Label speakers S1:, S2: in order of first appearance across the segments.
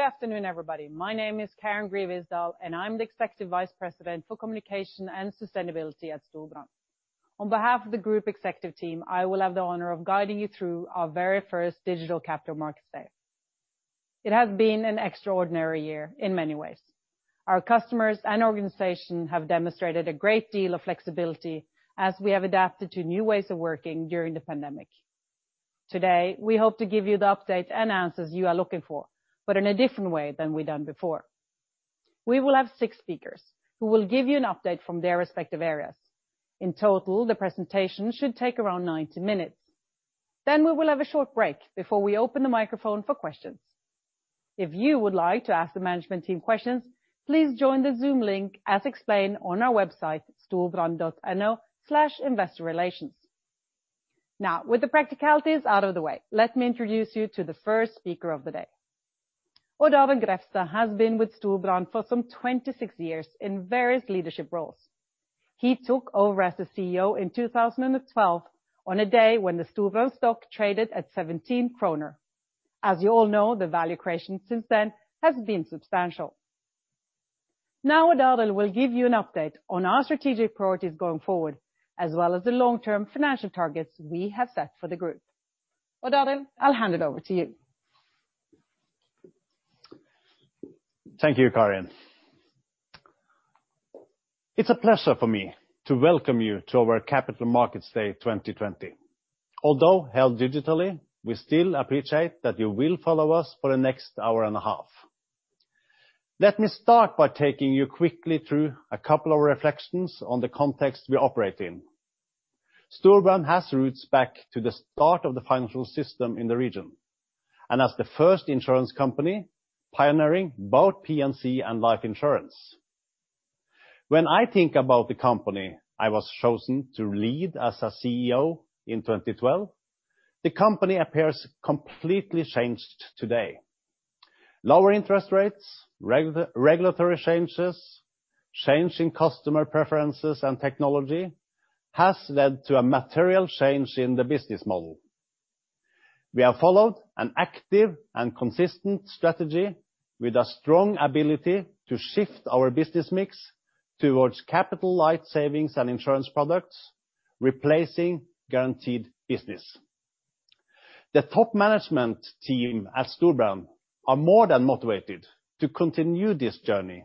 S1: Good afternoon, everybody. My name is Karin Greve-Isdahl, and I'm the Executive Vice President for Communication and Sustainability at Storebrand. On behalf of the Group Executive Team, I will have the honor of guiding you through our very first digital Capital Markets Day. It has been an extraordinary year in many ways. Our customers and organization have demonstrated a great deal of flexibility as we have adapted to new ways of working during the pandemic. Today, we hope to give you the updates and answers you are looking for, but in a different way than we've done before. We will have six speakers who will give you an update from their respective areas. In total, the presentation should take around 90 minutes. We will have a short break before we open the microphone for questions. If you would like to ask the management team questions, please join the Zoom link as explained on our website, storebrand.no/investorrelations. With the practicalities out of the way, let me introduce you to the first speaker of the day. Odd Arild Grefstad has been with Storebrand for some 26 years in various leadership roles. He took over as the CEO in 2012 on a day when the Storebrand stock traded at 17 kroner. As you all know, the value creation since then has been substantial. Odd Arild will give you an update on our strategic priorities going forward, as well as the long term financial targets we have set for the group. Odd Arild, I'll hand it over to you.
S2: Thank you, Karin. It's a pleasure for me to welcome you to our Capital Markets Day 2020. Although held digitally, we still appreciate that you will follow us for the next hour and a half. Let me start by taking you quickly through a couple of reflections on the context we operate in. Storebrand has roots back to the start of the financial system in the region and as the first insurance company pioneering both P&C and life insurance. When I think about the company I was chosen to lead as a CEO in 2012, the company appears completely changed today. Lower interest rates, regulatory changes, change in customer preferences and technology has led to a material change in the business model. We have followed an active and consistent strategy with a strong ability to shift our business mix towards capital light savings and insurance products, replacing guaranteed business. The top management team at Storebrand are more than motivated to continue this journey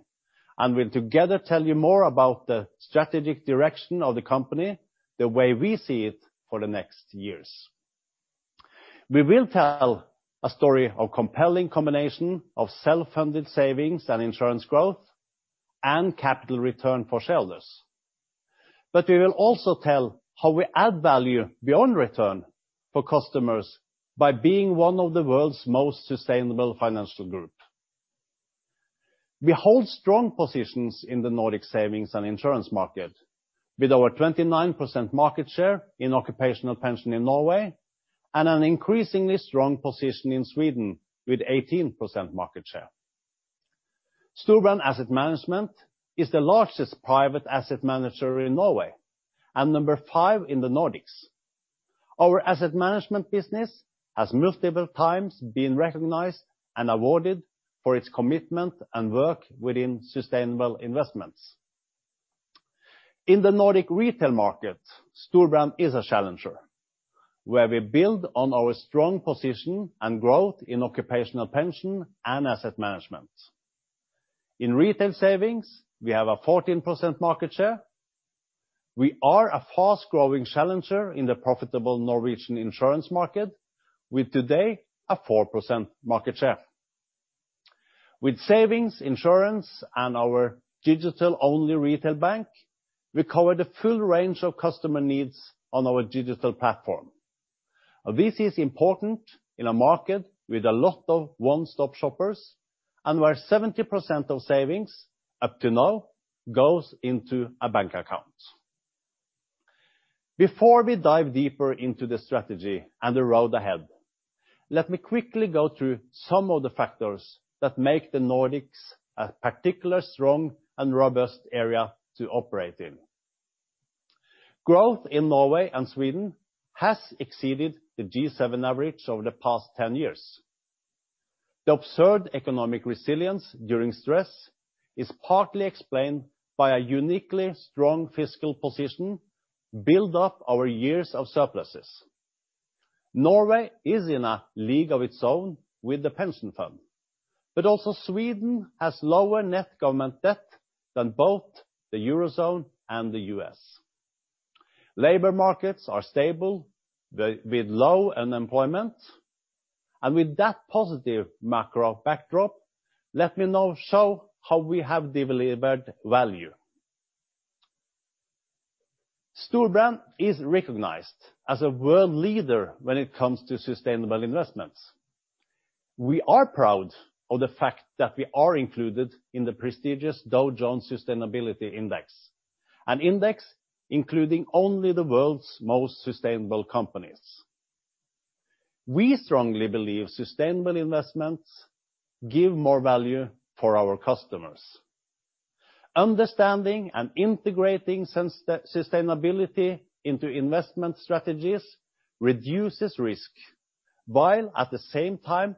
S2: and will together tell you more about the strategic direction of the company the way we see it for the next years. We will also tell a story of compelling combination of self-funded savings and insurance growth and capital return for shareholders. We will also tell how we add Value Beyond Return for customers by being one of the world's most sustainable financial group. We hold strong positions in the Nordic savings and insurance market with over 29% market share in occupational pension in Norway and an increasingly strong position in Sweden with 18% market share. Storebrand Asset Management is the largest private asset manager in Norway and number five in the Nordics. Our asset management business has multiple times been recognized and awarded for its commitment and work within sustainable investments. In the Nordic retail market, Storebrand is a challenger where we build on our strong position and growth in occupational pension and asset management. In retail savings, we have a 14% market share. We are a fast growing challenger in the profitable Norwegian insurance market with today a 4% market share. With savings, insurance, and our digital only retail bank, we cover the full range of customer needs on our digital platform. This is important in a market with a lot of one-stop shoppers and where 70% of savings up to now goes into a bank account. Before we dive deeper into the strategy and the road ahead, let me quickly go through some of the factors that make the Nordics a particular strong and robust area to operate in. Growth in Norway and Sweden has exceeded the G7 average over the past 10 years. The observed economic resilience during stress is partly explained by a uniquely strong fiscal position built up over years of surpluses. Norway is in a league of its own with the pension fund, but also Sweden has lower net government debt than both the Eurozone and the U.S. Labor markets are stable with low unemployment. With that positive macro backdrop, let me now show how we have delivered value. Storebrand is recognized as a world leader when it comes to sustainable investments. We are proud of the fact that we are included in the prestigious Dow Jones Sustainability Index, an index including only the world's most sustainable companies. We strongly believe sustainable investments give more value for our customers. Understanding and integrating sustainability into investment strategies reduces risk, while at the same time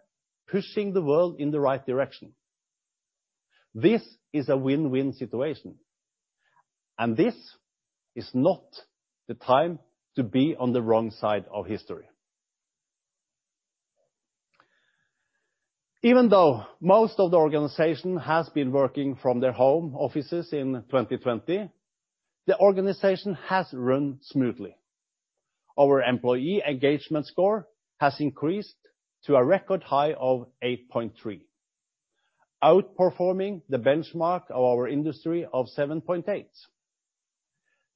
S2: pushing the world in the right direction. This is a win-win situation, and this is not the time to be on the wrong side of history. Even though most of the organization has been working from their home offices in 2020, the organization has run smoothly. Our employee engagement score has increased to a record high of 8.3, outperforming the benchmark of our industry of 7.8.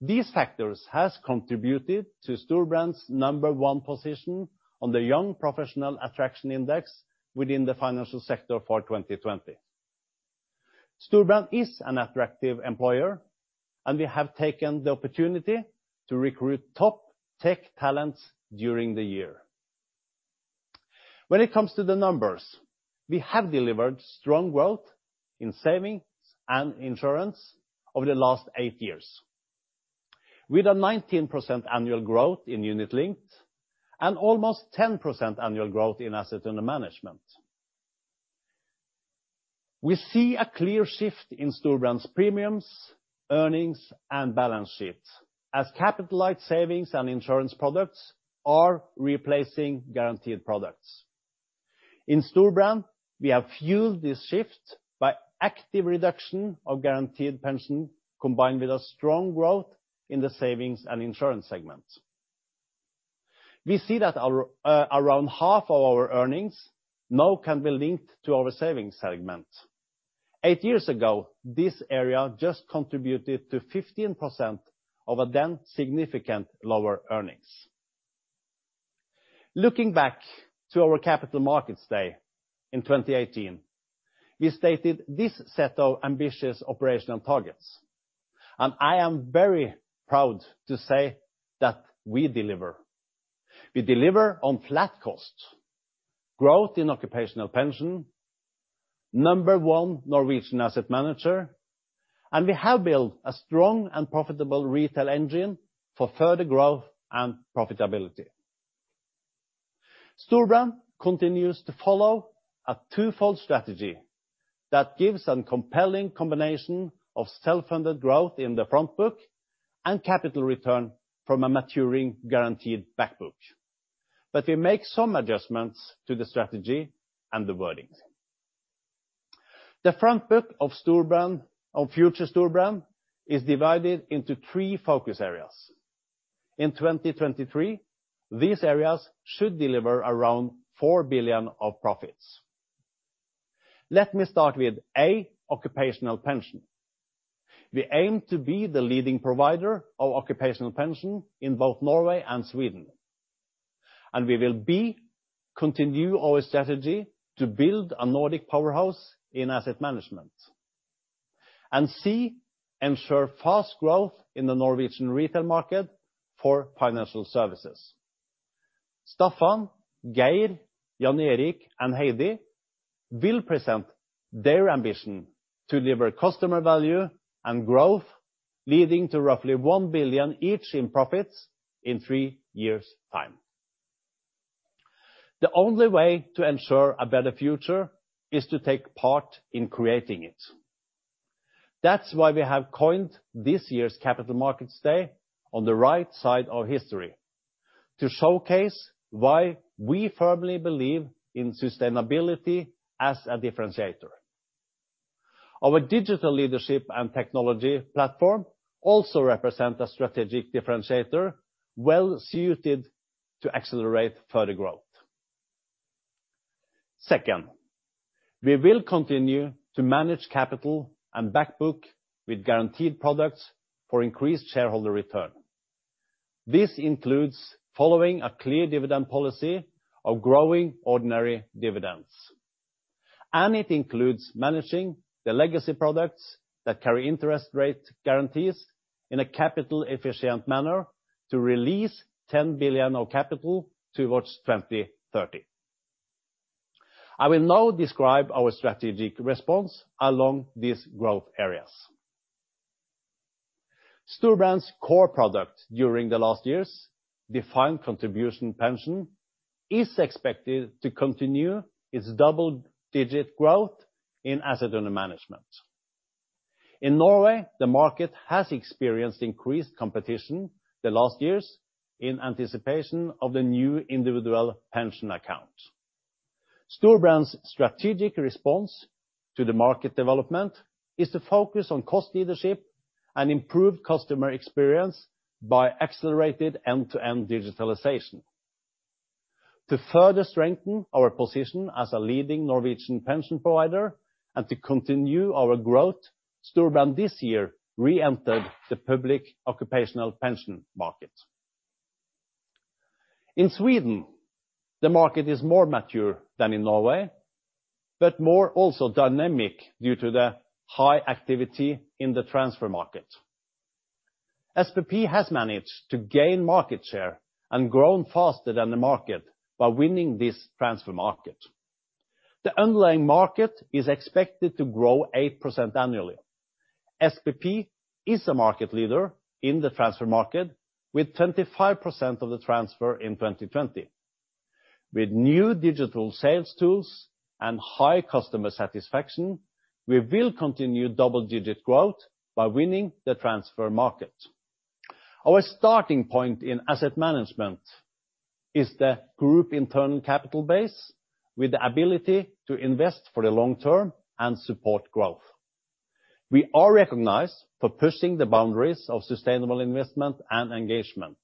S2: These factors have contributed to Storebrand's number one position on the Young Professional Attraction Index within the financial sector for 2020. Storebrand is an attractive employer, and we have taken the opportunity to recruit top tech talents during the year. When it comes to the numbers, we have delivered strong growth in savings and insurance over the last eight years, with a 19% annual growth in unit-linked and almost 10% annual growth in assets under management. We see a clear shift in Storebrand's premiums, earnings, and balance sheets as capital-light savings and insurance products are replacing guaranteed products. In Storebrand, we have fueled this shift by active reduction of guaranteed pension combined with a strong growth in the savings and insurance segment. We see that around half of our earnings now can be linked to our savings segment. eight years ago, this area just contributed to 15% of our then significant lower earnings. Looking back to our Capital Markets Day in 2018, we stated this set of ambitious operational targets, and I am very proud to say that we deliver. We deliver on flat costs, growth in occupational pension, number one Norwegian asset manager, and we have built a strong and profitable retail engine for further growth and profitability. Storebrand continues to follow a twofold strategy that gives a compelling combination of self-funded growth in the front book and capital return from a maturing guaranteed back book. We make some adjustments to the strategy and the wordings. The front book of future Storebrand is divided into three focus areas. In 2023, these areas should deliver around four billion of profits. Let me start with A, occupational pension. We aim to be the leading provider of occupational pension in both Norway and Sweden, and we will, B, continue our strategy to build a Nordic powerhouse in asset management. C, ensure fast growth in the Norwegian retail market for financial services. Staffan, Geir, Jan Erik, and Heidi will present their ambition to deliver customer value and growth, leading to roughly one billion each in profits in three years' time. The only way to ensure a better future is to take part in creating it. That's why we have coined this year's Capital Markets Day On the Right Side of History, to showcase why we firmly believe in sustainability as a differentiator. Our digital leadership and technology platform also represent a strategic differentiator, well suited to accelerate further growth. Second, we will continue to manage capital and back book with guaranteed products for increased shareholder return. This includes following a clear dividend policy of growing ordinary dividends, and it includes managing the legacy products that carry interest rate guarantees in a capital efficient manner to release 10 billion of capital towards 2030. I will now describe our strategic response along these growth areas. Storebrand's core product during the last years, defined contribution pension, is expected to continue its double-digit growth in assets under management. In Norway, the market has experienced increased competition the last years in anticipation of the new individual pension account. Storebrand's strategic response to the market development is to focus on cost leadership and improved customer experience by accelerated end to end digitalization. To further strengthen our position as a leading Norwegian pension provider and to continue our growth, Storebrand this year reentered the public occupational pension market. In Sweden, the market is more mature than in Norway, but more dynamic due to the high activity in the transfer market. SPP has managed to gain market share and grown faster than the market by winning this transfer market. The underlying market is expected to grow 8% annually. SPP is a market leader in the transfer market, with 25% of the transfer in 2020. With new digital sales tools and high customer satisfaction, we will continue double-digit growth by winning the transfer market. Our starting point in asset management is the group internal capital base, with the ability to invest for the long-term and support growth. We are recognized for pushing the boundaries of sustainable investment and engagement,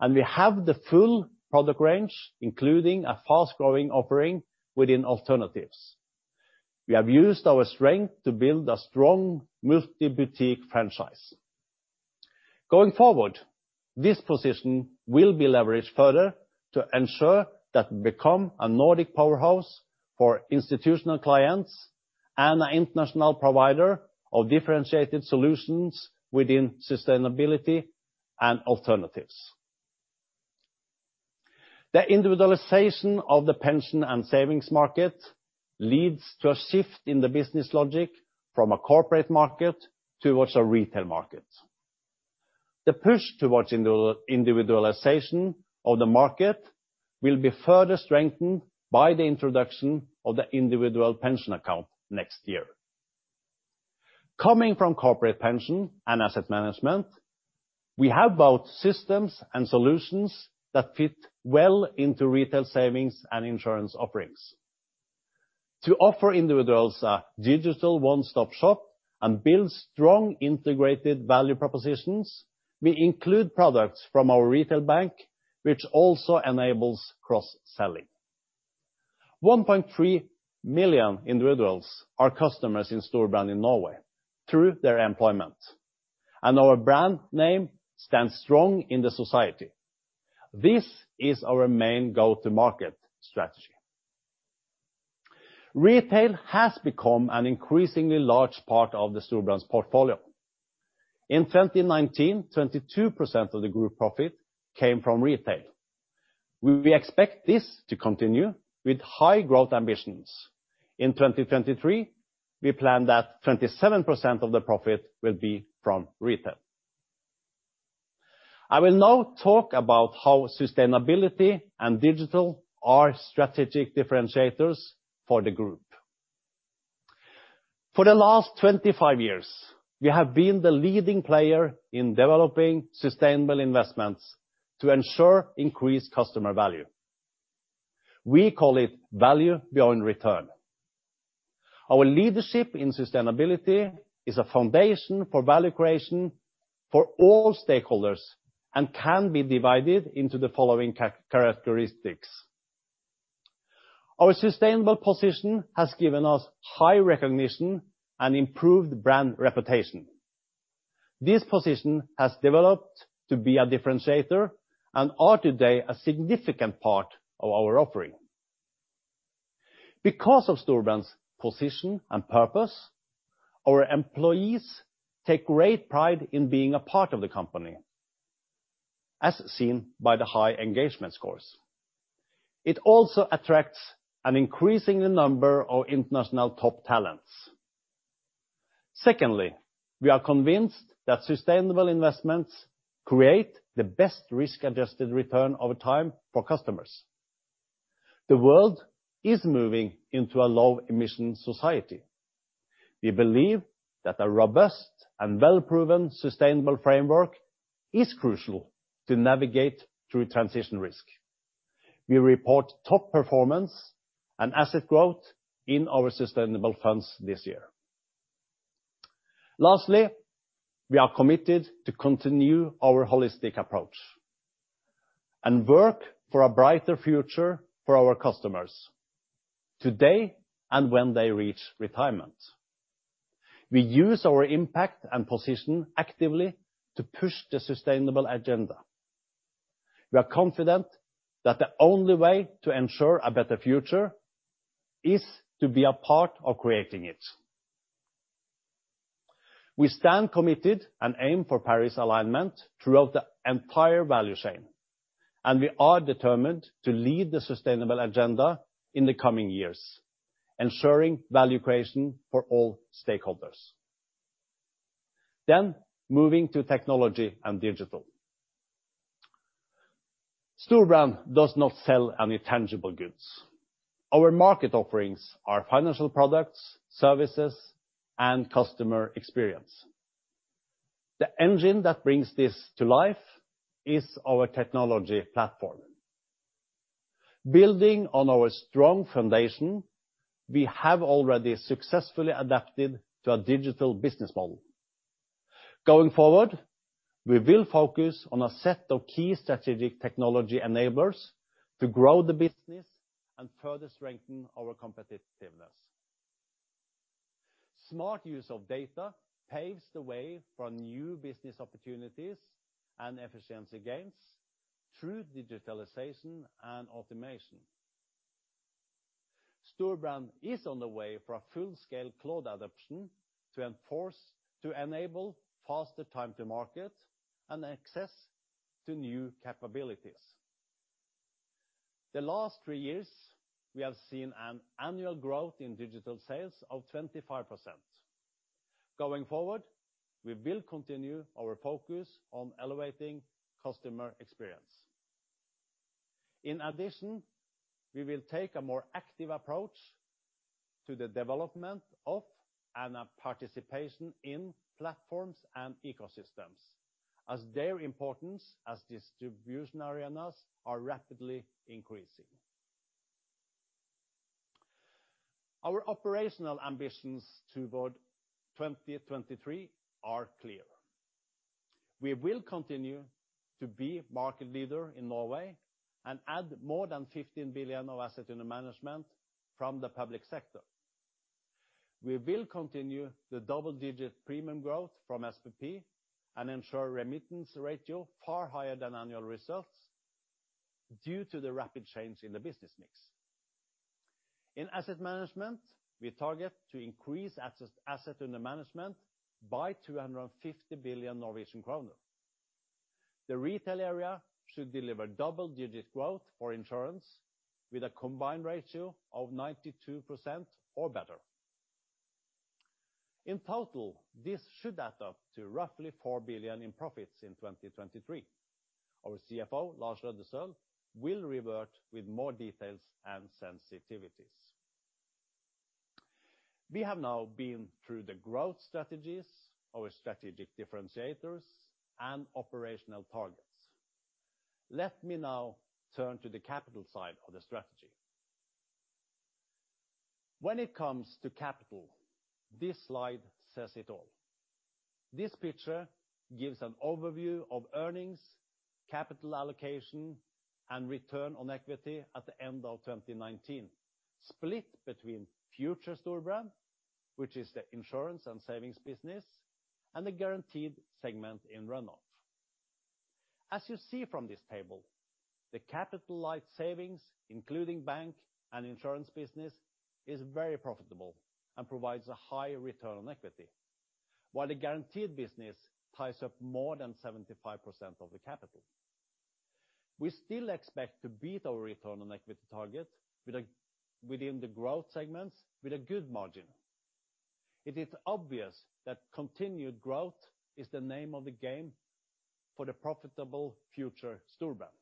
S2: and we have the full product range, including a fast-growing offering within alternatives. We have used our strength to build a strong multi-boutique franchise. Going forward, this position will be leveraged further to ensure that we become a Nordic powerhouse for institutional clients and an international provider of differentiated solutions within sustainability and alternatives. The individualization of the pension and savings market leads to a shift in the business logic from a corporate market towards a retail market. The push towards individualization of the market will be further strengthened by the introduction of the individual pension account next year. Coming from corporate pension and asset management, we have both systems and solutions that fit well into retail savings and insurance offerings. To offer individuals a digital one-stop shop and build strong integrated value propositions, we include products from our retail bank, which also enables cross-selling. 1.3 million individuals are customers in Storebrand in Norway through their employment, and our brand name stands strong in the society. This is our main go-to-market strategy. Retail has become an increasingly large part of the Storebrand's portfolio. In 2019, 22% of the group profit came from retail. We expect this to continue with high growth ambitions. In 2023, we plan that 27% of the profit will be from retail. I will now talk about how sustainability and digital are strategic differentiators for the group. For the last 25 years, we have been the leading player in developing sustainable investments to ensure increased customer value. We call it Value Beyond Return. Our leadership in sustainability is a foundation for value creation for all stakeholders and can be divided into the following characteristics. Our sustainable position has given us high recognition and improved brand reputation. This position has developed to be a differentiator and are today a significant part of our offering. Because of Storebrand's position and purpose, our employees take great pride in being a part of the company, as seen by the high engagement scores. It also attracts an increasing number of international top talents. Secondly, we are convinced that sustainable investments create the best risk-adjusted return over time for customers. The world is moving into a low emission society. We believe that a robust and well-proven sustainable framework is crucial to navigate through transition risk. We report top performance and asset growth in our sustainable funds this year. We are committed to continue our holistic approach and work for a brighter future for our customers today and when they reach retirement. We use our impact and position actively to push the sustainable agenda. We are confident that the only way to ensure a better future is to be a part of creating it. We stand committed and aim for Paris alignment throughout the entire value chain, and we are determined to lead the sustainable agenda in the coming years, ensuring value creation for all stakeholders. Moving to technology and digital. Storebrand does not sell any tangible goods. Our market offerings are financial products, services, and customer experience. The engine that brings this to life is our technology platform. Building on our strong foundation, we have already successfully adapted to a digital business model. Going forward, we will focus on a set of key strategic technology enablers to grow the business and further strengthen our competitiveness. Smart use of data paves the way for new business opportunities and efficiency gains through digitalization and automation. Storebrand is on the way for a full-scale cloud adoption to enable faster time to market and access to new capabilities. The last three years, we have seen an annual growth in digital sales of 25%. Going forward, we will continue our focus on elevating customer experience. In addition, we will take a more active approach to the development of and a participation in platforms and ecosystems as their importance as distribution arenas are rapidly increasing. Our operational ambitions toward 2023 are clear. We will continue to be market leader in Norway and add more than 15 billion of asset under management from the public sector. We will continue the double digit premium growth from SPP and ensure remittance ratio far higher than annual results due to the rapid change in the business mix. In asset management, we target to increase asset under management by 250 billion Norwegian kroner. The retail area should deliver double digit growth for insurance with a combined ratio of 92% or better. In total, this should add up to roughly four billion in profits in 2023. Our CFO, Lars Aasulv Løddesøl, will revert with more details and sensitivities. We have now been through the growth strategies, our strategic differentiators, and operational targets. Let me now turn to the capital side of the strategy. When it comes to capital, this slide says it all. This picture gives an overview of earnings, capital allocation, and return on equity at the end of 2019, split between future Storebrand, which is the insurance and savings business, and the guaranteed segment in run-off. As you see from this table, the capital light savings, including bank and insurance business, is very profitable and provides a high return on equity. While the guaranteed business ties up more than 75% of the capital. We still expect to beat our return on equity target within the growth segments with a good margin. It is obvious that continued growth is the name of the game for the profitable future Storebrand.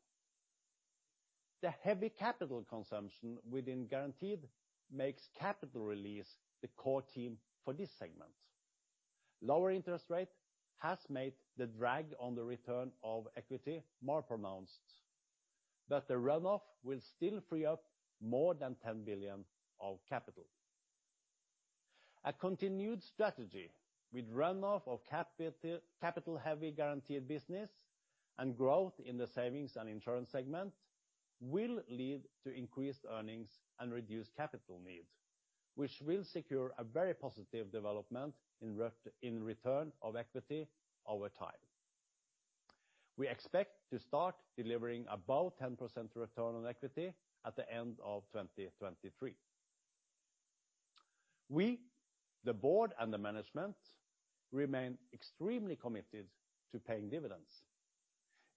S2: The heavy capital consumption within guaranteed makes capital release the core theme for this segment. Lower interest rate has made the drag on the return on equity more pronounced, but the run-off will still free up more than 10 billion of capital. A continued strategy with run-off of capital heavy guaranteed business and growth in the savings and insurance segment will lead to increased earnings and reduced capital needs, which will secure a very positive development in return on equity over time. We expect to start delivering above 10% return on equity at the end of 2023. We, the board and the management, remain extremely committed to paying dividends.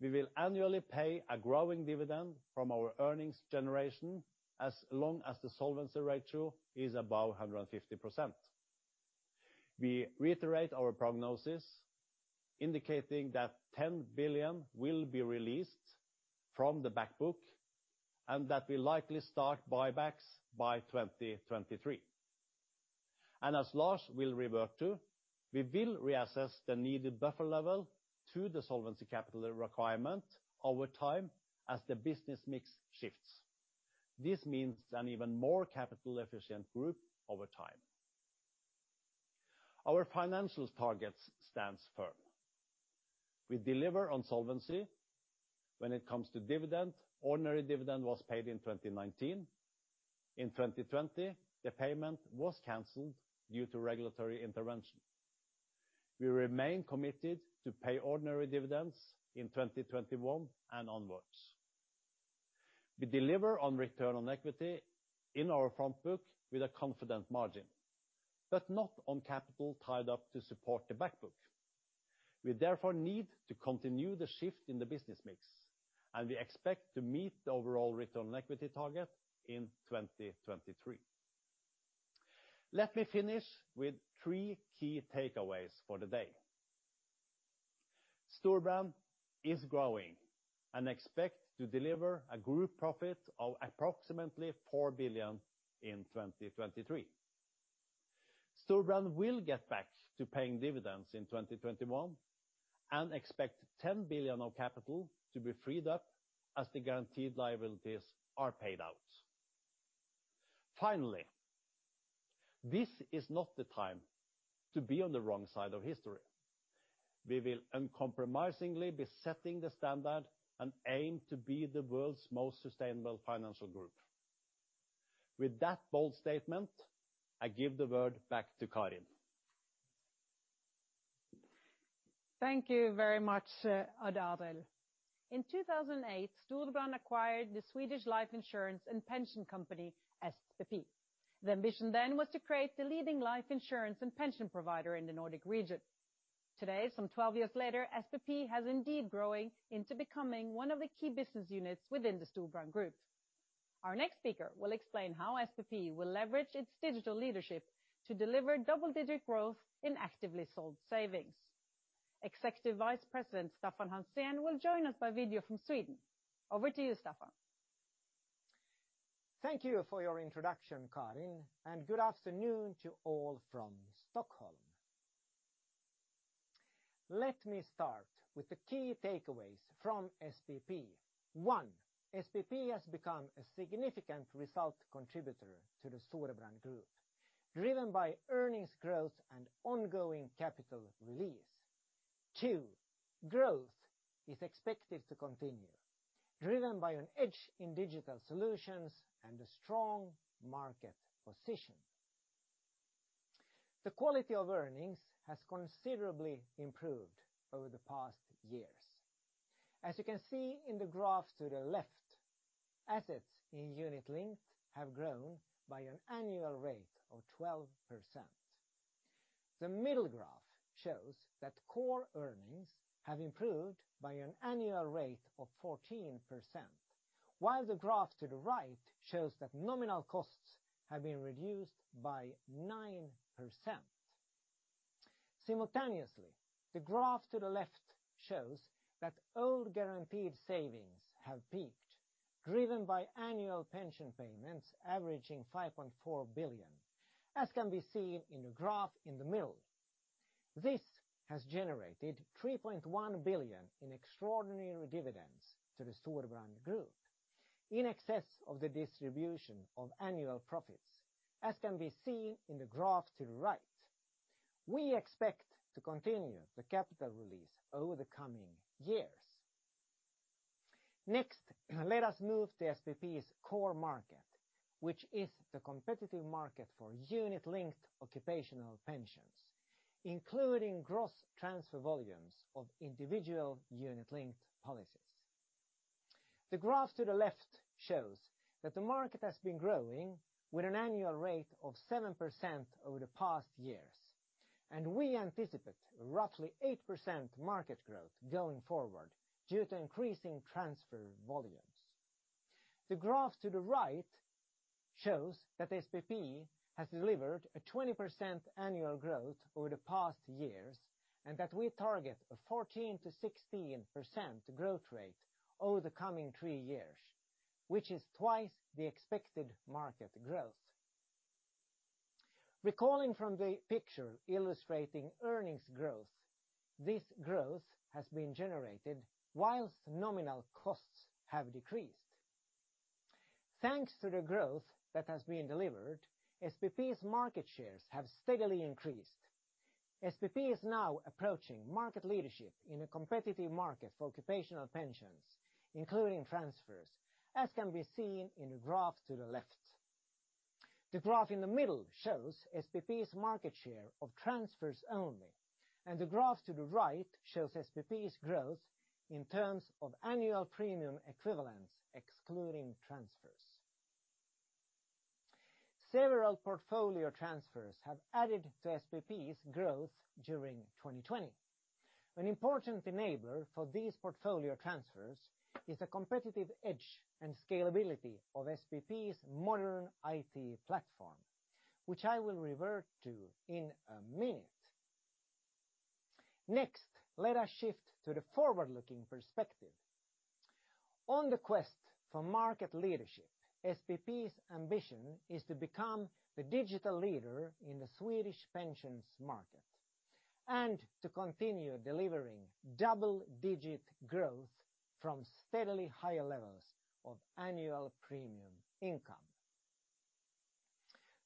S2: We will annually pay a growing dividend from our earnings generation as long as the solvency ratio is above 150%. We reiterate our prognosis indicating that 10 billion will be released from the back book and that we likely start buybacks by 2023. As Lars will revert to, we will reassess the needed buffer level to the solvency capital requirement over time as the business mix shifts. This means an even more capital efficient group over time. Our financial targets stands firm. We deliver on solvency when it comes to dividend. Ordinary dividend was paid in 2019. In 2020, the payment was canceled due to regulatory intervention. We remain committed to pay ordinary dividends in 2021 and onwards. We deliver on return on equity in our front book with a confident margin, but not on capital tied up to support the back book. We therefore need to continue the shift in the business mix, and we expect to meet the overall return on equity target in 2023. Let me finish with three key takeaways for the day. Storebrand is growing and expects to deliver a group profit of approximately four billion in 2023. Storebrand will get back to paying dividends in 2021 and expect 10 billion of capital to be freed up as the guaranteed liabilities are paid out. This is not the time to be on the wrong side of history. We will uncompromisingly be setting the standard and aim to be the world's most sustainable financial group. With that bold statement, I give the word back to Karin.
S1: Thank you very much, Odd Arild. In 2008, Storebrand acquired the Swedish life insurance and pension company, SPP. The ambition then was to create the leading life insurance and pension provider in the Nordic region. Today, some 12 years later, SPP has indeed grown into becoming one of the key business units within the Storebrand group. Our next speaker will explain how SPP will leverage its digital leadership to deliver double-digit growth in actively sold savings. Executive Vice President Staffan Hansén will join us by video from Sweden. Over to you, Staffan.
S3: Thank you for your introduction, Karin, and good afternoon to all from Stockholm. Let me start with the key takeaways from SPP. One, SPP has become a significant result contributor to the Storebrand Group, driven by earnings growth and ongoing capital release. Two, growth is expected to continue, driven by an edge in digital solutions and a strong market position. The quality of earnings has considerably improved over the past years. As you can see in the graph to the left, assets in unit linked have grown by an annual rate of 12%. The middle graph shows that core earnings have improved by an annual rate of 14%, while the graph to the right shows that nominal costs have been reduced by 9%. Simultaneously, the graph to the left shows that old guaranteed savings have peaked, driven by annual pension payments averaging 5.4 billion, as can be seen in the graph in the middle. This has generated 3.1 billion in extraordinary dividends to the Storebrand Group, in excess of the distribution of annual profits, as can be seen in the graph to the right. We expect to continue the capital release over the coming years. Next, let us move to SPP's core market, which is the competitive market for unit linked occupational pensions, including gross transfer volumes of individual unit linked policies. The graph to the left shows that the market has been growing with an annual rate of 7% over the past years, and we anticipate roughly 8% market growth going forward due to increasing transfer volumes. The graph to the right shows that SPP has delivered a 20% annual growth over the past years, and that we target a 14% to 16% growth rate over the coming three years, which is twice the expected market growth. Recalling from the picture illustrating earnings growth, this growth has been generated whilst nominal costs have decreased. Thanks to the growth that has been delivered, SPP's market shares have steadily increased. SPP is now approaching market leadership in a competitive market for occupational pensions, including transfers, as can be seen in the graph to the left. The graph in the middle shows SPP's market share of transfers only, and the graph to the right shows SPP's growth in terms of annual premium equivalents excluding transfers. Several portfolio transfers have added to SPP's growth during 2020. An important enabler for these portfolio transfers is a competitive edge and scalability of SPP's modern IT platform, which I will revert to in a minute. Let us shift to the forward-looking perspective. On the quest for market leadership, SPP's ambition is to become the digital leader in the Swedish pensions market and to continue delivering double-digit growth from steadily higher levels of annual premium income.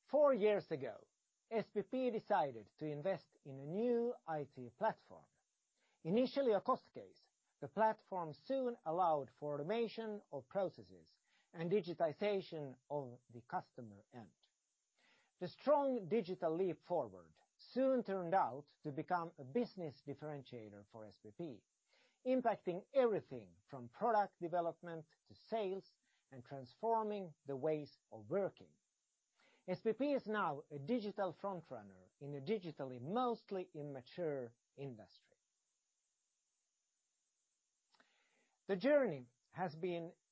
S3: Four years ago, SPP decided to invest in a new IT platform. Initially a cost case, the platform soon allowed for automation of processes and digitization on the customer end. The strong digital leap forward soon turned out to become a business differentiator for SPP, impacting everything from product development to sales and transforming the ways of working. SPP is now a digital front-runner in a digitally mostly immature industry. The journey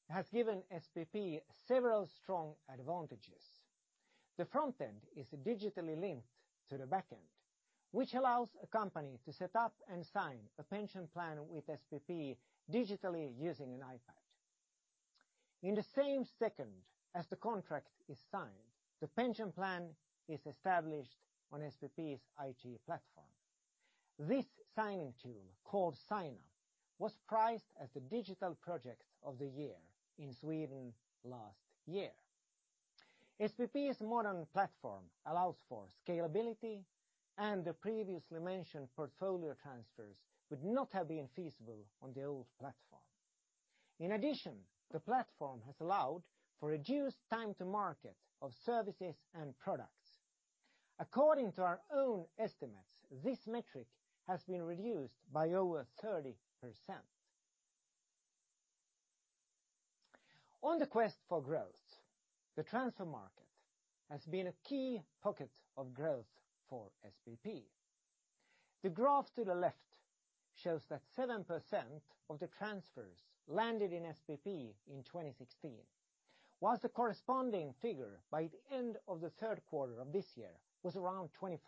S3: has given SPP several strong advantages. The front end is digitally linked to the back end, which allows a company to set up and sign a pension plan with SPP digitally using an iPad. In the same second as the contract is signed, the pension plan is established on SPP's IT platform. This signing tool, called Sajna, was prized as the digital project of the year in Sweden last year. SPP's modern platform allows for scalability, and the previously mentioned portfolio transfers would not have been feasible on the old platform. In addition, the platform has allowed for reduced time to market of services and products. According to our own estimates, this metric has been reduced by over 30%. On the quest for growth, the transfer market has been a key pocket of growth for SPP. The graph to the left shows that 7% of the transfers landed in SPP in 2016, whilst the corresponding figure by the end of the third quarter of this year was around 25%.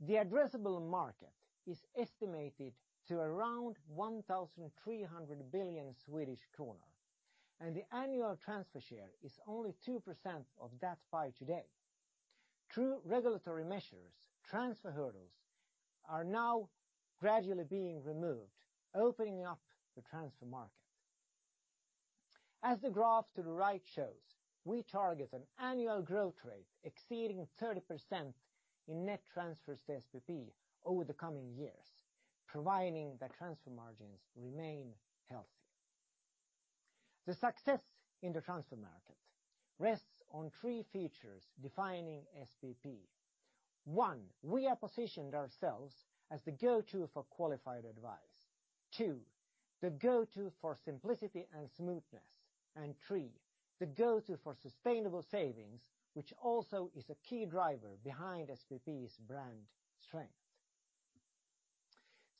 S3: The addressable market is estimated to around 1,300 billion Swedish kronor, and the annual transfer share is only 2% of that pie today. Through regulatory measures, transfer hurdles are now gradually being removed, opening up the transfer market. As the graph to the right shows, we target an annual growth rate exceeding 30% in net transfers to SPP over the coming years, providing that transfer margins remain healthy. The success in the transfer market rests on three features defining SPP. One, we have positioned ourselves as the go-to for qualified advice. Two, the go-to for simplicity and smoothness. Three, the go-to for sustainable savings, which also is a key driver behind SPP's brand strength.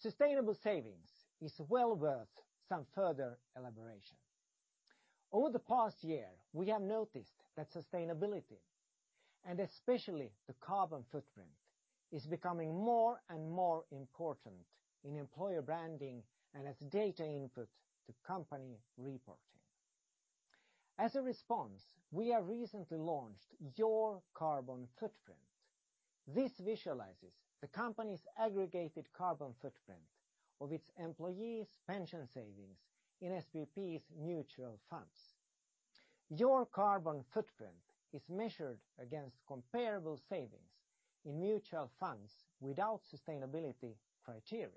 S3: Sustainable savings is well worth some further elaboration. Over the past year, we have noticed that sustainability, and especially the carbon footprint, is becoming more and more important in employer branding and as data input to company reporting. As a response, we have recently launched Your Carbon Footprint. This visualizes the company's aggregated carbon footprint of its employees' pension savings in SPP's mutual funds. Your Carbon Footprint is measured against comparable savings in mutual funds without sustainability criteria.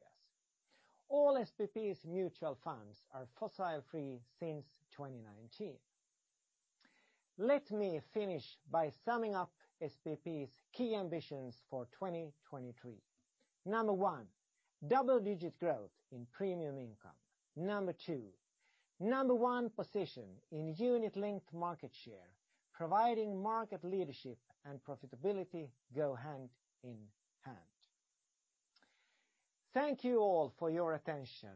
S3: All SPP's mutual funds are fossil free since 2019. Let me finish by summing up SPP's key ambitions for 2023. Number one, double-digit growth in premium income. Number two, number one position in unit linked market share, providing market leadership and profitability go hand in hand. Thank you all for your attention.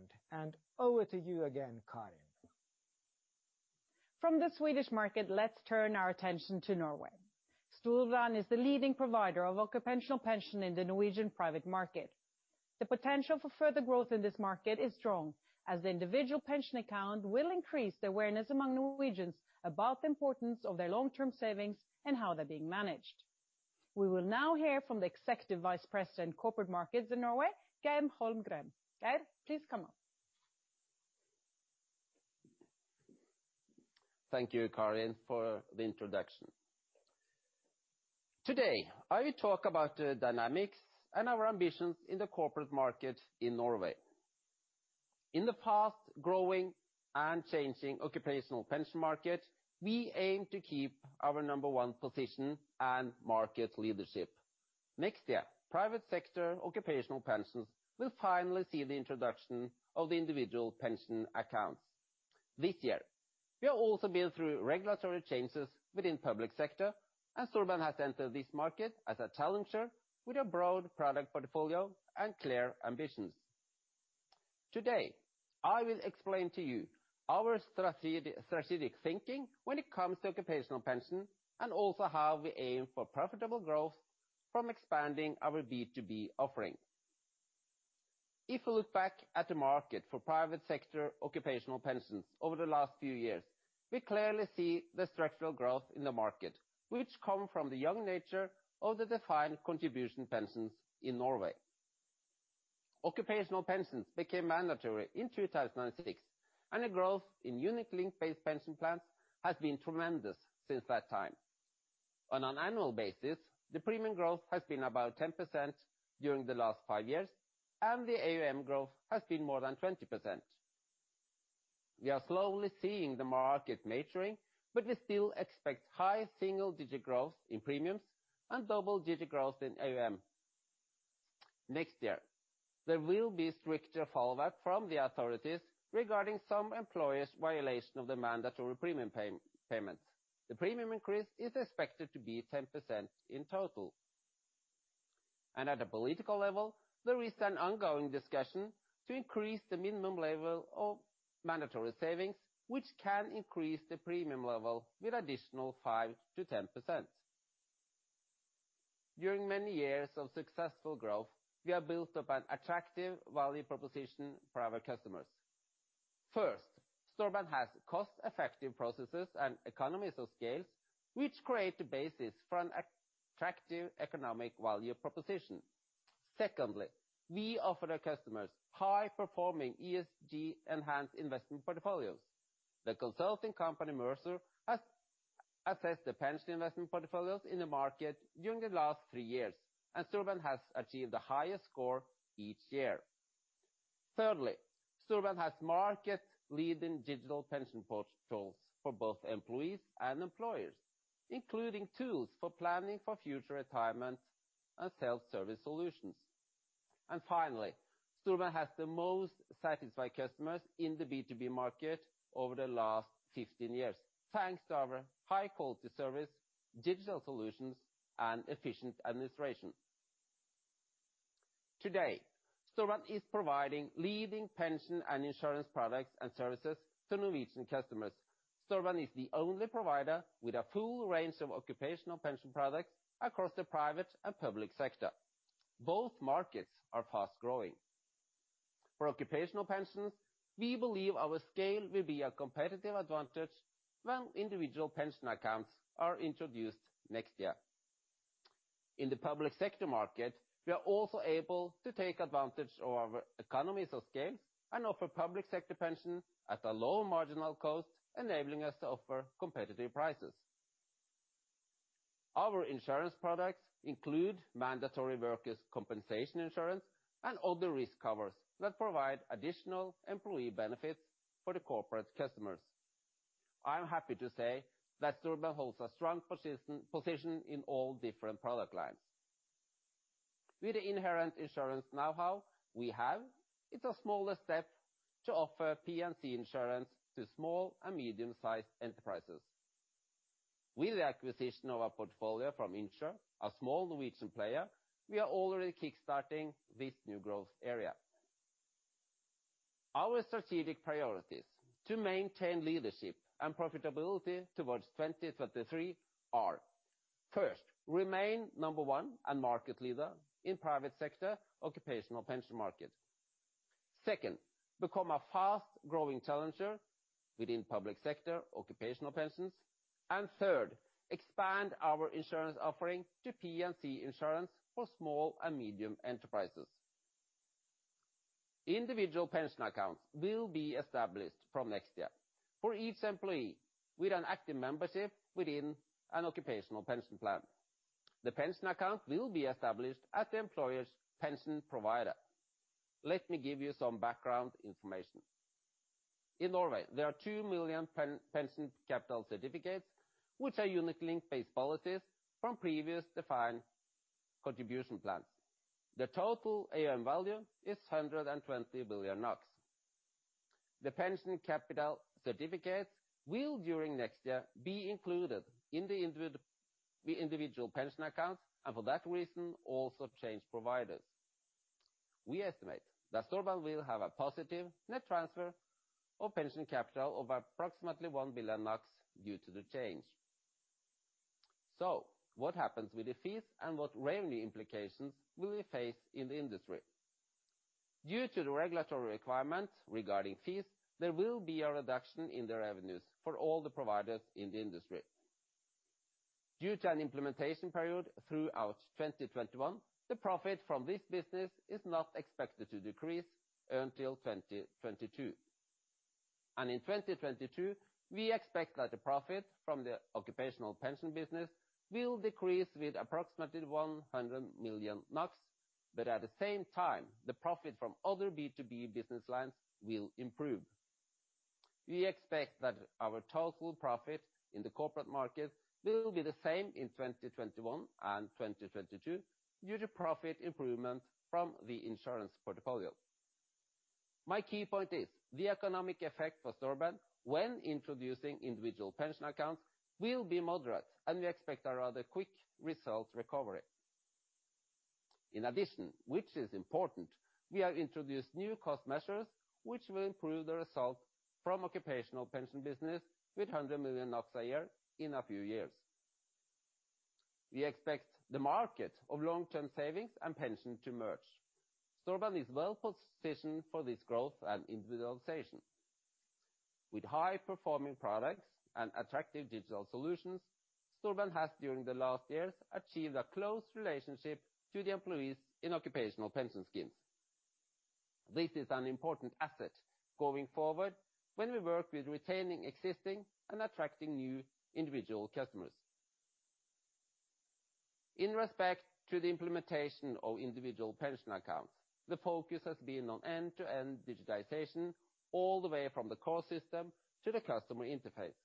S3: Over to you again, Karin.
S1: From the Swedish market, let's turn our attention to Norway. Storebrand is the leading provider of occupational pension in the Norwegian private market. The potential for further growth in this market is strong, as the individual pension account will increase the awareness among Norwegians about the importance of their long-term savings and how they're being managed. We will now hear from the Executive Vice President, Corporate Markets in Norway, Geir Holmgren. Geir, please come up.
S4: Thank you, Karin, for the introduction. Today, I will talk about the dynamics and our ambitions in the corporate market in Norway. In the past, growing and changing occupational pension market, we aim to keep our number one position and market leadership. Next year, private sector occupational pensions will finally see the introduction of the individual pension accounts. This year, we have also been through regulatory changes within public sector. Storebrand has entered this market as a challenger with a broad product portfolio and clear ambitions. Today, I will explain to you our strategic thinking when it comes to occupational pension, also how we aim for profitable growth from expanding our B2B offering. If we look back at the market for private sector occupational pensions over the last few years, we clearly see the structural growth in the market, which come from the young nature of the defined contribution pensions in Norway. Occupational pensions became mandatory in 2006, and the growth in unit-linked-based pension plans has been tremendous since that time. On an annual basis, the premium growth has been about 10% during the last five years, and the AUM growth has been more than 20%. We are slowly seeing the market maturing, but we still expect high single-digit growth in premiums and double-digit growth in AUM. Next year, there will be stricter follow-up from the authorities regarding some employers' violation of the mandatory premium payments. The premium increase is expected to be 10% in total. At a political level, there is an ongoing discussion to increase the minimum level of mandatory savings, which can increase the premium level with additional 5% to 10%. During many years of successful growth, we have built up an attractive value proposition for our customers. First, Storebrand has cost-effective processes and economies of scale which create the basis for an attractive economic value proposition. Secondly, we offer our customers high performing ESG enhanced investment portfolios. The consulting company Mercer has assessed the pension investment portfolios in the market during the last three years, and Storebrand has achieved the highest score each year. Thirdly, Storebrand has market leading digital pension portals for both employees and employers, including tools for planning for future retirement and self-service solutions. Finally, Storebrand has the most satisfied customers in the B2B market over the last 15 years, thanks to our high quality service, digital solutions and efficient administration. Today, Storebrand is providing leading pension and insurance products and services to Norwegian customers. Storebrand is the only provider with a full range of occupational pension products across the private and public sector. Both markets are fast growing. For occupational pensions, we believe our scale will be a competitive advantage when individual pension accounts are introduced next year. In the public sector market, we are also able to take advantage of our economies of scale and offer public sector pension at a lower marginal cost, enabling us to offer competitive prices. Our insurance products include mandatory workers compensation insurance and other risk covers that provide additional employee benefits for the corporate customers. I am happy to say that Storebrand holds a strong position in all different product lines. With the inherent insurance knowhow we have, it is a smaller step to offer P&C insurance to small and medium-sized enterprises. With the acquisition of our portfolio from Insr, a small Norwegian player, we are already kickstarting this new growth area. Our strategic priorities to maintain leadership and profitability towards 2023 are, first, remain number one and market leader in private sector occupational pension market. Second, become a fast growing challenger within public sector occupational pensions. Third, expand our insurance offering to P&C insurance for small and medium-sized enterprises. Individual pension accounts will be established from next year for each employee with an active membership within an occupational pension plan. The pension account will be established at the employer's pension provider. Let me give you some background information. In Norway, there are two million pension capital certificates, which are unit linked based policies from previous defined contribution plans. The total AUM value is 120 billion NOK. The pension capital certificates will, during next year, be included in the individual pension accounts, and for that reason, also change providers. We estimate that Storebrand will have a positive net transfer of pension capital of approximately one billion due to the change. What happens with the fees and what revenue implications will we face in the industry? Due to the regulatory requirements regarding fees, there will be a reduction in the revenues for all the providers in the industry. Due to an implementation period throughout 2021, the profit from this business is not expected to decrease until 2023. In 2023, we expect that the profit from the occupational pension business will decrease with approximately 100 million NOK, but at the same time, the profit from other B2B business lines will improve. We expect that our total profit in the corporate market will be the same in 2021 and 2023 due to profit improvement from the insurance portfolio. My key point is the economic effect for Storebrand when introducing Individual Pension Accounts will be moderate, and we expect a rather quick result recovery. In addition, which is important, we have introduced new cost measures which will improve the result from occupational pension business with 100 million NOK a year in a few years. We expect the market of long term savings and pension to merge. Storebrand is well positioned for this growth and individualization. With high performing products and attractive digital solutions, Storebrand has, during the last years, achieved a close relationship to the employees in occupational pension schemes. This is an important asset going forward when we work with retaining existing and attracting new individual customers. In respect to the implementation of individual pension accounts, the focus has been on end-to-end digitization all the way from the core system to the customer interface.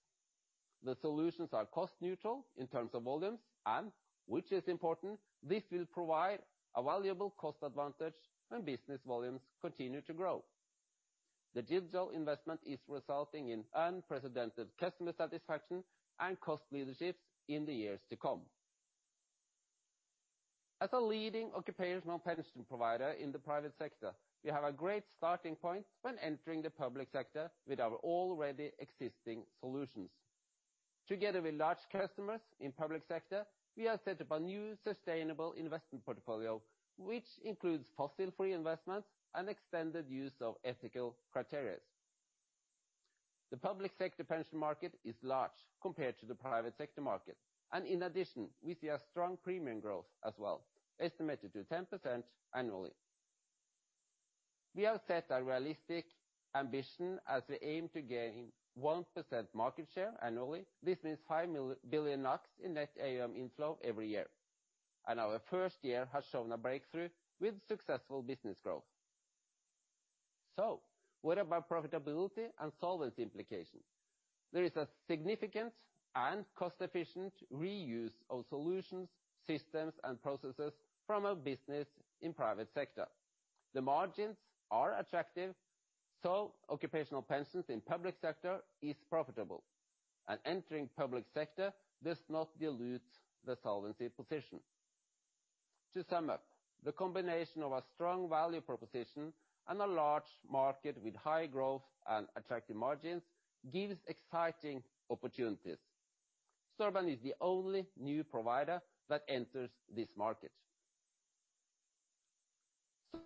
S4: The solutions are cost neutral in terms of volumes and, which is important, this will provide a valuable cost advantage when business volumes continue to grow. The digital investment is resulting in unprecedented customer satisfaction and cost leadership in the years to come. As a leading occupational pension provider in the private sector, we have a great starting point when entering the public sector with our already existing solutions. Together with large customers in public sector, we have set up a new sustainable investment portfolio, which includes fossil free investments and extended use of ethical criteria. In addition, we see a strong premium growth as well, estimated to 10% annually. We have set a realistic ambition as we aim to gain 1% market share annually. This means five billion NOK in net AUM inflow every year. Our first year has shown a breakthrough with successful business growth. What about profitability and solvency implications? There is a significant and cost-efficient reuse of solutions, systems, and processes from our business in private sector. The margins are attractive, so occupational pensions in public sector is profitable. Entering public sector does not dilute the solvency position. To sum up, the combination of a strong value proposition and a large market with high growth and attractive margins gives exciting opportunities. Storebrand is the only new provider that enters this market.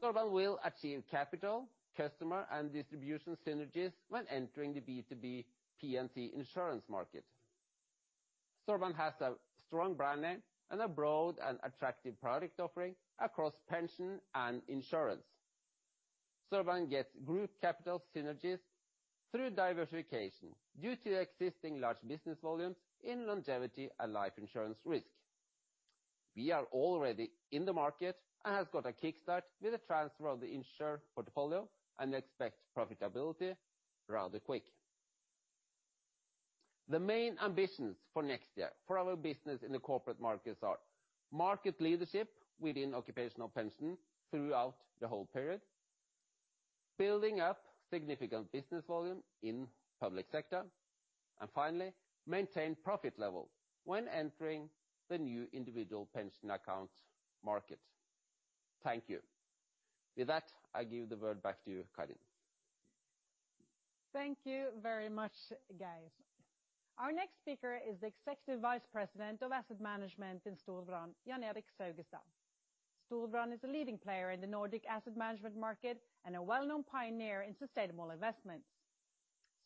S4: Storebrand will achieve capital, customer, and distribution synergies when entering the B2B P&C insurance market. Storebrand has a strong brand name and a broad and attractive product offering across pension and insurance. Storebrand gets group capital synergies through diversification due to the existing large business volumes in longevity and life insurance risk. We are already in the market and have got a kickstart with the transfer of the Insr portfolio and expect profitability rather quick. The main ambitions for next year for our business in the corporate markets are market leadership within occupational pension throughout the whole period, building up significant business volume in public sector, and finally, maintain profit level when entering the new individual pension account market. Thank you. With that, I give the word back to you, Karin.
S1: Thank you very much, Geir Holmgren. Our next speaker is the Executive Vice President of Asset Management in Storebrand, Jan Erik Saugestad. Storebrand is a leading player in the Nordic asset management market and a well-known pioneer in sustainable investments.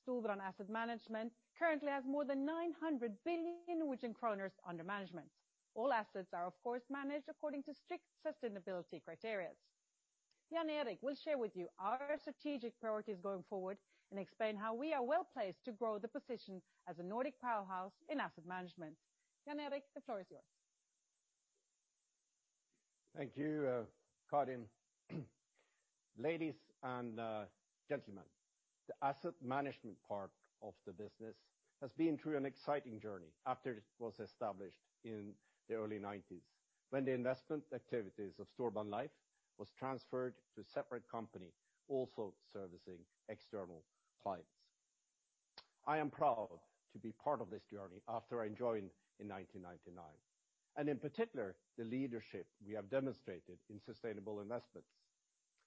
S1: Storebrand Asset Management currently has more than 900 billion Norwegian kroner under management. All assets are, of course, managed according to strict sustainability criteria. Jan Erik will share with you our strategic priorities going forward and explain how we are well-placed to grow the position as a Nordic powerhouse in asset management. Jan Erik, the floor is yours.
S5: Thank you, Karin. Ladies and gentlemen, the asset management part of the business has been through an exciting journey after it was established in the early 1990s, when the investment activities of Storebrand Life was transferred to a separate company, also servicing external clients. I am proud to be part of this journey after I joined in 1999. In particular, the leadership we have demonstrated in sustainable investments.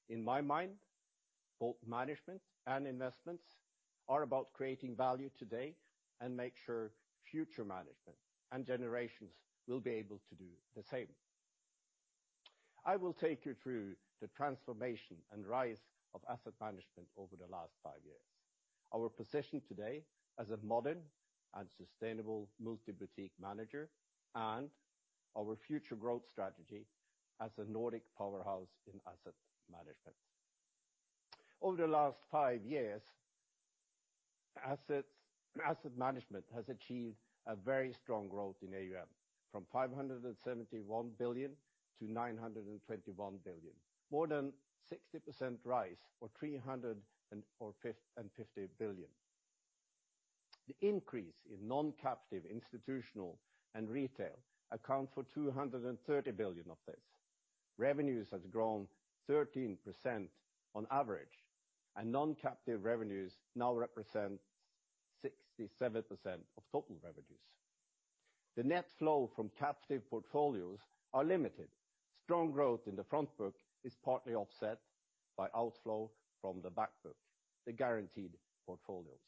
S5: In my mind, both management and investments are about creating value today and make sure future management and generations will be able to do the same. I will take you through the transformation and RAIFs of asset management over the last five years, our position today as a modern and sustainable multi-boutique manager, and our future growth strategy as a Nordic powerhouse in asset management. Over the last five years, asset management has achieved a very strong growth in AUM, from 571 billion to 921 billion, more than 60% rise, or 350 billion. The increase in non-captive institutional and retail accounts for 230 billion of this. Revenues have grown 13% on average, and non-captive revenues now represent 67% of total revenues. The net flow from captive portfolios are limited. Strong growth in the front book is partly offset by outflow from the back book, the guaranteed portfolios.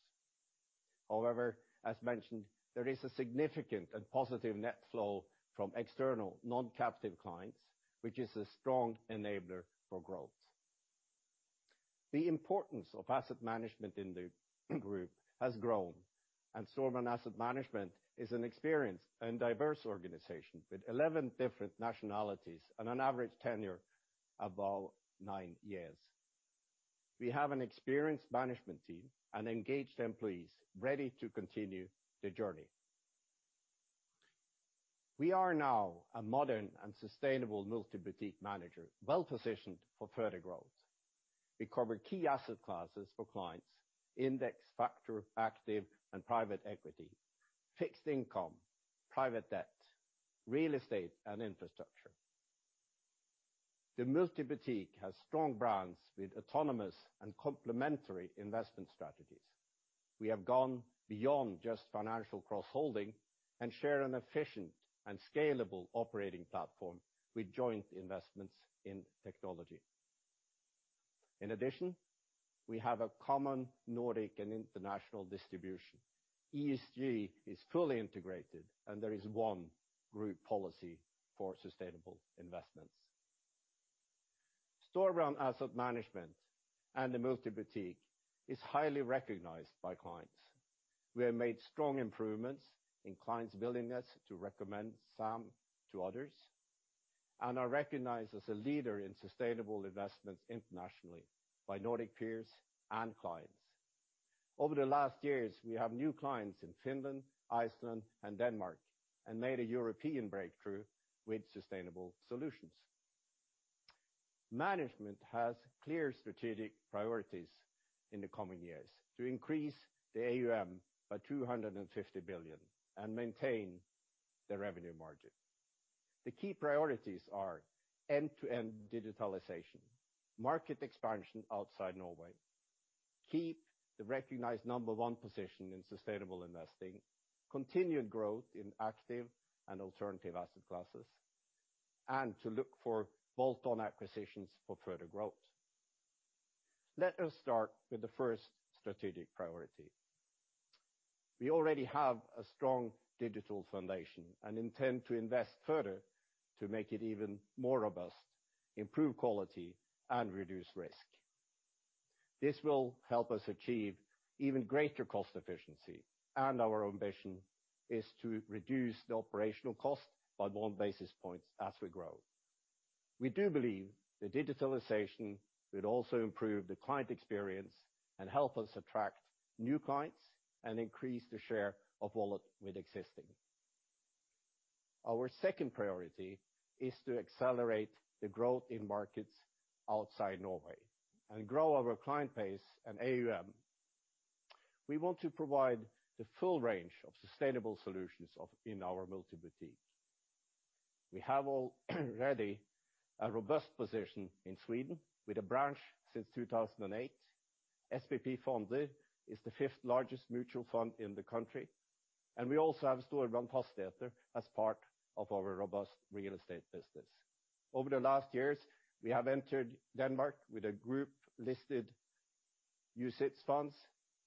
S5: However, as mentioned, there is a significant and positive net flow from external non-captive clients, which is a strong enabler for growth. The importance of asset management in the group has grown, and Storebrand Asset Management is an experienced and diverse organization with 11 different nationalities and an average tenure above nine years. We have an experienced management team and engaged employees ready to continue the journey. We are now a modern and sustainable multi-boutique manager, well positioned for further growth. We cover key asset classes for clients, index, factor, active, and private equity, fixed income, private debt, real estate, and infrastructure. The multi-boutique has strong brands with autonomous and complementary investment strategies. We have gone beyond just financial cross-holding and share an efficient and scalable operating platform with joint investments in technology. In addition, we have a common Nordic and international distribution. ESG is fully integrated, and there is one group policy for sustainable investments. Storebrand Asset Management and the multi-boutique is highly recognized by clients. We have made strong improvements in clients' willingness to recommend SAM to others, and are recognized as a leader in sustainable investments internationally by Nordic peers and clients. Over the last years, we have new clients in Finland, Iceland, and Denmark, and made a European breakthrough with sustainable solutions. Management has clear strategic priorities in the coming years to increase the AUM by 250 billion and maintain the revenue margin. The key priorities are end-to-end digitalization, market expansion outside Norway, keep the recognized number one position in sustainable investing, continued growth in active and alternative asset classes, and to look for bolt-on acquisitions for further growth. Let us start with the first strategic priority. We already have a strong digital foundation and intend to invest further to make it even more robust, improve quality, and reduce risk. This will help us achieve even greater cost efficiency, and our ambition is to reduce the operational cost by one basis point as we grow. We do believe that digitalization will also improve the client experience and help us attract new clients and increase the share of wallet with existing. Our second priority is to accelerate the growth in markets outside Norway and grow our client base and AUM. We want to provide the full range of sustainable solutions in our multi-boutique. We have already a robust position in Sweden with a branch since 2008. SPP Fonder is the fifth largest mutual fund in the country, and we also have Storebrand Fastigheter as part of our robust real estate business. Over the last years, we have entered Denmark with a group-listed UCITS funds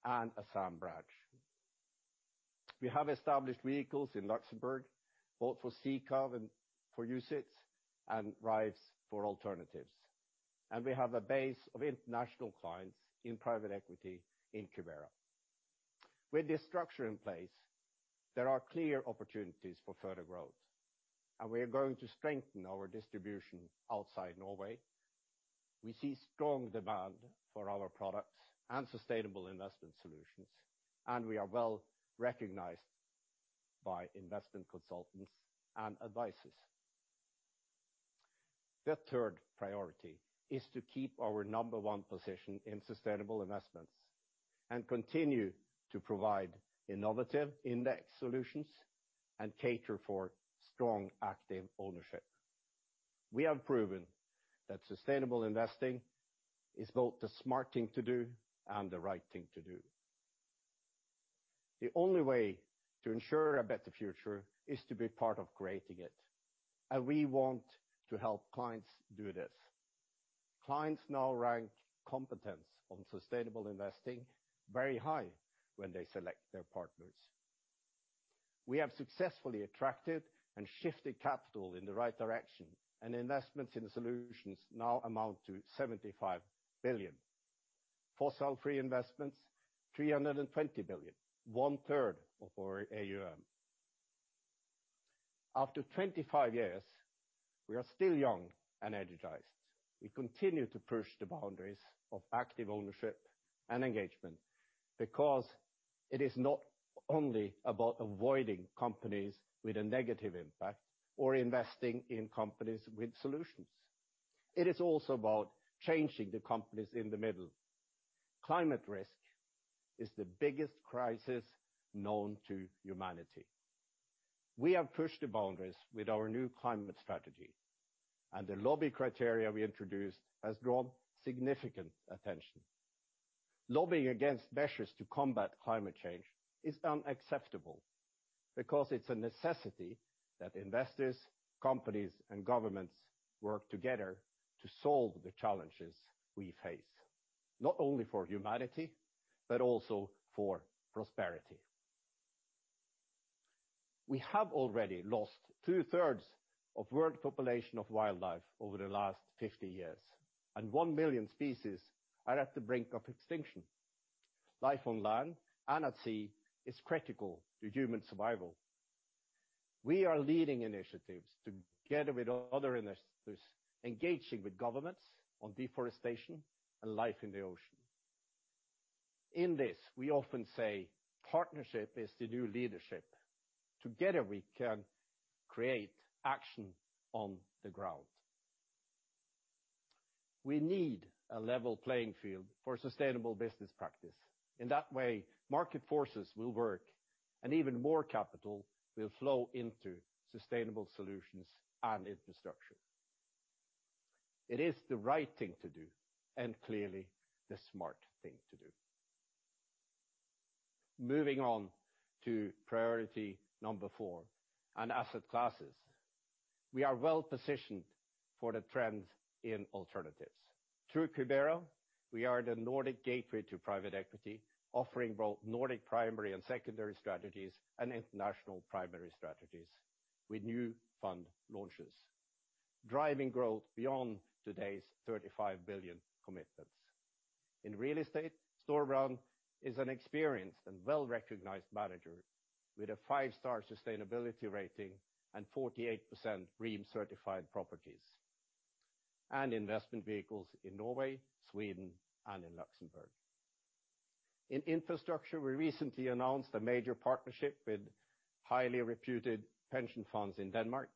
S5: and a SAM branch. We have established vehicles in Luxembourg, both for SICAV and for UCITS, and rise for alternatives. We have a base of international clients in private equity in Cubera. With this structure in place, there are clear opportunities for further growth, and we are going to strengthen our distribution outside Norway. We see strong demand for our products and sustainable investment solutions, and we are well recognized by investment consultants and advisors. The third priority is to keep our number one position in sustainable investments and continue to provide innovative index solutions and cater for strong active ownership. We have proven that sustainable investing is both the smart thing to do and the right thing to do. The only way to ensure a better future is to be part of creating it, and we want to help clients do this. Clients now rank competence on sustainable investing very high when they select their partners. We have successfully attracted and shifted capital in the right direction, and investments in solutions now amount to 75 billion. Fossil-free investments, 320 billion, one-third of our AUM. After 25 years, we are still young and energized. We continue to push the boundaries of active ownership and engagement because it is not only about avoiding companies with a negative impact or investing in companies with solutions. It is also about changing the companies in the middle. Climate risk is the biggest crisis known to humanity. We have pushed the boundaries with our new climate strategy, and the lobby criteria we introduced has drawn significant attention. Lobbying against measures to combat climate change is unacceptable because it's a necessity that investors, companies, and governments work together to solve the challenges we face, not only for humanity, but also for prosperity. We have already lost two-thirds of world population of wildlife over the last 50 years, and one million species are at the brink of extinction. Life on land and at sea is critical to human survival. We are leading initiatives together with other investors, engaging with governments on deforestation and life in the ocean. In this, we often say partnership is the new leadership. Together we can create action on the ground. We need a level playing field for sustainable business practice. In that way, market forces will work and even more capital will flow into sustainable solutions and infrastructure. It is the right thing to do and clearly the smart thing to do. Moving on to priority number four and asset classes. We are well-positioned for the trends in alternatives. Through Cubera, we are the Nordic gateway to private equity, offering both Nordic primary and secondary strategies and international primary strategies with new fund launches. Driving growth beyond today's 35 billion commitments. In real estate, Storebrand is an experienced and well-recognized manager with a five-star sustainability rating and 48% green certified properties, and investment vehicles in Norway, Sweden, and in Luxembourg. In infrastructure, we recently announced a major partnership with highly reputed pension funds in Denmark,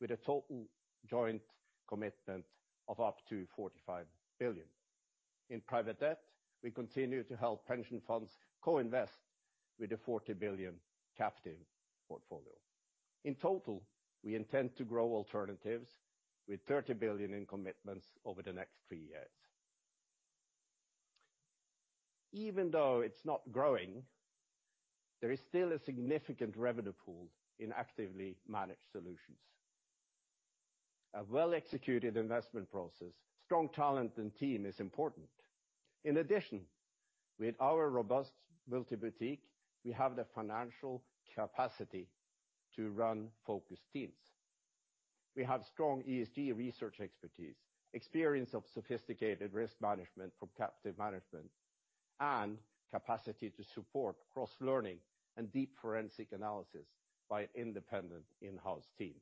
S5: with a total joint commitment of up to 45 billion. In private debt, we continue to help pension funds co-invest with the 40 billion captive portfolio. In total, we intend to grow alternatives with 30 billion in commitments over the next three years. Even though it's not growing, there is still a significant revenue pool in actively managed solutions. A well-executed investment process, strong talent, and team is important. In addition, with our robust multi-boutique, we have the financial capacity to run focused teams. We have strong ESG research expertise, experience of sophisticated risk management from captive management, and capacity to support cross-learning and deep forensic analysis by an independent in-house team.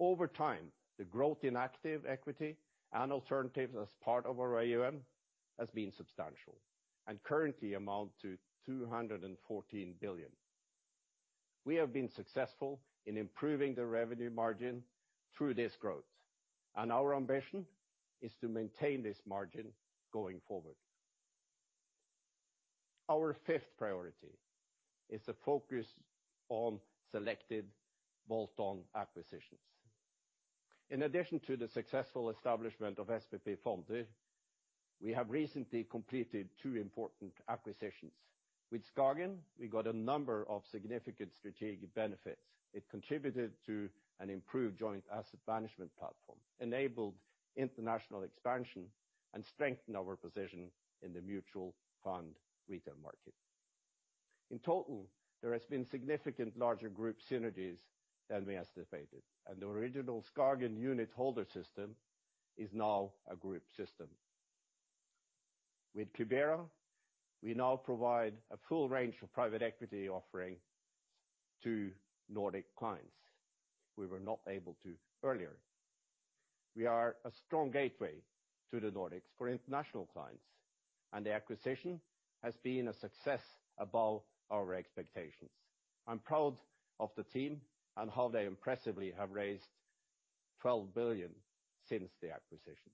S5: Over time, the growth in active equity and alternatives as part of our AUM has been substantial and currently amount to 214 billion. We have been successful in improving the revenue margin through this growth, and our ambition is to maintain this margin going forward. Our fifth priority is the focus on selected bolt-on acquisitions. In addition to the successful establishment of SPP Fonder, we have recently completed two important acquisitions. With SKAGEN, we got a number of significant strategic benefits. It contributed to an improved joint asset management platform, enabled international expansion, and strengthened our position in the mutual fund retail market. In total, there has been significant larger group synergies than we anticipated, and the original SKAGEN unitholder system is now a group system. With Cubera, we now provide a full range of private equity offering to Nordic clients. We were not able to earlier. We are a strong gateway to the Nordics for international clients, and the acquisition has been a success above our expectations. I'm proud of the team and how they impressively have raised 12 billion since the acquisition.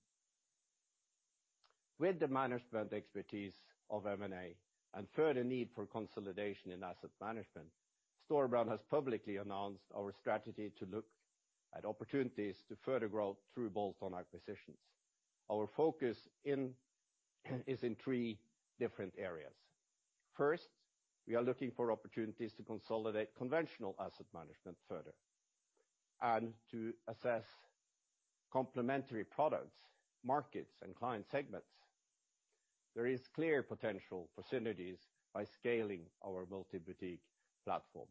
S5: With the management expertise of M&A and further need for consolidation in asset management, Storebrand has publicly announced our strategy to look at opportunities to further grow through bolt-on acquisitions. Our focus is in three different areas. First, we are looking for opportunities to consolidate conventional asset management further and to assess complementary products, markets, and client segments. There is clear potential for synergies by scaling our multi-boutique platform.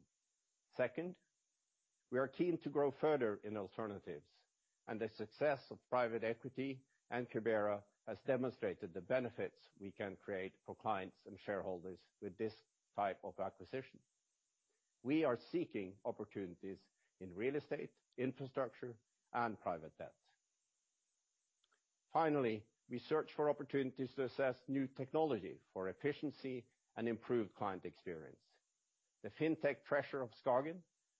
S5: Second, we are keen to grow further in alternatives, and the success of private equity and Cubera has demonstrated the benefits we can create for clients and shareholders with this type of acquisition. We are seeking opportunities in real estate, infrastructure, and private debt. Finally, we search for opportunities to assess new technology for efficiency and improved client experience. The fintech purchase of SKAGEN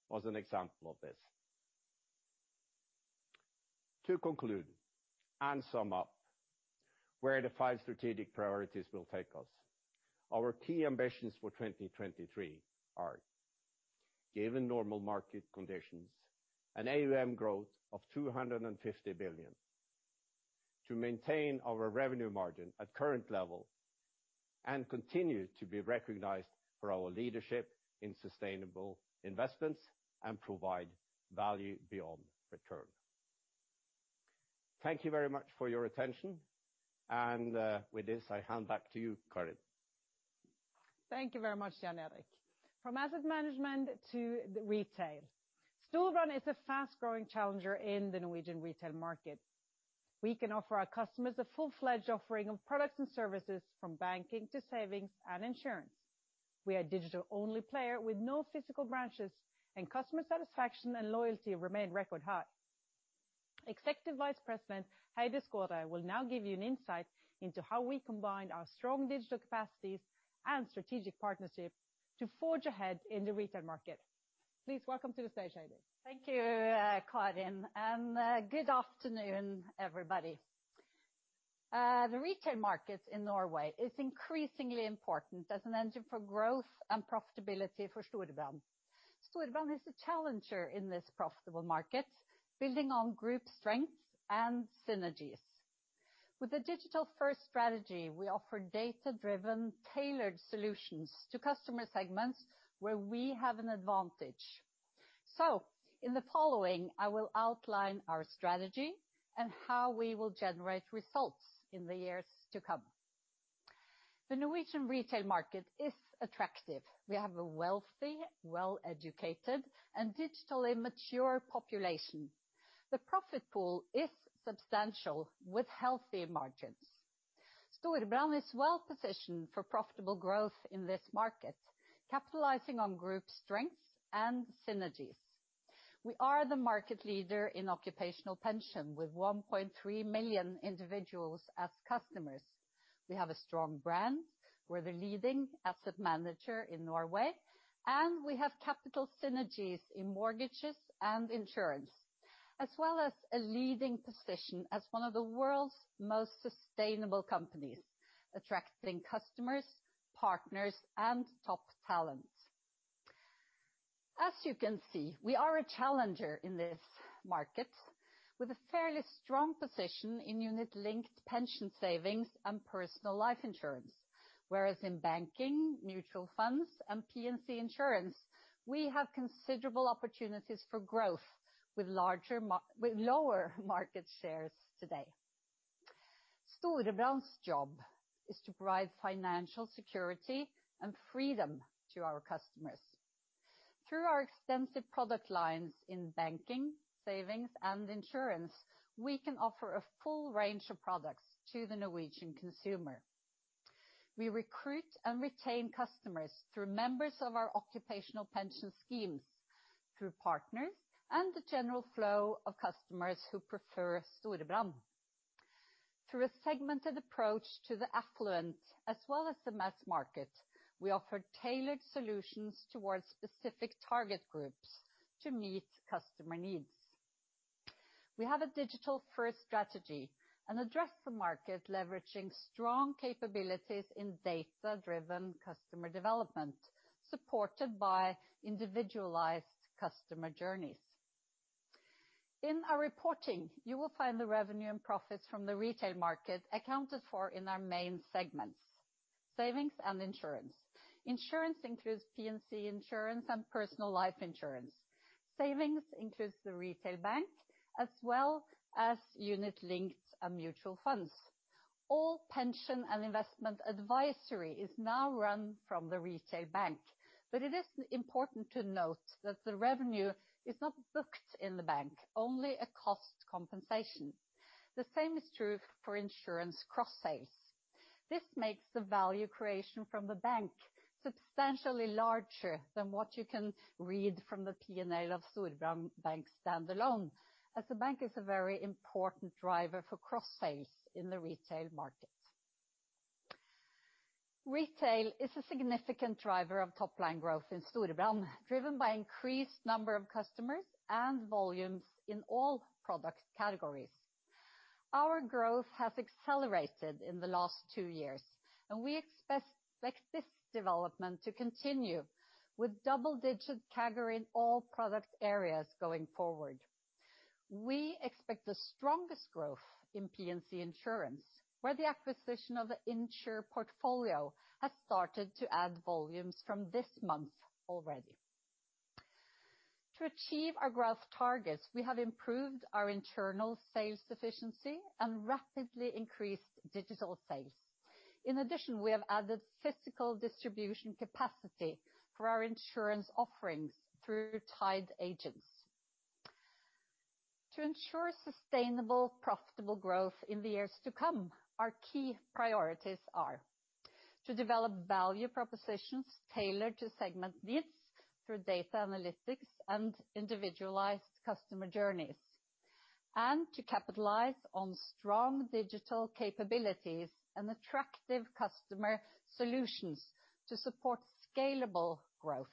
S5: was an example of this. To conclude and sum up where the five strategic priorities will take us, our key ambitions for 2023 are, given normal market conditions, an AUM growth of 250 billion, to maintain our revenue margin at current level, and continue to be recognized for our leadership in sustainable investments and provide Value Beyond Return. Thank you very much for your attention. With this, I hand back to you, Karin.
S1: Thank you very much, Jan Erik. From asset management to retail. Storebrand is a fast-growing challenger in the Norwegian retail market. We can offer our customers a full-fledged offering of products and services from banking to savings and insurance. We are a digital-only player with no physical branches, and customer satisfaction and loyalty remain record high. Executive Vice President Heidi Skaaret will now give you an insight into how we combine our strong digital capacities and strategic partnership to forge ahead in the retail market. Please welcome to the stage, Heidi.
S6: Thank you, Karin, and good afternoon, everybody. The retail market in Norway is increasingly important as an engine for growth and profitability for Storebrand. Storebrand is a challenger in this profitable market, building on group strengths and synergies. With a digital-first strategy, we offer data-driven, tailored solutions to customer segments where we have an advantage. In the following, I will outline our strategy and how we will generate results in the years to come. The Norwegian retail market is attractive. We have a wealthy, well-educated, and digitally mature population. The profit pool is substantial, with healthy margins. Storebrand is well positioned for profitable growth in this market, capitalizing on group strengths and synergies. We are the market leader in occupational pension with 1.3 million individuals as customers. We have a strong brand. We're the leading asset manager in Norway, and we have capital synergies in mortgages and insurance, as well as a leading position as one of the world's most sustainable companies, attracting customers, partners, and top talent. As you can see, we are a challenger in this market with a fairly strong position in unit linked pension savings and personal life insurance. Whereas in banking, mutual funds, and P&C insurance, we have considerable opportunities for growth with lower market shares today. Storebrand's job is to provide financial security and freedom to our customers. Through our extensive product lines in banking, savings, and insurance, we can offer a full range of products to the Norwegian consumer. We recruit and retain customers through members of our occupational pension schemes, through partners, and the general flow of customers who prefer Storebrand. Through a segmented approach to the affluent as well as the mass market, we offer tailored solutions towards specific target groups to meet customer needs. We have a digital-first strategy and address the market leveraging strong capabilities in data-driven customer development, supported by individualized customer journeys. In our reporting, you will find the revenue and profits from the retail market accounted for in our main segments, savings and insurance. Insurance includes P&C insurance and personal life insurance. Savings includes the retail bank as well as unit linked and mutual funds. All pension and investment advisory is now run from the retail bank. It is important to note that the revenue is not booked in the bank, only a cost compensation. The same is true for insurance cross sales. This makes the value creation from the bank substantially larger than what you can read from the P&L of Storebrand Bank standalone, as the bank is a very important driver for cross sales in the retail market. Retail is a significant driver of top-line growth in Storebrand, driven by increased number of customers and volumes in all product categories. Our growth has accelerated in the last two years. We expect this development to continue with double-digit CAGR in all product areas going forward. We expect the strongest growth in P&C insurance, where the acquisition of the Insr portfolio has started to add volumes from this month already. To achieve our growth targets, we have improved our internal sales efficiency and rapidly increased digital sales. In addition, we have added physical distribution capacity for our insurance offerings through tied agents. To ensure sustainable, profitable growth in the years to come, our key priorities are to develop value propositions tailored to segment needs through data analytics and individualized customer journeys. To capitalize on strong digital capabilities and attractive customer solutions to support scalable growth.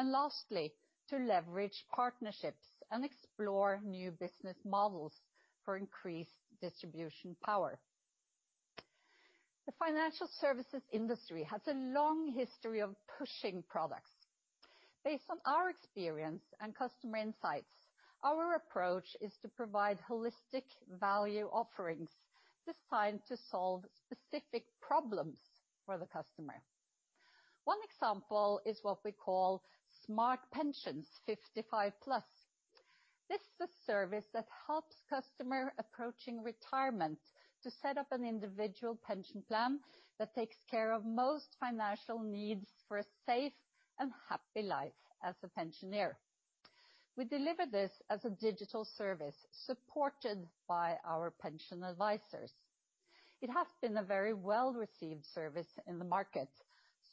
S6: Lastly, to leverage partnerships and explore new business models for increased distribution power. The financial services industry has a long history of pushing products. Based on our experience and customer insights, our approach is to provide holistic value offerings designed to solve specific problems for the customer. One example is what we call Smart Pension 55 Plus. This is a service that helps customer approaching retirement to set up an individual pension plan that takes care of most financial needs for a safe and happy life as a pensioner. We deliver this as a digital service supported by our pension advisors. It has been a very well-received service in the market,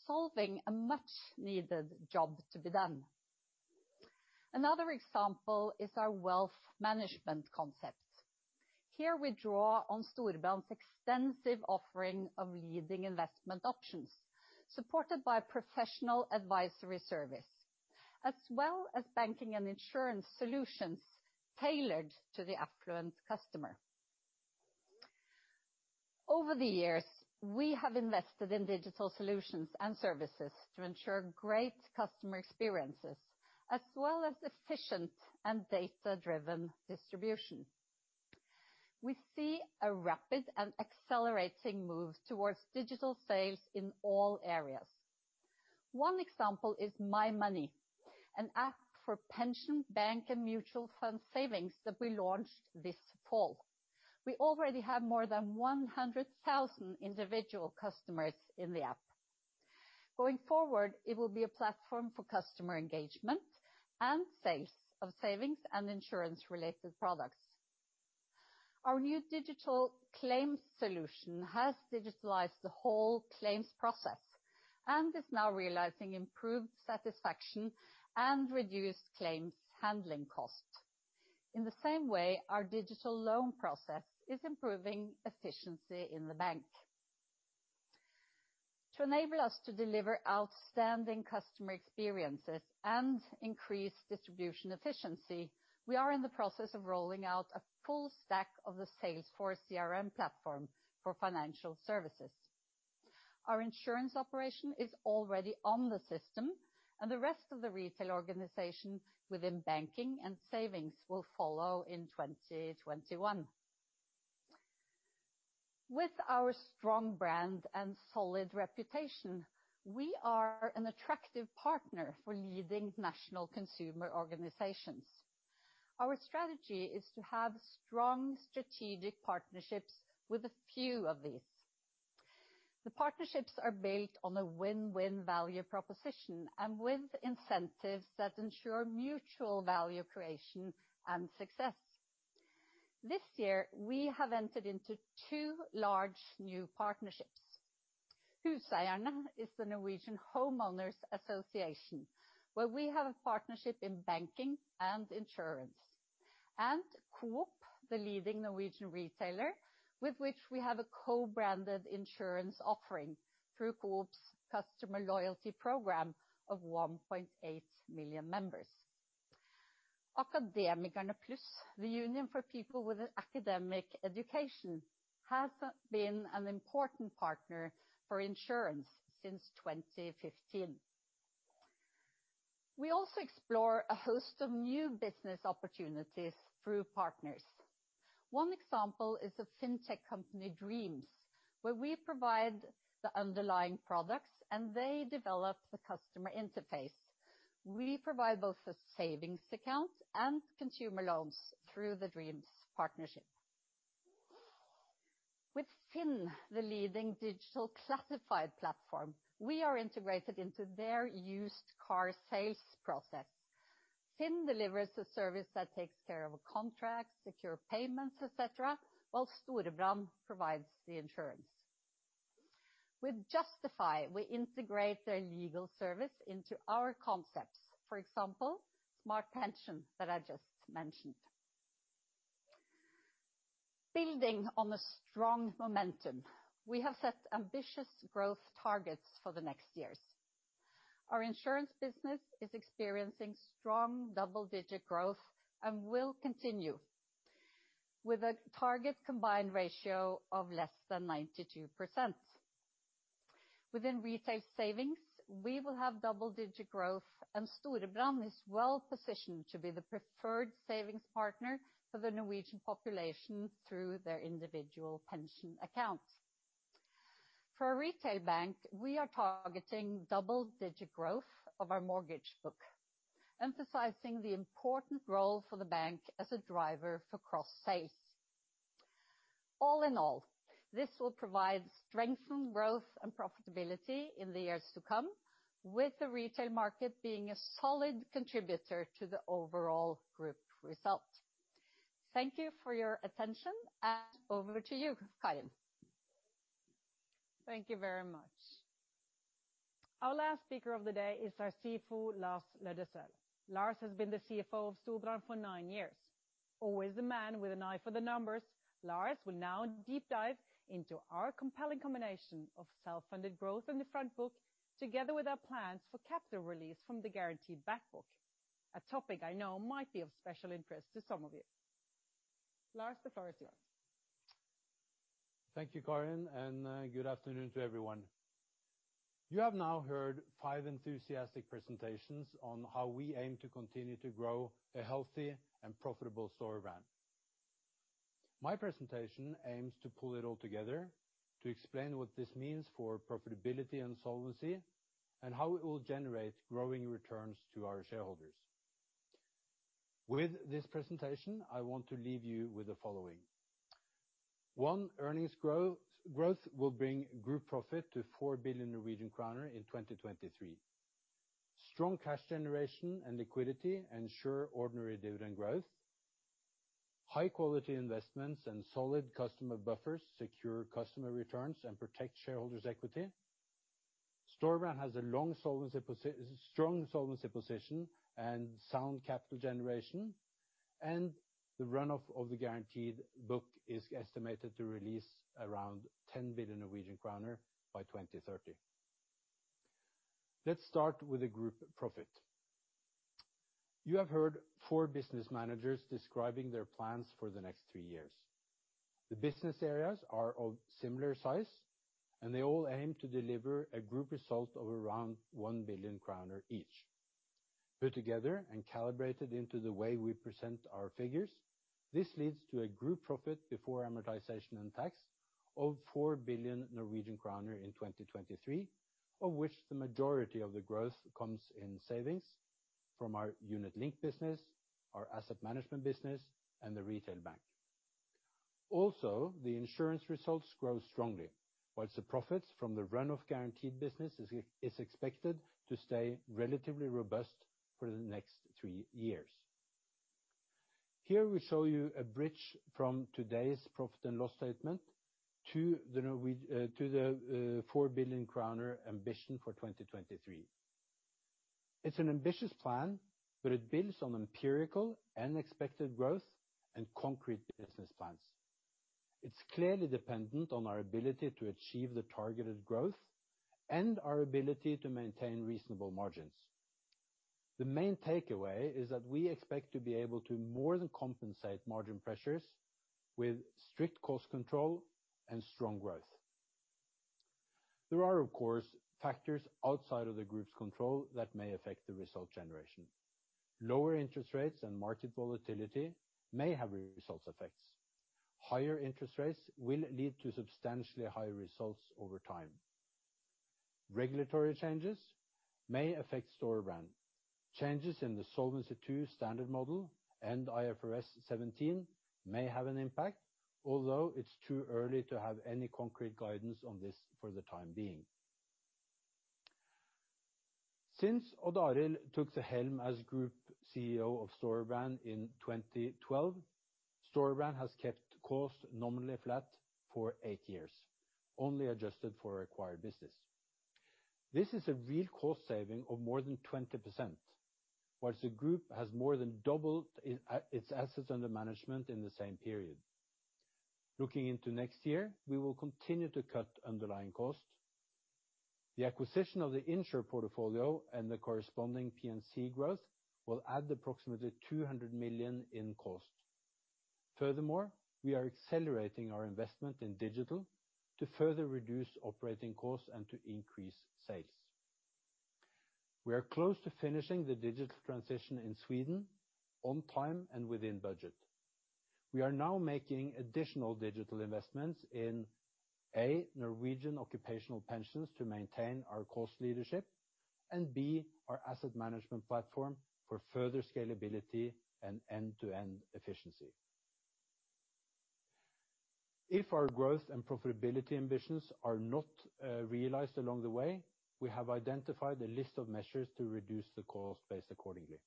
S6: solving a much needed job to be done. Another example is our wealth management concept. Here we draw on Storebrand's extensive offering of leading investment options, supported by professional advisory service, as well as banking and insurance solutions tailored to the affluent customer. Over the years, we have invested in digital solutions and services to ensure great customer experiences as well as efficient and data-driven distribution. We see a rapid and accelerating move towards digital sales in all areas. One example is My Money, an app for pension, bank, and mutual fund savings that we launched this fall. We already have more than 100,000 individual customers in the app. Going forward, it will be a platform for customer engagement and sales of savings and insurance-related products. Our new digital claims solution has digitalized the whole claims process and is now realizing improved satisfaction and reduced claims handling cost. In the same way, our digital loan process is improving efficiency in the bank. To enable us to deliver outstanding customer experiences and increase distribution efficiency, we are in the process of rolling out a full stack of the Salesforce CRM platform for financial services. Our insurance operation is already on the system, and the rest of the retail organization within banking and savings will follow in 2021. With our strong brand and solid reputation, we are an attractive partner for leading national consumer organizations. Our strategy is to have strong strategic partnerships with a few of these. The partnerships are built on a win-win value proposition and with incentives that ensure mutual value creation and success. This year, we have entered into two large new partnerships. Huseierne is the Norwegian Homeowners Association, where we have a partnership in banking and insurance. Coop, the leading Norwegian retailer, with which we have a co-branded insurance offering through Coop's customer loyalty program of 1.8 million members. Akademikerne Pluss, the union for people with an academic education, has been an important partner for insurance since 2015. We also explore a host of new business opportunities through partners. One example is the fintech company Dreams, where we provide the underlying products, and they develop the customer interface. We provide both the savings accounts and consumer loans through the Dreams partnership. With FINN, the leading digital classified platform, we are integrated into their used car sales process. FINN delivers a service that takes care of contracts, secure payments, et cetera, while Storebrand provides the insurance. With Justify, we integrate their legal service into our concepts. For example, Smart Pension that I just mentioned. Building on the strong momentum, we have set ambitious growth targets for the next years. Our insurance business is experiencing strong double-digit growth and will continue with a target combined ratio of less than 92%. Within retail savings, we will have double-digit growth, and Storebrand is well positioned to be the preferred savings partner for the Norwegian population through their individual pension accounts. For our retail bank, we are targeting double-digit growth of our mortgage book, emphasizing the important role for the bank as a driver for cross-sales. All in all, this will provide strengthened growth and profitability in the years to come, with the retail market being a solid contributor to the overall group result. Thank you for your attention, and over to you, Karin.
S1: Thank you very much. Our last speaker of the day is our CFO, Lars Løddesøl. Lars has been the CFO of Storebrand for nine years. Always the man with an eye for the numbers, Lars will now deep dive into our compelling combination of self-funded growth in the front book, together with our plans for capital release from the guaranteed back book, a topic I know might be of special interest to some of you. Lars, the floor is yours.
S7: Thank you, Karin, and good afternoon to everyone. You have now heard five enthusiastic presentations on how we aim to continue to grow a healthy and profitable Storebrand. My presentation aims to pull it all together to explain what this means for profitability and solvency, and how it will generate growing returns to our shareholders. With this presentation, I want to leave you with the following. One, earnings growth will bring group profit to four billion Norwegian kroner in 2023. Strong cash generation and liquidity ensure ordinary dividend growth. High-quality investments and solid customer buffers secure customer returns and protect shareholders' equity. Storebrand has a strong solvency position and sound capital generation, and the run-off of the guaranteed book is estimated to release around 10 billion Norwegian kroner by 2030. Let's start with the group profit. You have heard four business managers describing their plans for the next three years. The business areas are of similar size, and they all aim to deliver a group result of around one billion kroner each. Put together and calibrated into the way we present our figures. This leads to a group profit before amortization and tax of four billion Norwegian kroner in 2023, of which the majority of the growth comes in savings from our unit-linked business, our asset management business, and the retail bank. Also, the insurance results grow strongly, whilst the profits from the run-off guaranteed business is expected to stay relatively robust for the next three years. Here we show you a bridge from today's profit and loss statement to the four billion ambition for 2023. It's an ambitious plan, but it builds on empirical and expected growth and concrete business plans. It's clearly dependent on our ability to achieve the targeted growth and our ability to maintain reasonable margins. The main takeaway is that we expect to be able to more than compensate margin pressures with strict cost control and strong growth. There are, of course, factors outside of the group's control that may affect the result generation. Lower interest rates and market volatility may have result effects. Higher interest rates will lead to substantially higher results over time. Regulatory changes may affect Storebrand. Changes in the Solvency II standard model and IFRS 17 may have an impact, although it's too early to have any concrete guidance on this for the time being. Since Odd Arild took the helm as Group CEO of Storebrand in 2012, Storebrand has kept costs nominally flat for eight years, only adjusted for acquired business. This is a real cost saving of more than 20%, whilst the group has more than doubled its assets under management in the same period. Looking into next year, we will continue to cut underlying costs. The acquisition of the Insr portfolio and the corresponding P&C growth will add approximately 200 million in cost. We are accelerating our investment in digital to further reduce operating costs and to increase sales. We are close to finishing the digital transition in Sweden on time and within budget. We are now making additional digital investments in, A, Norwegian occupational pensions to maintain our cost leadership, and B, our asset management platform for further scalability and end-to-end efficiency. If our growth and profitability ambitions are not realized along the way, we have identified a list of measures to reduce the cost base accordingly.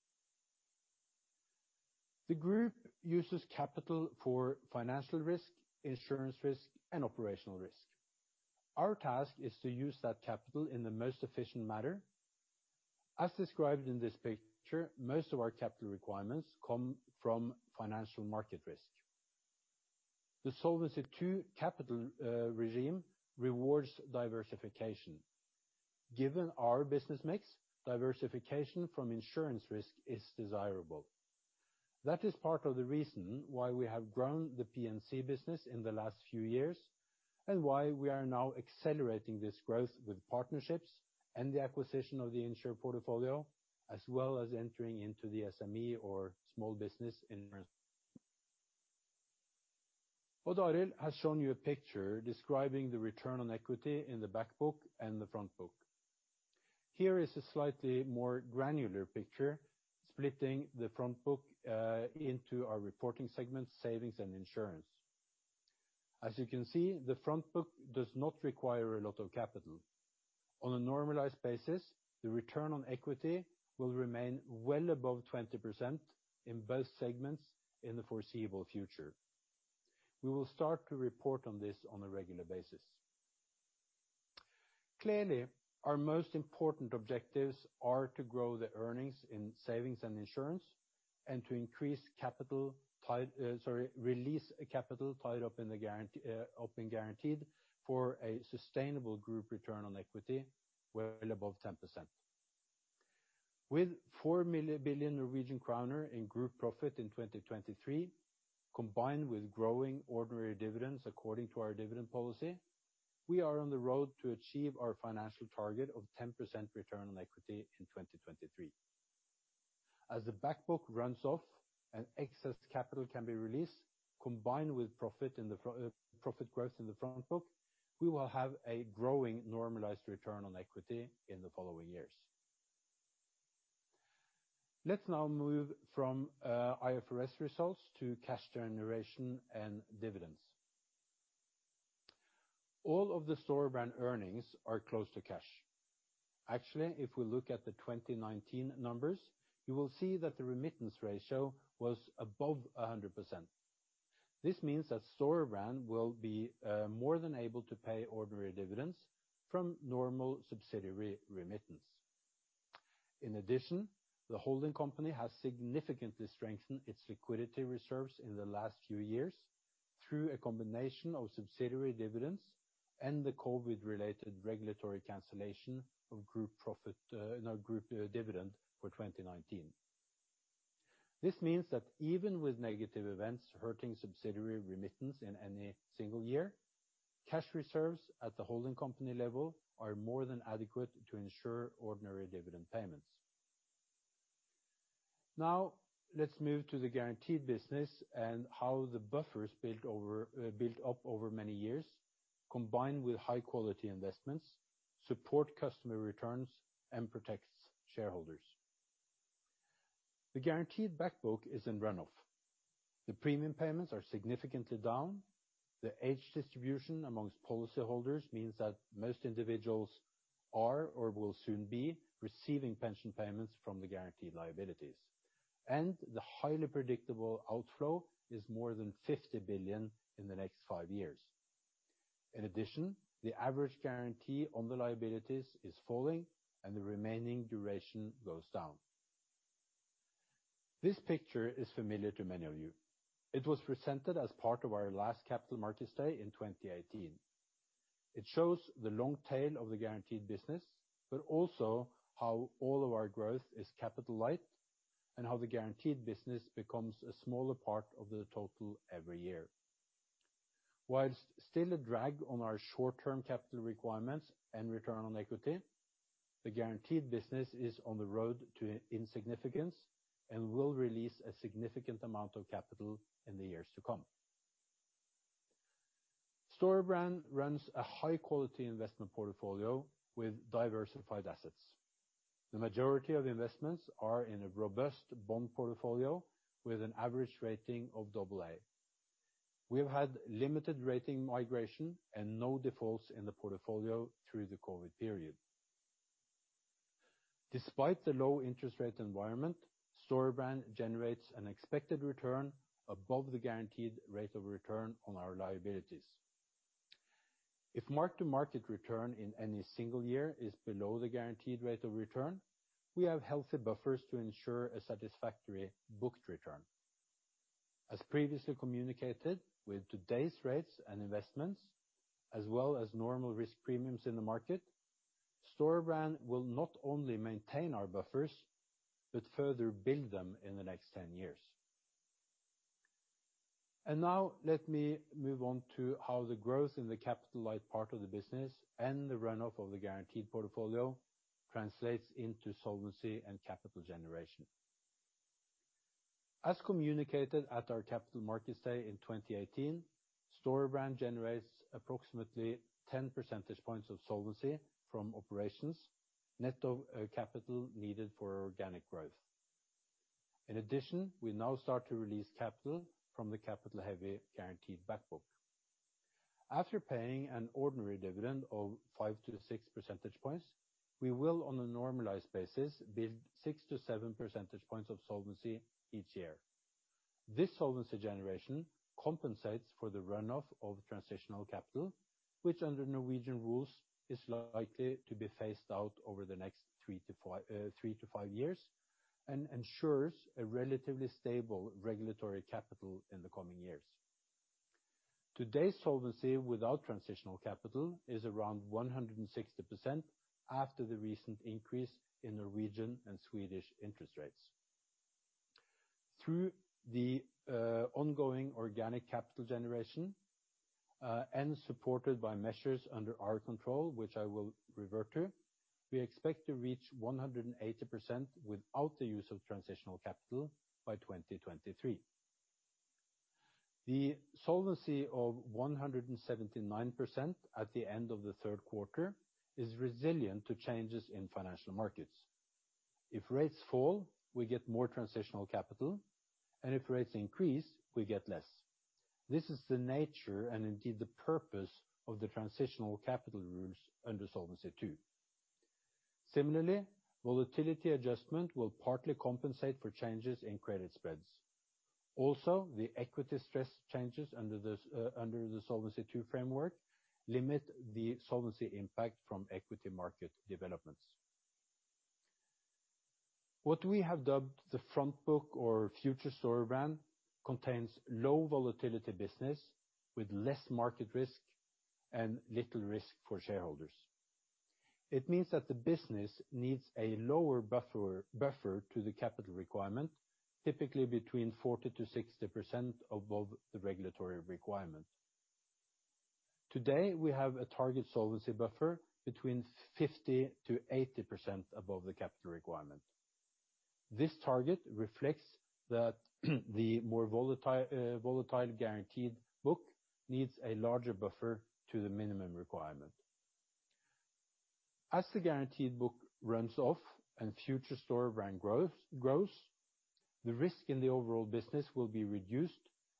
S7: The group uses capital for financial risk, insurance risk, and operational risk. Our task is to use that capital in the most efficient manner. As described in this picture, most of our capital requirements come from financial market risk. The Solvency II capital regime rewards diversification. Given our business mix, diversification from insurance risk is desirable. That is part of the reason why we have grown the P&C business in the last few years, and why we are now accelerating this growth with partnerships and the acquisition of the Insr portfolio, as well as entering into the SME or small business segment. Odd Arild has shown you a picture describing the return on equity in the back book and the front book. Here is a slightly more granular picture, splitting the front book into our reporting segments, savings and insurance. As you can see, the front book does not require a lot of capital. On a normalized basis, the return on equity will remain well above 20% in both segments in the foreseeable future. We will start to report on this on a regular basis. Clearly, our most important objectives are to grow the earnings in savings and insurance and to release capital tied up in guaranteed for a sustainable group return on equity well above 10%. With four billion Norwegian kroner in group profit in 2023, combined with growing ordinary dividends according to our dividend policy, we are on the road to achieve our financial target of 10% return on equity in 2023. As the back book runs off and excess capital can be released, combined with profit growth in the front book, we will have a growing normalized return on equity in the following years. Let's now move from IFRS results to cash generation and dividends. All of the Storebrand earnings are close to cash. Actually, if we look at the 2019 numbers, you will see that the remittance ratio was above 100%. This means that Storebrand will be more than able to pay ordinary dividends from normal subsidiary remittance. In addition, the holding company has significantly strengthened its liquidity reserves in the last few years through a combination of subsidiary dividends and the COVID-related regulatory cancellation of group dividend for 2019. This means that even with negative events hurting subsidiary remittance in any single year, cash reserves at the holding company level are more than adequate to ensure ordinary dividend payments. Let's move to the guaranteed business and how the buffers built up over many years, combined with high-quality investments, support customer returns and protects shareholders. The guaranteed back book is in run-off. The premium payments are significantly down. The age distribution amongst policy holders means that most individuals are, or will soon be, receiving pension payments from the guaranteed liabilities, and the highly predictable outflow is more than 50 billion in the next five years. In addition, the average guarantee on the liabilities is falling and the remaining duration goes down. This picture is familiar to many of you. It was presented as part of our last Capital Markets Day in 2018. It shows the long tail of the guaranteed business, but also how all of our growth is capital light, and how the guaranteed business becomes a smaller part of the total every year. Whilst still a drag on our short-term capital requirements and return on equity, the guaranteed business is on the road to insignificance and will release a significant amount of capital in the years to come. Storebrand runs a high-quality investment portfolio with diversified assets. The majority of investments are in a robust bond portfolio with an average rating of AA. We have had limited rating migration and no defaults in the portfolio through the COVID period. Despite the low interest rate environment, Storebrand generates an expected return above the guaranteed rate of return on our liabilities. If mark-to-market return in any single year is below the guaranteed rate of return, we have healthy buffers to ensure a satisfactory booked return. As previously communicated, with today's rates and investments, as well as normal risk premiums in the market, Storebrand will not only maintain our buffers, but further build them in the next 10 years. Now let me move on to how the growth in the capital-light part of the business and the run-off of the guaranteed portfolio translates into solvency and capital generation. As communicated at our Capital Markets Day in 2018, Storebrand generates approximately 10 percentage points of solvency from operations, net of capital needed for organic growth. In addition, we now start to release capital from the capital-heavy guaranteed back book. After paying an ordinary dividend of five to six percentage points, we will, on a normalized basis, build six to seven percentage points of solvency each year. This solvency generation compensates for the run-off of transitional capital, which under Norwegian rules is likely to be phased out over the next three to five years, and ensures a relatively stable regulatory capital in the coming years. Today's solvency without transitional capital is around 160% after the recent increase in Norwegian and Swedish interest rates. Through the ongoing organic capital generation, and supported by measures under our control, which I will revert to, we expect to reach 180% without the use of transitional capital by 2023. The solvency of 179% at the end of the third quarter is resilient to changes in financial markets. If rates fall, we get more transitional capital. If rates increase, we get less. This is the nature and indeed the purpose of the transitional capital rules under Solvency II. Similarly, volatility adjustment will partly compensate for changes in credit spreads. The equity stress changes under the Solvency II framework limit the solvency impact from equity market developments. What we have dubbed the front book or future Storebrand contains low volatility business with less market risk and little risk for shareholders. It means that the business needs a lower buffer to the capital requirement, typically between 40% to 60% above the regulatory requirement. Today, we have a target solvency buffer between 50% to 80% above the capital requirement. This target reflects that the more volatile guaranteed book needs a larger buffer to the minimum requirement. As the guaranteed book runs off and future Storebrand grows, the risk in the overall business will be reduced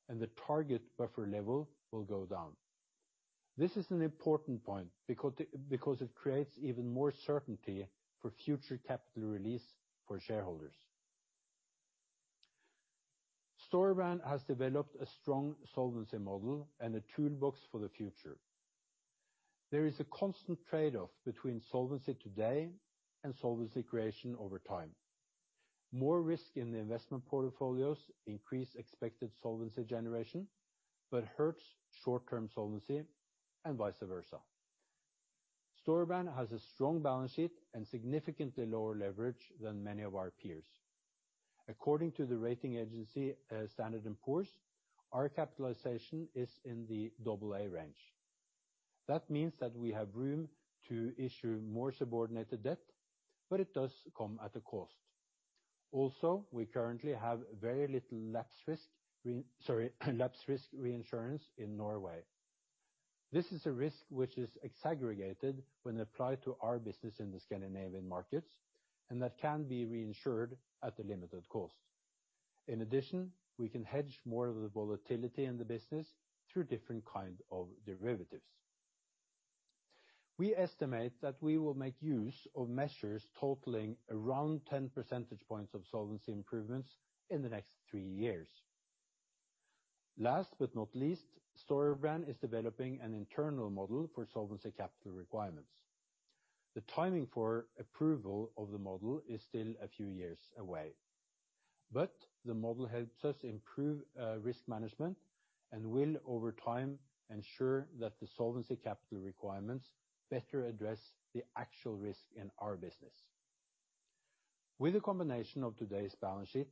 S7: and the target buffer level will go down. This is an important point because it creates even more certainty for future capital release for shareholders. Storebrand has developed a strong solvency model and a toolbox for the future. There is a constant trade-off between solvency today and solvency creation over time. More risk in the investment portfolios increase expected solvency generation, but hurts short-term solvency and vice versa. Storebrand has a strong balance sheet and significantly lower leverage than many of our peers. According to the rating agency Standard & Poor's, our capitalization is in the AA range. That means that we have room to issue more subordinated debt, but it does come at a cost. Also, we currently have very little lapse risk reinsurance in Norway. This is a risk which is aggregated when applied to our business in the Scandinavian markets, and that can be reinsured at a limited cost. In addition, we can hedge more of the volatility in the business through different kinds of derivatives. We estimate that we will make use of measures totaling around 10 percentage points of solvency improvements in the next three years. Last but not least, Storebrand is developing an internal model for solvency capital requirements. The timing for approval of the model is still a few years away, but the model helps us improve risk management and will, over time, ensure that the solvency capital requirements better address the actual risk in our business. With a combination of today's balance sheet,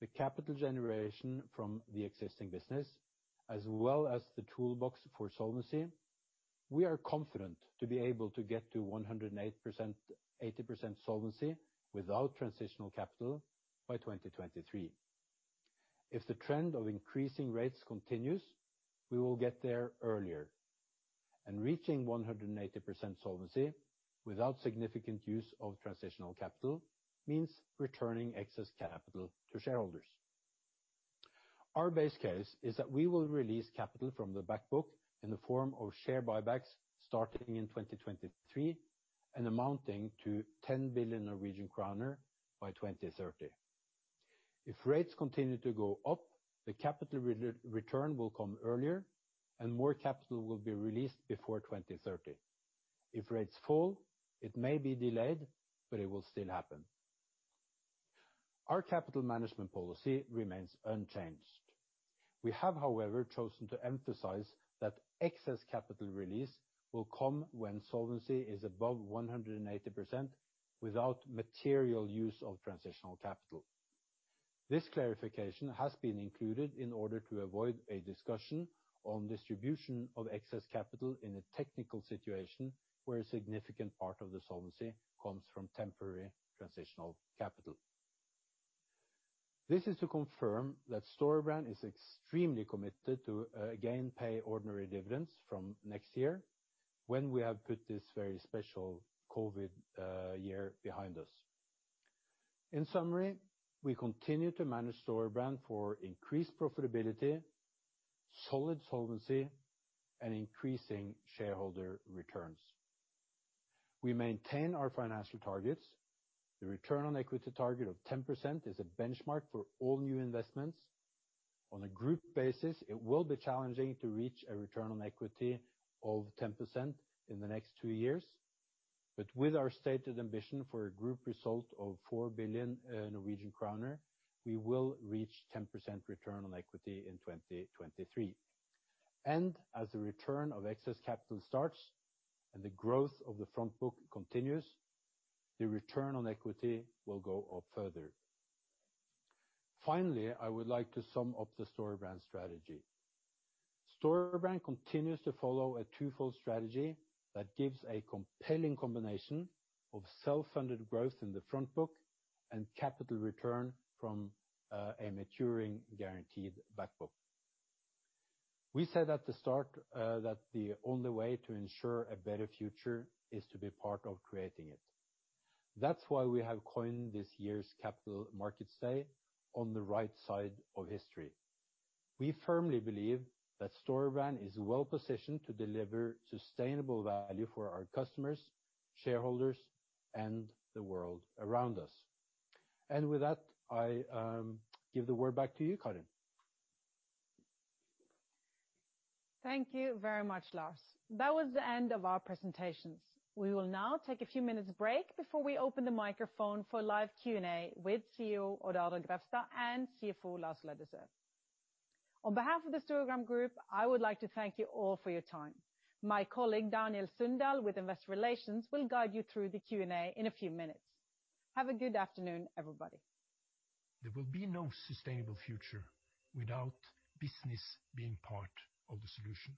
S7: the capital generation from the existing business, as well as the toolbox for solvency, we are confident to be able to get to 180% solvency without transitional capital by 2023. If the trend of increasing rates continues, we will get there earlier. Reaching 180% solvency without significant use of transitional capital means returning excess capital to shareholders. Our base case is that we will release capital from the back book in the form of share buybacks starting in 2023 and amounting to 10 billion Norwegian kroner by 2030. If rates continue to go up, the capital return will come earlier, and more capital will be released before 2030. If rates fall, it may be delayed, but it will still happen. Our capital management policy remains unchanged. We have, however, chosen to emphasize that excess capital release will come when solvency is above 180% without material use of transitional capital. This clarification has been included in order to avoid a discussion on distribution of excess capital in a technical situation where a significant part of the solvency comes from temporary transitional capital. This is to confirm that Storebrand is extremely committed to again pay ordinary dividends from next year when we have put this very special COVID year behind us. In summary, we continue to manage Storebrand for increased profitability, solid solvency, and increasing shareholder returns. We maintain our financial targets. The return on equity target of 10% is a benchmark for all new investments. On a group basis, it will be challenging to reach a return on equity of 10% in the next two years. With our stated ambition for a group result of four billion Norwegian kroner, we will reach 10% return on equity in 2023. As the return of excess capital starts and the growth of the front book continues, the return on equity will go up further. Finally, I would like to sum up the Storebrand strategy. Storebrand continues to follow a twofold strategy that gives a compelling combination of self-funded growth in the front book and capital return from a maturing guaranteed back book. We said at the start that the only way to ensure a better future is to be part of creating it. That's why we have coined this year's Capital Markets Day, On the Right Side of History. We firmly believe that Storebrand is well positioned to deliver sustainable value for our customers, shareholders, and the world around us. With that, I give the word back to you, Karin.
S1: Thank you very much, Lars. That was the end of our presentations. We will now take a few minutes break before we open the microphone for live Q&A with CEO Odd Arild Grefstad and CFO Lars Aasulv Løddesøl. On behalf of the Storebrand Group, I would like to thank you all for your time. My colleague, Daniel Sundahl, with Investor Relations, will guide you through the Q&A in a few minutes. Have a good afternoon, everybody.
S8: There will be no sustainable future without business being part of the solution.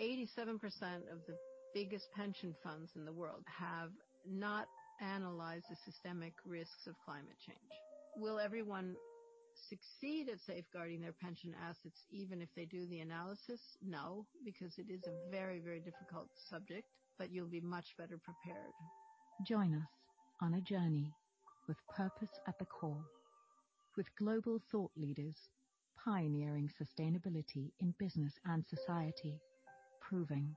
S8: 87% of the biggest pension funds in the world have not analyzed the systemic risks of climate change. Will everyone succeed at safeguarding their pension assets even if they do the analysis? No, because it is a very, very difficult subject, but you'll be much better prepared. Join us on a journey with purpose at the core, with global thought leaders pioneering sustainability in business and society, proving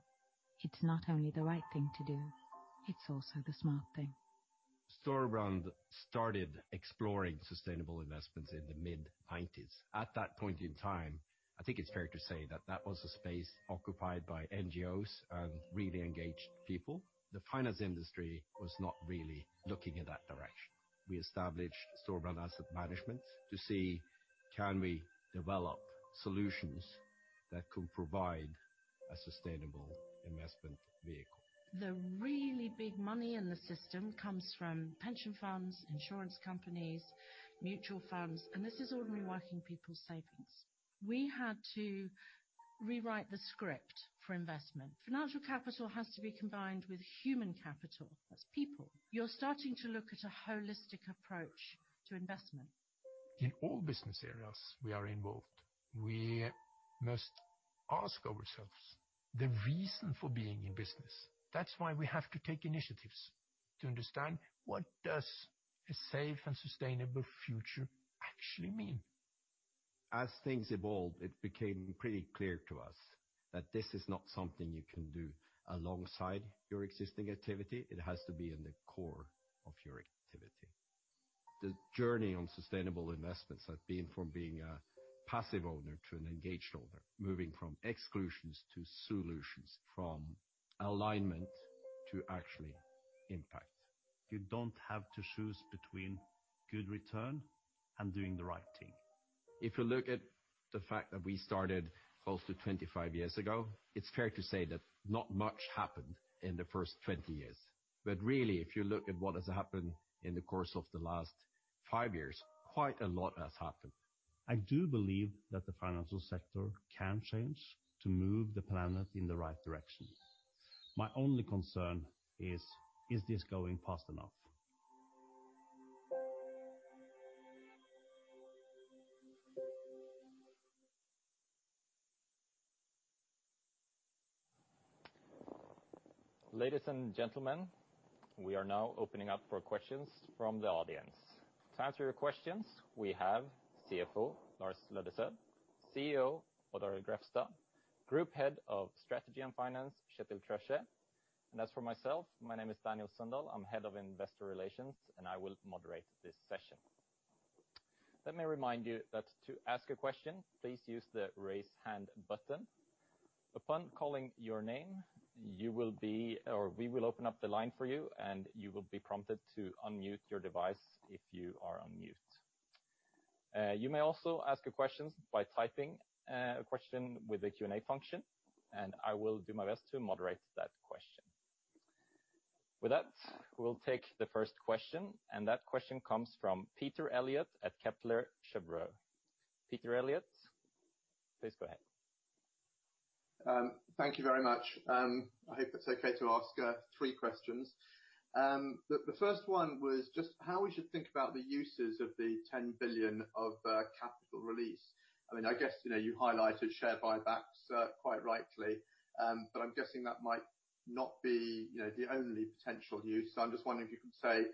S8: it's not only the right thing to do, it's also the smart thing. Storebrand started exploring sustainable investments in the mid-'90s. At that point in time, I think it is fair to say that that was a space occupied by NGOs and really engaged people. The finance industry was not really looking in that direction. We established Storebrand Asset Management to see Can we develop solutions that can provide a sustainable investment vehicle? The really big money in the system comes from pension funds, insurance companies, mutual funds, and this is ordinary working people's savings. We had to rewrite the script for investment. Financial capital has to be combined with human capital. That's people. You're starting to look at a holistic approach to investment. In all business areas we are involved, we must ask ourselves the reason for being in business. We have to take initiatives to understand what does a safe and sustainable future actually mean. As things evolved, it became pretty clear to us that this is not something you can do alongside your existing activity. It has to be in the core of your activity. The journey on sustainable investments has been from being a passive owner to an engaged owner, moving from exclusions to solutions, from alignment to actually impact. You don't have to choose between good return and doing the right thing. If you look at the fact that we started close to 25 years ago, it's fair to say that not much happened in the first 20 years. Really, if you look at what has happened in the course of the last five years, quite a lot has happened. I do believe that the financial sector can change to move the planet in the right direction. My only concern is this going fast enough?
S9: Ladies and gentlemen, we are now opening up for questions from the audience. To answer your questions, we have CFO Lars Løddesøl, CEO Odd Arild Grefstad, Group Head of Strategy and Finance, Kjetil Krøkje. As for myself, my name is Daniel Sundahl. I'm Head of Investor Relations, I will moderate this session. Let me remind you that to ask a question, please use the raise hand button. Upon calling your name, we will open up the line for you, and you will be prompted to unmute your device if you are on mute. You may also ask a question by typing a question with the Q&A function, I will do my best to moderate that question. With that, we'll take the first question. That question comes from Peter Eliot at Kepler Cheuvreux. Peter Eliot, please go ahead.
S10: Thank you very much. I hope it's okay to ask three questions. The first one was just how we should think about the uses of the 10 billion of capital release. I guess you highlighted share buybacks, quite rightly, but I'm guessing that might not be the only potential use. I'm just wondering if you can say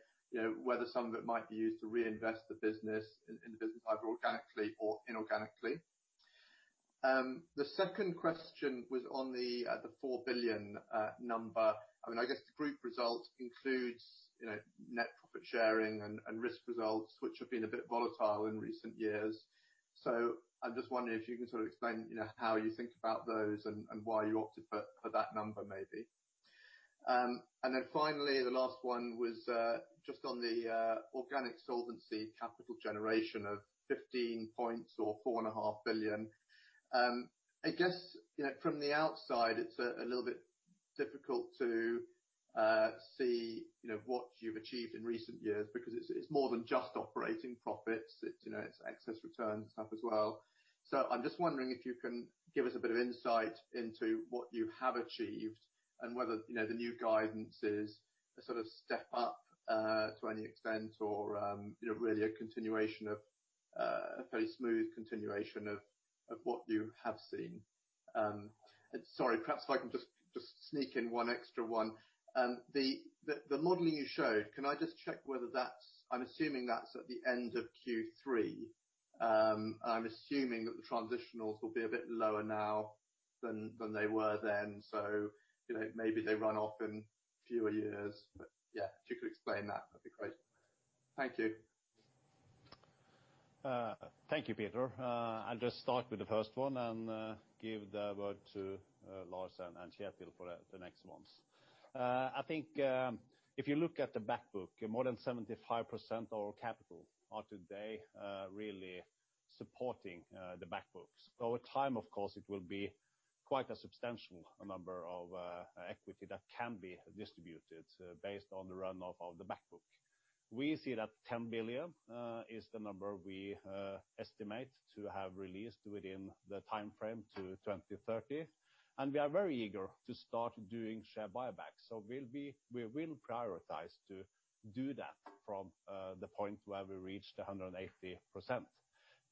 S10: whether some of it might be used to reinvest in the business, either organically or inorganically. The second question was on the four billion number. I guess the group result includes net profit sharing and risk results, which have been a bit volatile in recent years. I'm just wondering if you can sort of explain how you think about those and why you opted for that number, maybe. Finally, the last one was just on the organic solvency capital generation of 15 points or 4.5 billion. I guess from the outside, it's a little bit difficult to see what you've achieved in recent years because it's more than just operating profits. It's excess return stuff as well. I'm just wondering if you can give us a bit of insight into what you have achieved and whether the new guidance is a sort of step up to any extent or really a very smooth continuation of what you have seen. Sorry, perhaps if I can just sneak in one extra one. The modeling you showed, can I just check whether that's, I'm assuming that's at the end of Q3. I'm assuming that the transitionals will be a bit lower now than they were then. Maybe they run off in fewer years. Yeah, if you could explain that'd be great. Thank you.
S2: Thank you, Peter. I'll just start with the first one and give the word to Lars and Kjetil for the next ones. I think if you look at the back book, more than 75% of our capital are today really supporting the back books. Over time, of course, it will be quite a substantial number of equity that can be distributed based on the runoff of the back book. We see that 10 billion is the number we estimate to have released within the timeframe to 2030. We are very eager to start doing share buybacks. We will prioritize to do that from the point where we reached 180%.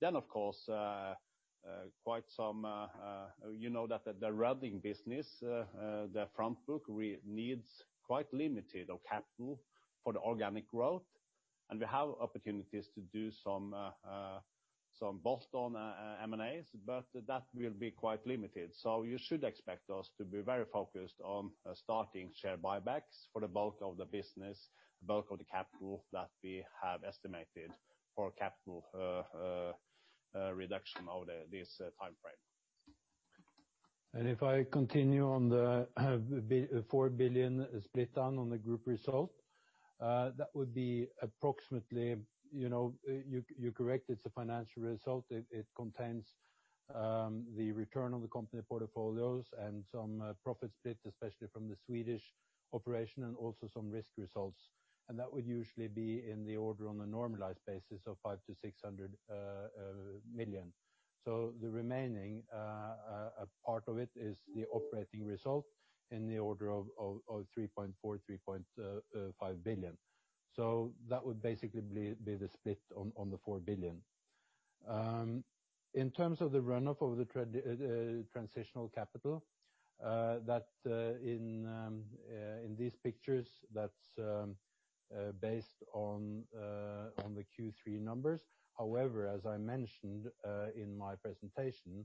S2: Of course, you know that the running business, the front book, needs quite limited of capital for the organic growth, and we have opportunities to do some bolt-on M&As, but that will be quite limited. You should expect us to be very focused on starting share buybacks for the bulk of the business, the bulk of the capital that we have estimated for capital reduction over this timeframe.
S7: If I continue on the four billion split down on the Group result, that would be approximately, you are correct, it's a financial result. It contains the return on the company portfolios and some profit split, especially from the Swedish operation, and also some risk results. That would usually be in the order on a normalized basis of 500 million-600 million. The remaining part of it is the operating result in the order of 3.4 billion-3.5 billion. That would basically be the split on the four billion. In terms of the runoff of the transitional capital, that in these pictures, that's based on the Q3 numbers. As I mentioned in my presentation,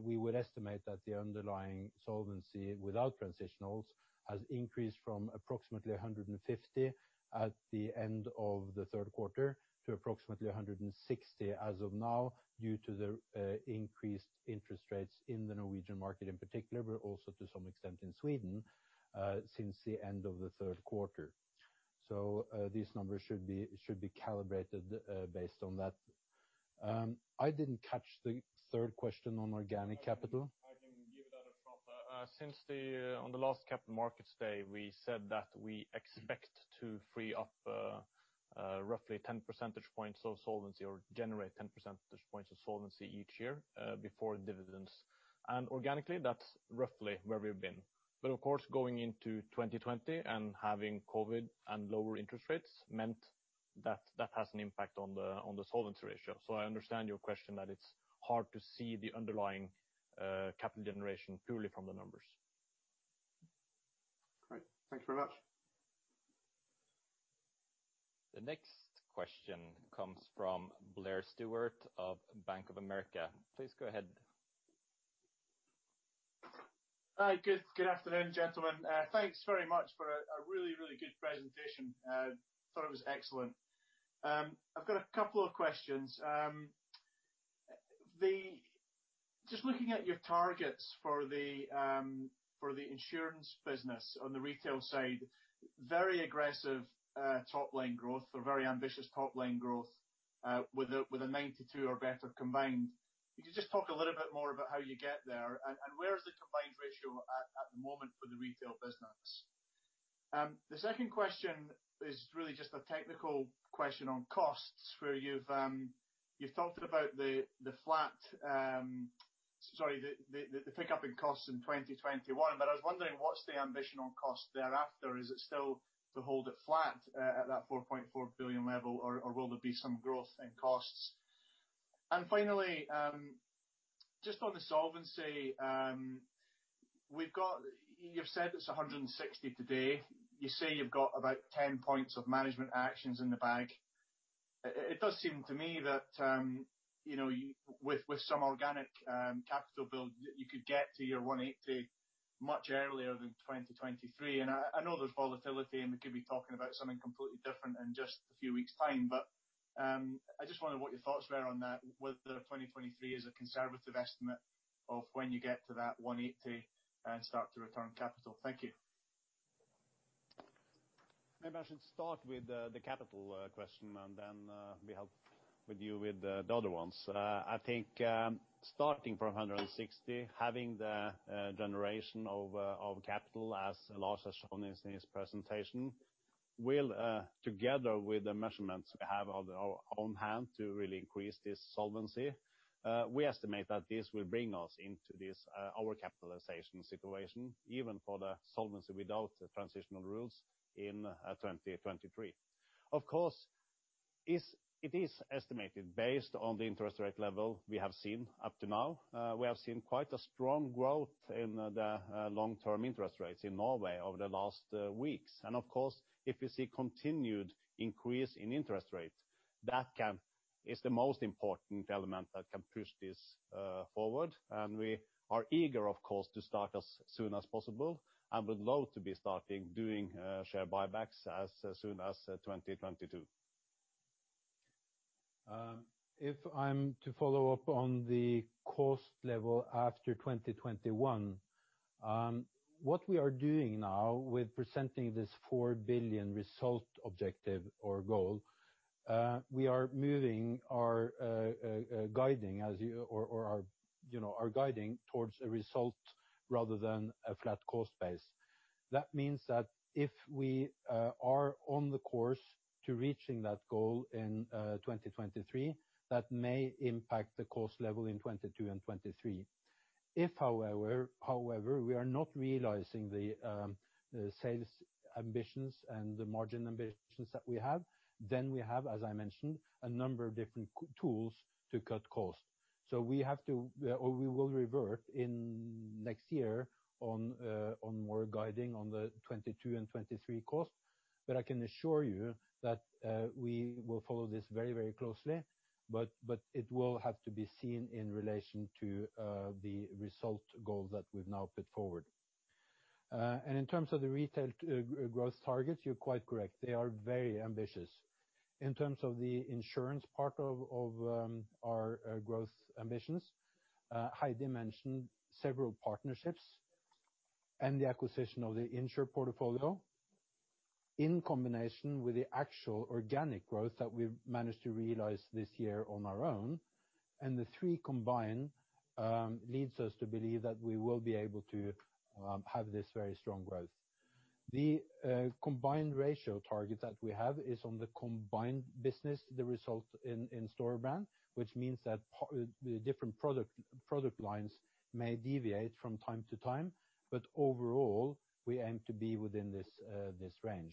S7: we would estimate that the underlying solvency without transitionals has increased from approximately 150 at the end of the third quarter to approximately 160 as of now, due to the increased interest rates in the Norwegian market in particular, but also to some extent in Sweden, since the end of the third quarter. So these numbers should be calibrated based on that. I didn't catch the third question on organic capital.
S11: I can give that a shot. On the last Capital Markets Day, we said that we expect to free up roughly 10 percentage points of solvency or generate 10 percentage points of solvency each year, before dividends. Organically, that's roughly where we've been. Of course, going into 2020 and having COVID and lower interest rates meant that that has an impact on the solvency ratio. I understand your question that it's hard to see the underlying capital generation purely from the numbers.
S10: Great. Thank you very much.
S9: The next question comes from Blair Stewart of Bank of America. Please go ahead.
S12: Hi. Good afternoon, gentlemen. Thanks very much for a really good presentation. Thought it was excellent. I've got a couple of questions. Just looking at your targets for the insurance business on the retail side, very aggressive top-line growth or very ambitious top-line growth, with a 92 or better combined. Could you just talk a little bit more about how you get there, and where is the combined ratio at the moment for the retail business? The second question is really just a technical question on costs where you've talked about the flat, sorry, the pickup in costs in 2021. I was wondering, what's the ambition on cost thereafter? Is it still to hold it flat at that 4.4 billion level, or will there be some growth in costs? Finally, just on the solvency, you've said it's 160 today. You say you've got about 10 points of management actions in the bag. It does seem to me that with some organic capital build, you could get to your 180 much earlier than 2023. I know there's volatility, and we could be talking about something completely different in just a few weeks' time, but I just wondered what your thoughts were on that, whether 2023 is a conservative estimate of when you get to that 180 and start to return capital. Thank you.
S2: Maybe I should start with the capital question and then help you with the other ones. I think starting from 160, having the generation of capital as Lars has shown in his presentation, will, together with the measurements we have on hand to really increase this solvency. We estimate that this will bring us into this overcapitalization situation, even for the solvency without transitional rules in 2023. It is estimated based on the interest rate level we have seen up to now. We have seen quite a strong growth in the long-term interest rates in Norway over the last weeks. If you see continued increase in interest rates, that is the most important element that can push this forward. We are eager to start as soon as possible and would love to be starting doing share buybacks as soon as 2022.
S7: If I'm to follow up on the cost level after 2021, what we are doing now with presenting this four billion result objective or goal, we are moving our guiding towards a result rather than a flat cost base. That means that if we are on the course to reaching that goal in 2023, that may impact the cost level in 2022 and 2023. If, however, we are not realizing the sales ambitions and the margin ambitions that we have, then we have, as I mentioned, a number of different tools to cut costs. We will revert in next year on more guiding on the 2022 and 2023 costs. I can assure you that we will follow this very closely, but it will have to be seen in relation to the result goals that we've now put forward.
S2: In terms of the retail growth targets, you're quite correct. They are very ambitious. In terms of the insurance part of our growth ambitions, Heidi mentioned several partnerships and the acquisition of the Insr portfolio in combination with the actual organic growth that we've managed to realize this year on our own. The three combined leads us to believe that we will be able to have this very strong growth. The combined ratio target that we have is on the combined business, the result in Storebrand, which means that the different product lines may deviate from time to time, but overall, we aim to be within this range.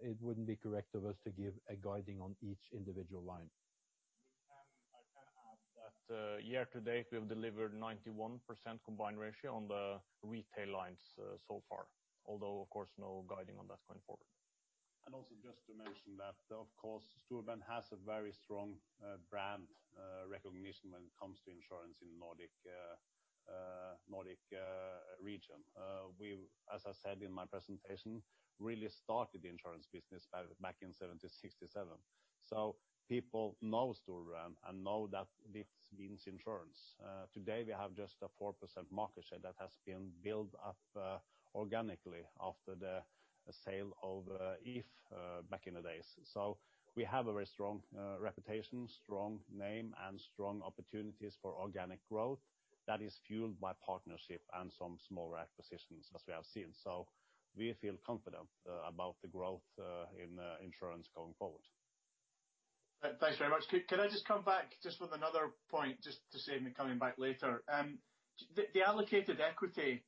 S2: It wouldn't be correct of us to give a guiding on each individual line.
S11: I can add that year to date, we have delivered 91% combined ratio on the retail lines so far, although of course no guiding on that going forward.
S2: Also just to mention that, of course, Storebrand has a very strong brand recognition when it comes to insurance in Nordic region. As I said in my presentation, really started the insurance business back in 1767. People know Storebrand and know that this means insurance. Today we have just a 4% market share that has been built up organically after the sale of If back in the days. We have a very strong reputation, strong name, and strong opportunities for organic growth that is fueled by partnership and some smaller acquisitions as we have seen. We feel confident about the growth in insurance going forward.
S12: Thanks very much. Could I just come back just with another point, just to save me coming back later. The allocated equity,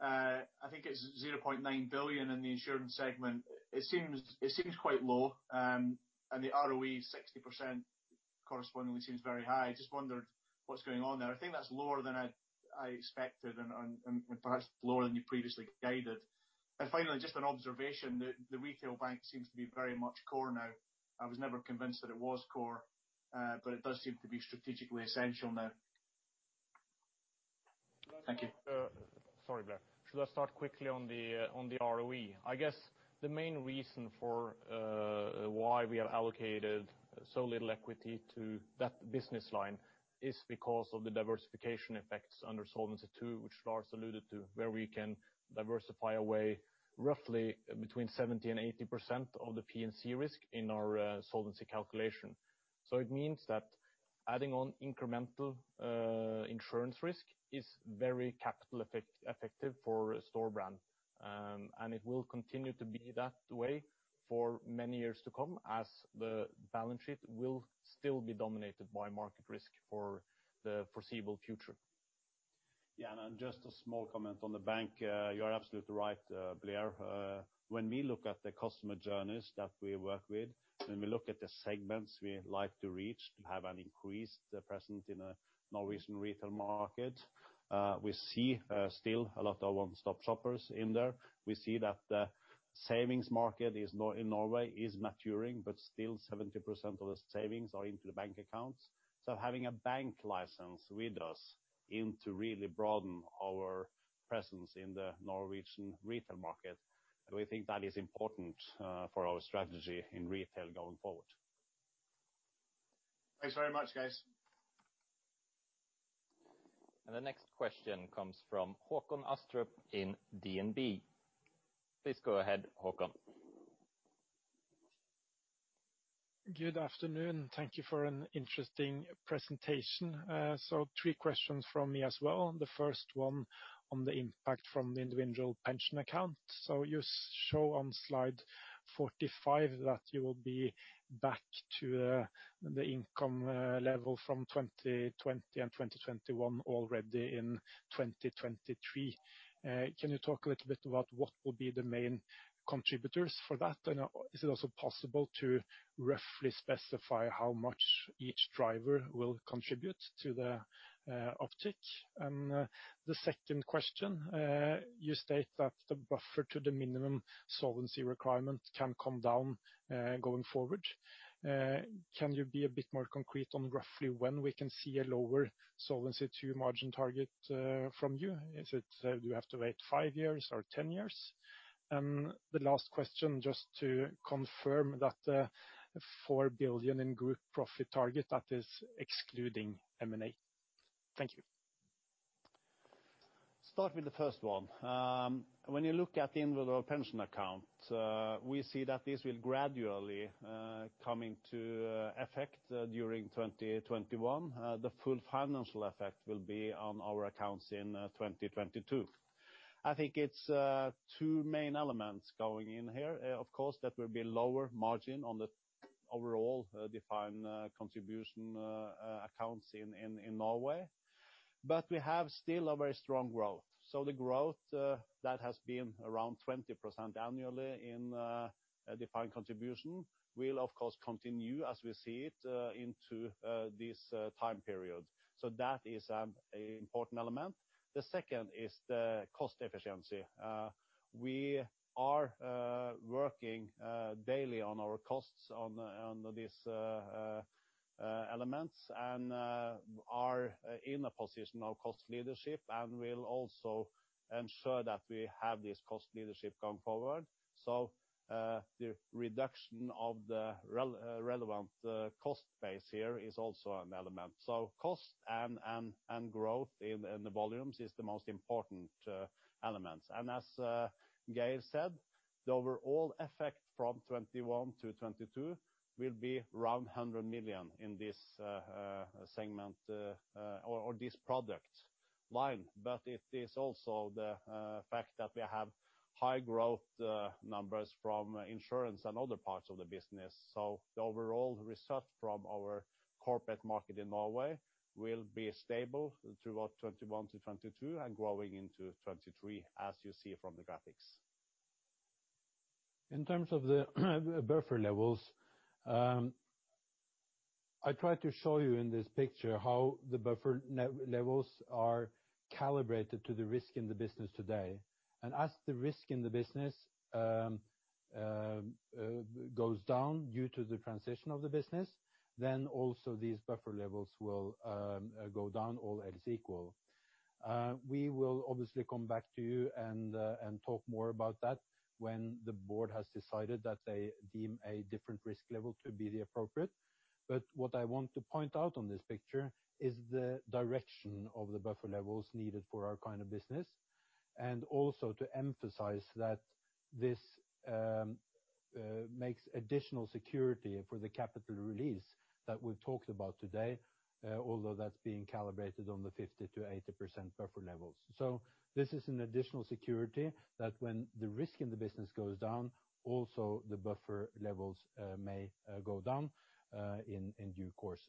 S12: I think it's 0.9 billion in the insurance segment. It seems quite low, and the ROE 60% correspondingly seems very high. I just wondered what's going on there. I think that's lower than I expected and perhaps lower than you previously guided. Finally, just an observation, the retail bank seems to be very much core now. I was never convinced that it was core, but it does seem to be strategically essential now. Thank you.
S11: Sorry, Blair. Should I start quickly on the ROE? I guess the main reason for why we have allocated so little equity to that business line is because of the diversification effects under Solvency II, which Lars alluded to, where we can diversify away roughly between 70% to 80% of the P&C risk in our solvency calculation. It means that adding on incremental insurance risk is very capital effective for Storebrand. It will continue to be that way for many years to come as the balance sheet will still be dominated by market risk for the foreseeable future.
S2: Yeah. Just a small comment on the bank. You are absolutely right, Blair. When we look at the customer journeys that we work with, when we look at the segments we like to reach to have an increased presence in a Norwegian retail market, we see still a lot of one-stop shoppers in there. We see that the savings market in Norway is maturing, still 70% of the savings are into the bank accounts. Having a bank license with us aim to really broaden our presence in the Norwegian retail market, and we think that is important for our strategy in retail going forward.
S12: Thanks very much, guys.
S9: The next question comes from Håkon Astrup in DNB. Please go ahead, Håkon.
S13: Good afternoon. Thank you for an interesting presentation. Three questions from me as well. The first one on the impact from the individual pension account. You show on slide 45 that you will be back to the income level from 2020 and 2021 already in 2023. Can you talk a little bit about what will be the main contributors for that? Is it also possible to roughly specify how much each driver will contribute to the uptick? The second question, you state that the buffer to the minimum solvency requirement can come down, going forward. Can you be a bit more concrete on roughly when we can see a lower Solvency II margin target from you? Do you have to wait five years or 10 years? The last question, just to confirm that the four billion in group profit target, that is excluding M&A. Thank you.
S2: Start with the first one. When you look at the individual pension account, we see that this will gradually come into effect during 2021. The full financial effect will be on our accounts in 2022. I think it's two main elements going in here. Of course, that will be lower margin on the overall defined contribution accounts in Norway. We have still a very strong growth. The growth that has been around 20% annually in defined contribution will of course continue as we see it into this time period. That is an important element. The second is the cost efficiency. We are working daily on our costs on these elements and are in a position of cost leadership and will also ensure that we have this cost leadership going forward. The reduction of the relevant cost base here is also an element. Cost and growth in the volumes is the most important elements. As Geir said, the overall effect from 2021 to 2022 will be around 100 million in this segment, or this product line. It is also the fact that we have high growth numbers from insurance and other parts of the business. The overall result from our corporate market in Norway will be stable throughout 2021 to 2022 and growing into 2023, as you see from the graphics.
S7: In terms of the buffer levels, I try to show you in this picture how the buffer levels are calibrated to the risk in the business today. As the risk in the business goes down due to the transition of the business, then also these buffer levels will go down, all else equal. We will obviously come back to you and talk more about that when the board has decided that they deem a different risk level to be appropriate. What I want to point out on this picture is the direction of the buffer levels needed for our kind of business, and also to emphasize that this makes additional security for the capital release that we've talked about today, although that's being calibrated on the 50% to 80% buffer levels. This is an additional security that when the risk in the business goes down, also the buffer levels may go down in due course.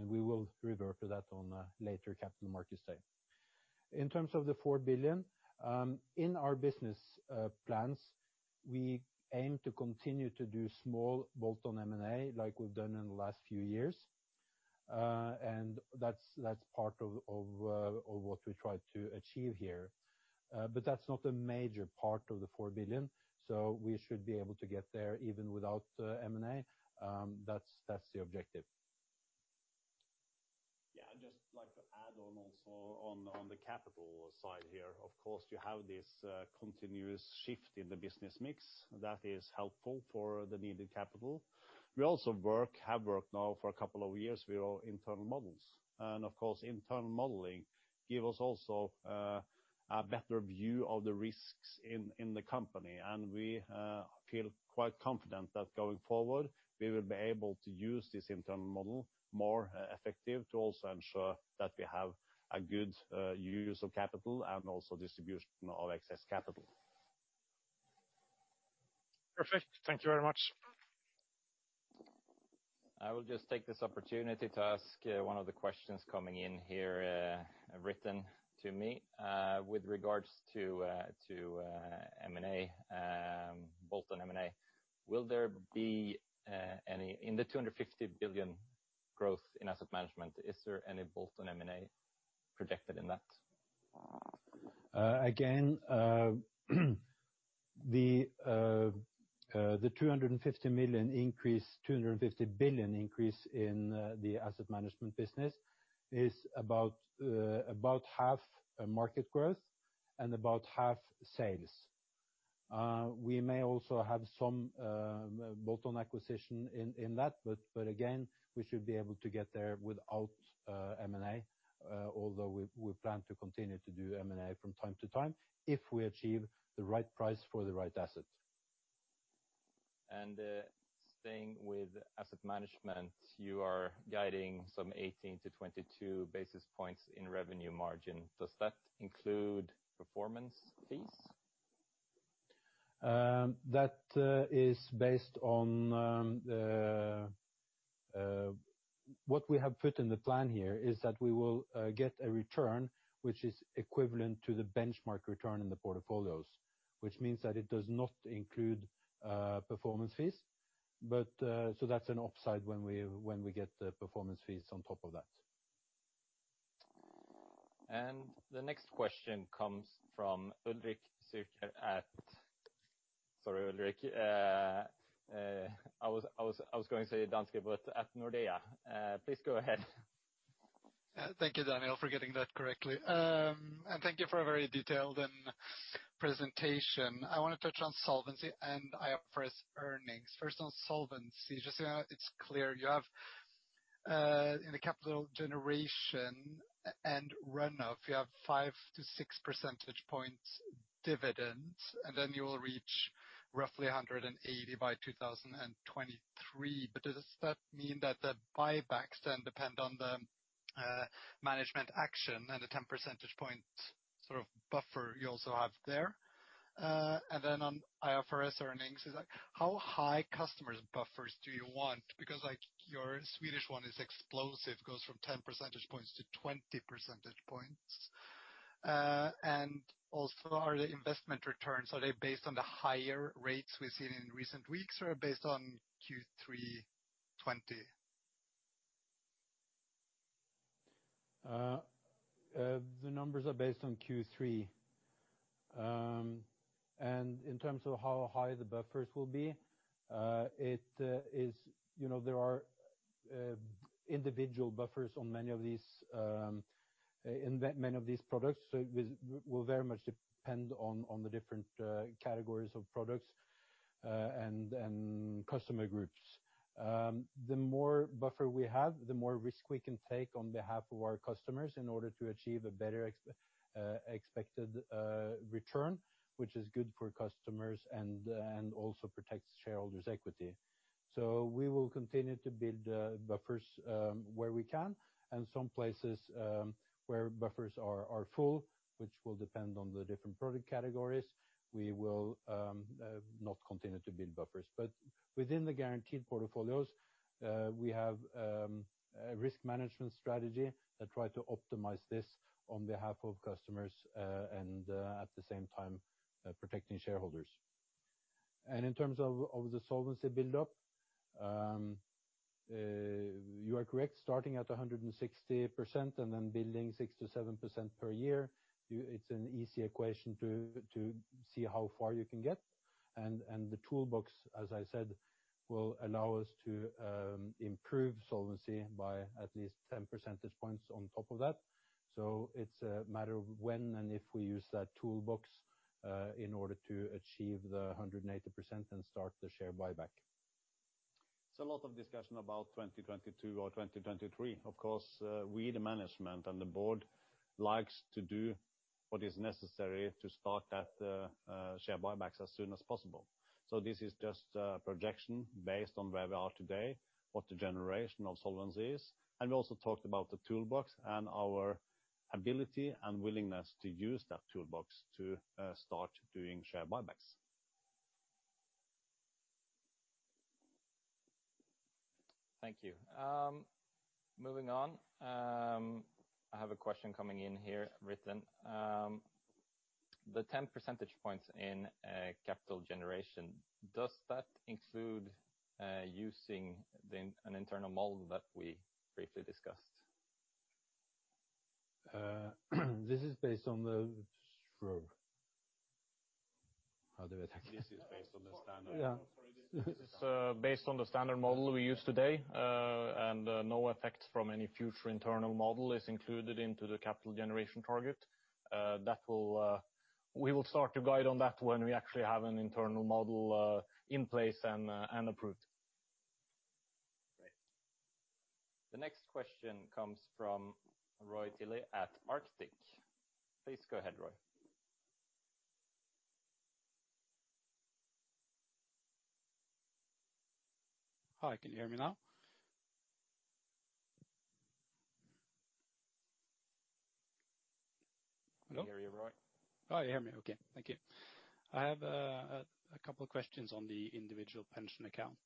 S7: We will revert to that on a later capital market day. In terms of the four billion, in our business plans, we aim to continue to do small bolt-on M&A like we've done in the last few years. That's part of what we try to achieve here. That's not a major part of the four billion, so we should be able to get there even without M&A. That's the objective.
S2: Yeah, I'd just like to add on also on the capital side here. Of course, you have this continuous shift in the business mix that is helpful for the needed capital. We also have worked now for a couple of years with our internal models. Of course, internal modeling give us also a better view of the risks in the company. We feel quite confident that going forward, we will be able to use this internal model more effective to also ensure that we have a good use of capital and also distribution of excess capital.
S13: Perfect. Thank you very much.
S9: I will just take this opportunity to ask one of the questions coming in here written to me with regards to M&A, bolt-on M&A. In the 250 billion growth in asset management, is there any bolt-on M&A projected in that?
S7: Again, the NOK 250 billion increase in the Storebrand Asset Management business is about half market growth and about half sales. Again, we may also have some bolt-on acquisition in that, we should be able to get there without M&A, although we plan to continue to do M&A from time to time if we achieve the right price for the right asset.
S9: Staying with asset management, you are guiding some 18 to 22 basis points in revenue margin. Does that include performance fees?
S7: What we have put in the plan here is that we will get a return which is equivalent to the benchmark return in the portfolios, which means that it does not include performance fees. That's an upside when we get the performance fees on top of that.
S9: The next question comes from Ulrik Zürcher at, sorry Ulrik, I was going to say Danske, but at Nordea. Please go ahead.
S14: Thank you, Daniel, for getting that correctly. Thank you for a very detailed presentation. I want to touch on solvency and IFRS earnings. First on solvency, just so that it's clear, you have in the capital generation and run-off, you have five to six percentage points dividend, then you will reach roughly 180 by 2023. Does that mean that the buybacks then depend on the management action and the 10 percentage points buffer you also have there? On IFRS earnings, how high customers buffers do you want? Because your Swedish one is explosive, goes from 10 percentage points to 20 percentage points. Also are the investment returns, are they based on the higher rates we've seen in recent weeks or based on Q3 2020?
S7: The numbers are based on Q3. In terms of how high the buffers will be, there are individual buffers on many of these products. It will very much depend on the different categories of products and customer groups. The more buffer we have, the more risk we can take on behalf of our customers in order to achieve a better expected return, which is good for customers and also protects shareholders' equity. We will continue to build buffers where we can, and some places where buffers are full, which will depend on the different product categories, we will not continue to build buffers. Within the guaranteed portfolios, we have a risk management strategy that try to optimize this on behalf of customers, and at the same time protecting shareholders. In terms of the solvency build up, you are correct, starting at 160% and then building 6% to 7% per year, it's an easy equation to see how far you can get. The toolbox, as I said, will allow us to improve solvency by at least 10 percentage points on top of that. It's a matter of when and if we use that toolbox, in order to achieve the 180% and start the share buyback.
S2: A lot of discussion about 2022 or 2023. Of course, we, the management and the board likes to do what is necessary to start that share buybacks as soon as possible. This is just a projection based on where we are today, what the generation of solvency is, and we also talked about the toolbox and our ability and willingness to use that toolbox to start doing share buybacks.
S9: Thank you. Moving on. I have a question coming in here written. The 10 percentage points in capital generation, does that include using an internal model that we briefly discussed?
S7: This is based on the.
S2: This is based on the standard.
S7: Yeah.
S11: This is based on the standard model we use today. No effect from any future internal model is included into the capital generation target. We will start to guide on that when we actually have an internal model in place and approved.
S9: Great. The next question comes from Roy Tilley at Arctic. Please go ahead, Roy.
S15: Hi, can you hear me now? Hello.
S9: I can hear you, Roy.
S15: You hear me, okay. Thank you. I have a couple questions on the individual pension account.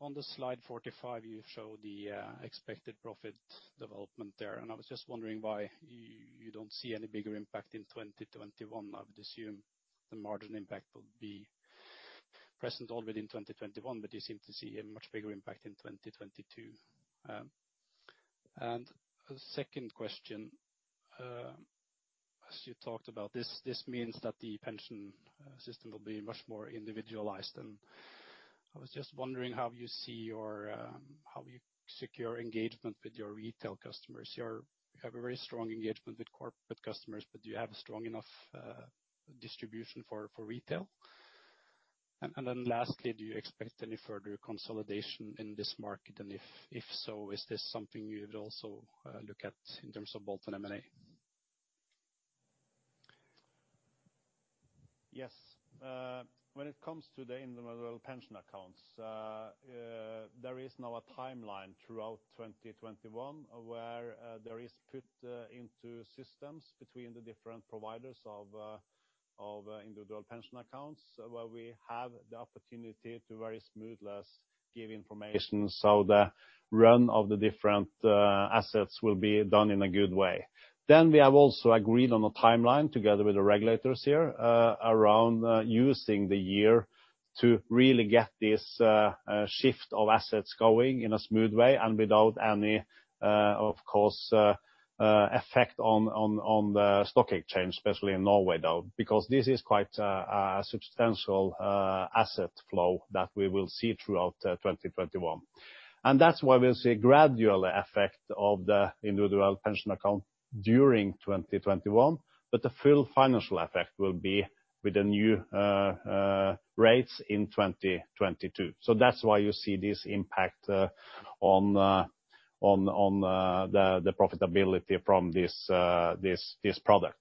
S15: On slide 45, you show the expected profit development there. I was just wondering why you don't see any bigger impact in 2021. I would assume the margin impact would be present already in 2021, but you seem to see a much bigger impact in 2022. A second question. As you talked about this means that the pension system will be much more individualized than I was just wondering how you secure engagement with your retail customers. You have a very strong engagement with corporate customers, but do you have a strong enough distribution for retail? Lastly, do you expect any further consolidation in this market? If so, is this something you would also look at in terms of bolt-on M&A?
S2: Yes. When it comes to the individual pension accounts, there is now a timeline throughout 2021 where there is put into systems between the different providers of individual pension accounts, where we have the opportunity to very smoothly give information so the run of the different assets will be done in a good way. We have also agreed on a timeline together with the regulators here, around using the year to really get this shift of assets going in a smooth way and without any, of course, effect on the stock exchange, especially in Norway, though. That's why we'll see gradual effect of the individual pension account during 2021, but the full financial effect will be with the new rates in 2022. That's why you see this impact on the profitability from this product.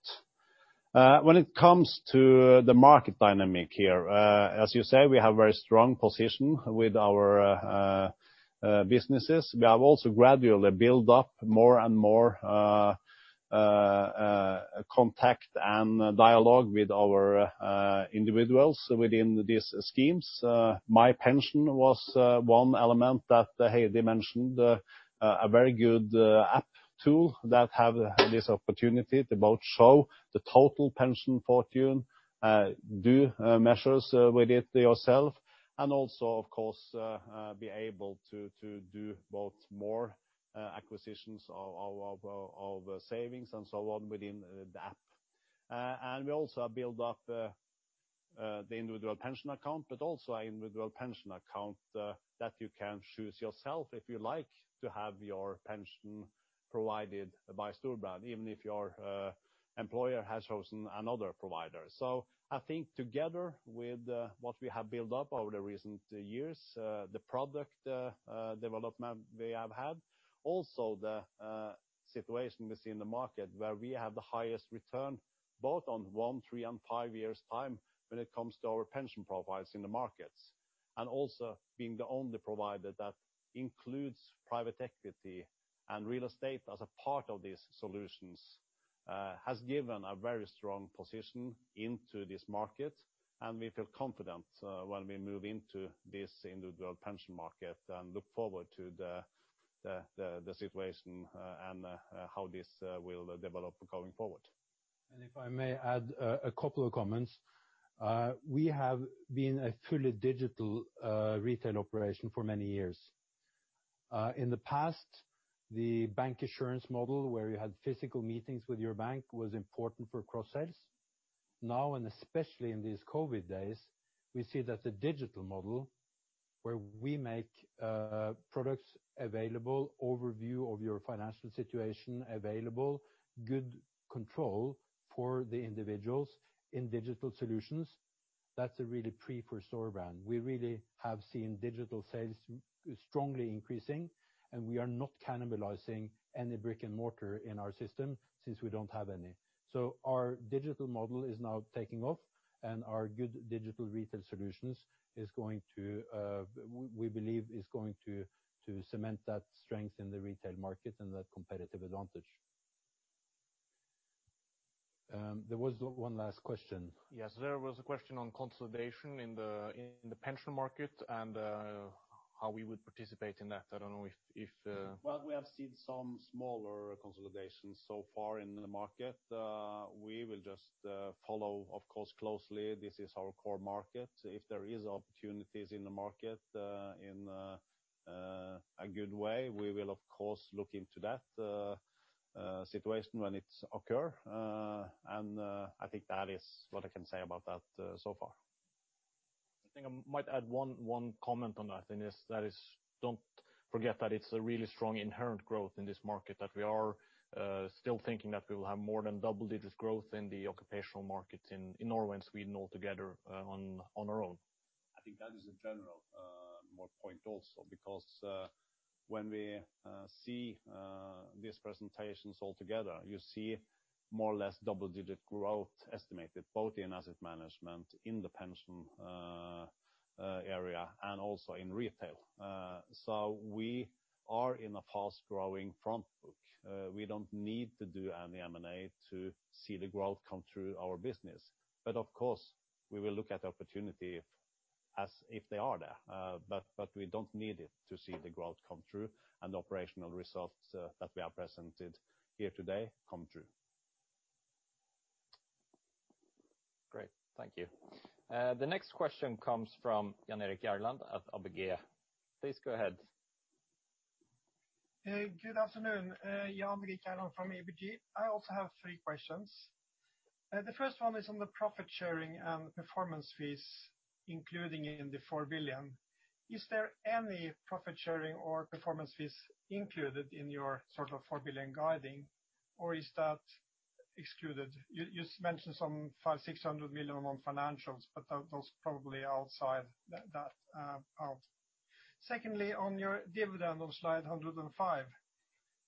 S2: When it comes to the market dynamic here, as you say, we have very strong position with our businesses. We have also gradually built up more and more contact and dialogue with our individuals within these schemes. MyPension was one element that Heidi mentioned, a very good app tool that have this opportunity to both show the total pension fortune, do measures with it yourself, and also, of course, be able to do both more acquisitions of savings and so on within the app. We also build up the individual pension account, but also individual pension account that you can choose yourself if you like to have your pension provided by Storebrand, even if your employer has chosen another provider. I think together with what we have built up over the recent years, the product development we have had, also the situation we see in the market where we have the highest return both on one, three, and five years' time when it comes to our pension profiles in the markets. Also being the only provider that includes private equity and real estate as a part of these solutions, has given a very strong position into this market and we feel confident when we move into this individual pension market and look forward to the situation and how this will develop going forward.
S11: If I may add a couple of comments. We have been a fully digital retail operation for many years. In the past, the bank insurance model where you had physical meetings with your bank was important for cross sales. Now, especially in these COVID days, we see that the digital model where we make products available, overview of your financial situation available, good control for the individuals in digital solutions, that's a really plus for Storebrand. We really have seen digital sales strongly increasing. We are not cannibalizing any brick-and-mortar in our system since we don't have any. Our digital model is now taking off. Our good digital retail solutions, we believe, is going to cement that strength in the retail market and that competitive advantage. There was one last question. Yes, there was a question on consolidation in the pension market. How we would participate in that. Well, we have seen some smaller consolidations so far in the market. We will just follow, of course, closely. This is our core market. If there are opportunities in the market in a good way, we will of course look into that situation when it occurs. I think that is what I can say about that so far. I think I might add one comment on that. That is, don't forget that it's a really strong inherent growth in this market that we are still thinking that we will have more than double-digit growth in the occupational market in Norway and Sweden altogether on our own. I think that is a general more point also because when we see these presentations altogether, you see more or less double-digit growth estimated both in asset management, in the pension area and also in retail. We are in a fast-growing front book. We don't need to do any M&A to see the growth come through our business. Of course, we will look at opportunity if they are there. We don't need it to see the growth come through and the operational results that we have presented here today come through.
S9: Great, thank you. The next question comes from Jan Erik Gjerland at ABG. Please go ahead.
S16: Good afternoon, Jan Erik Gjerland from ABG. I also have three questions. The first one is on the profit sharing and performance fees including in the four billion. Is there any profit sharing or performance fees included in your sort of four billion guiding or is that excluded? You mentioned some five, 600 million on financials, but those probably outside that. Secondly, on your dividend on slide 105.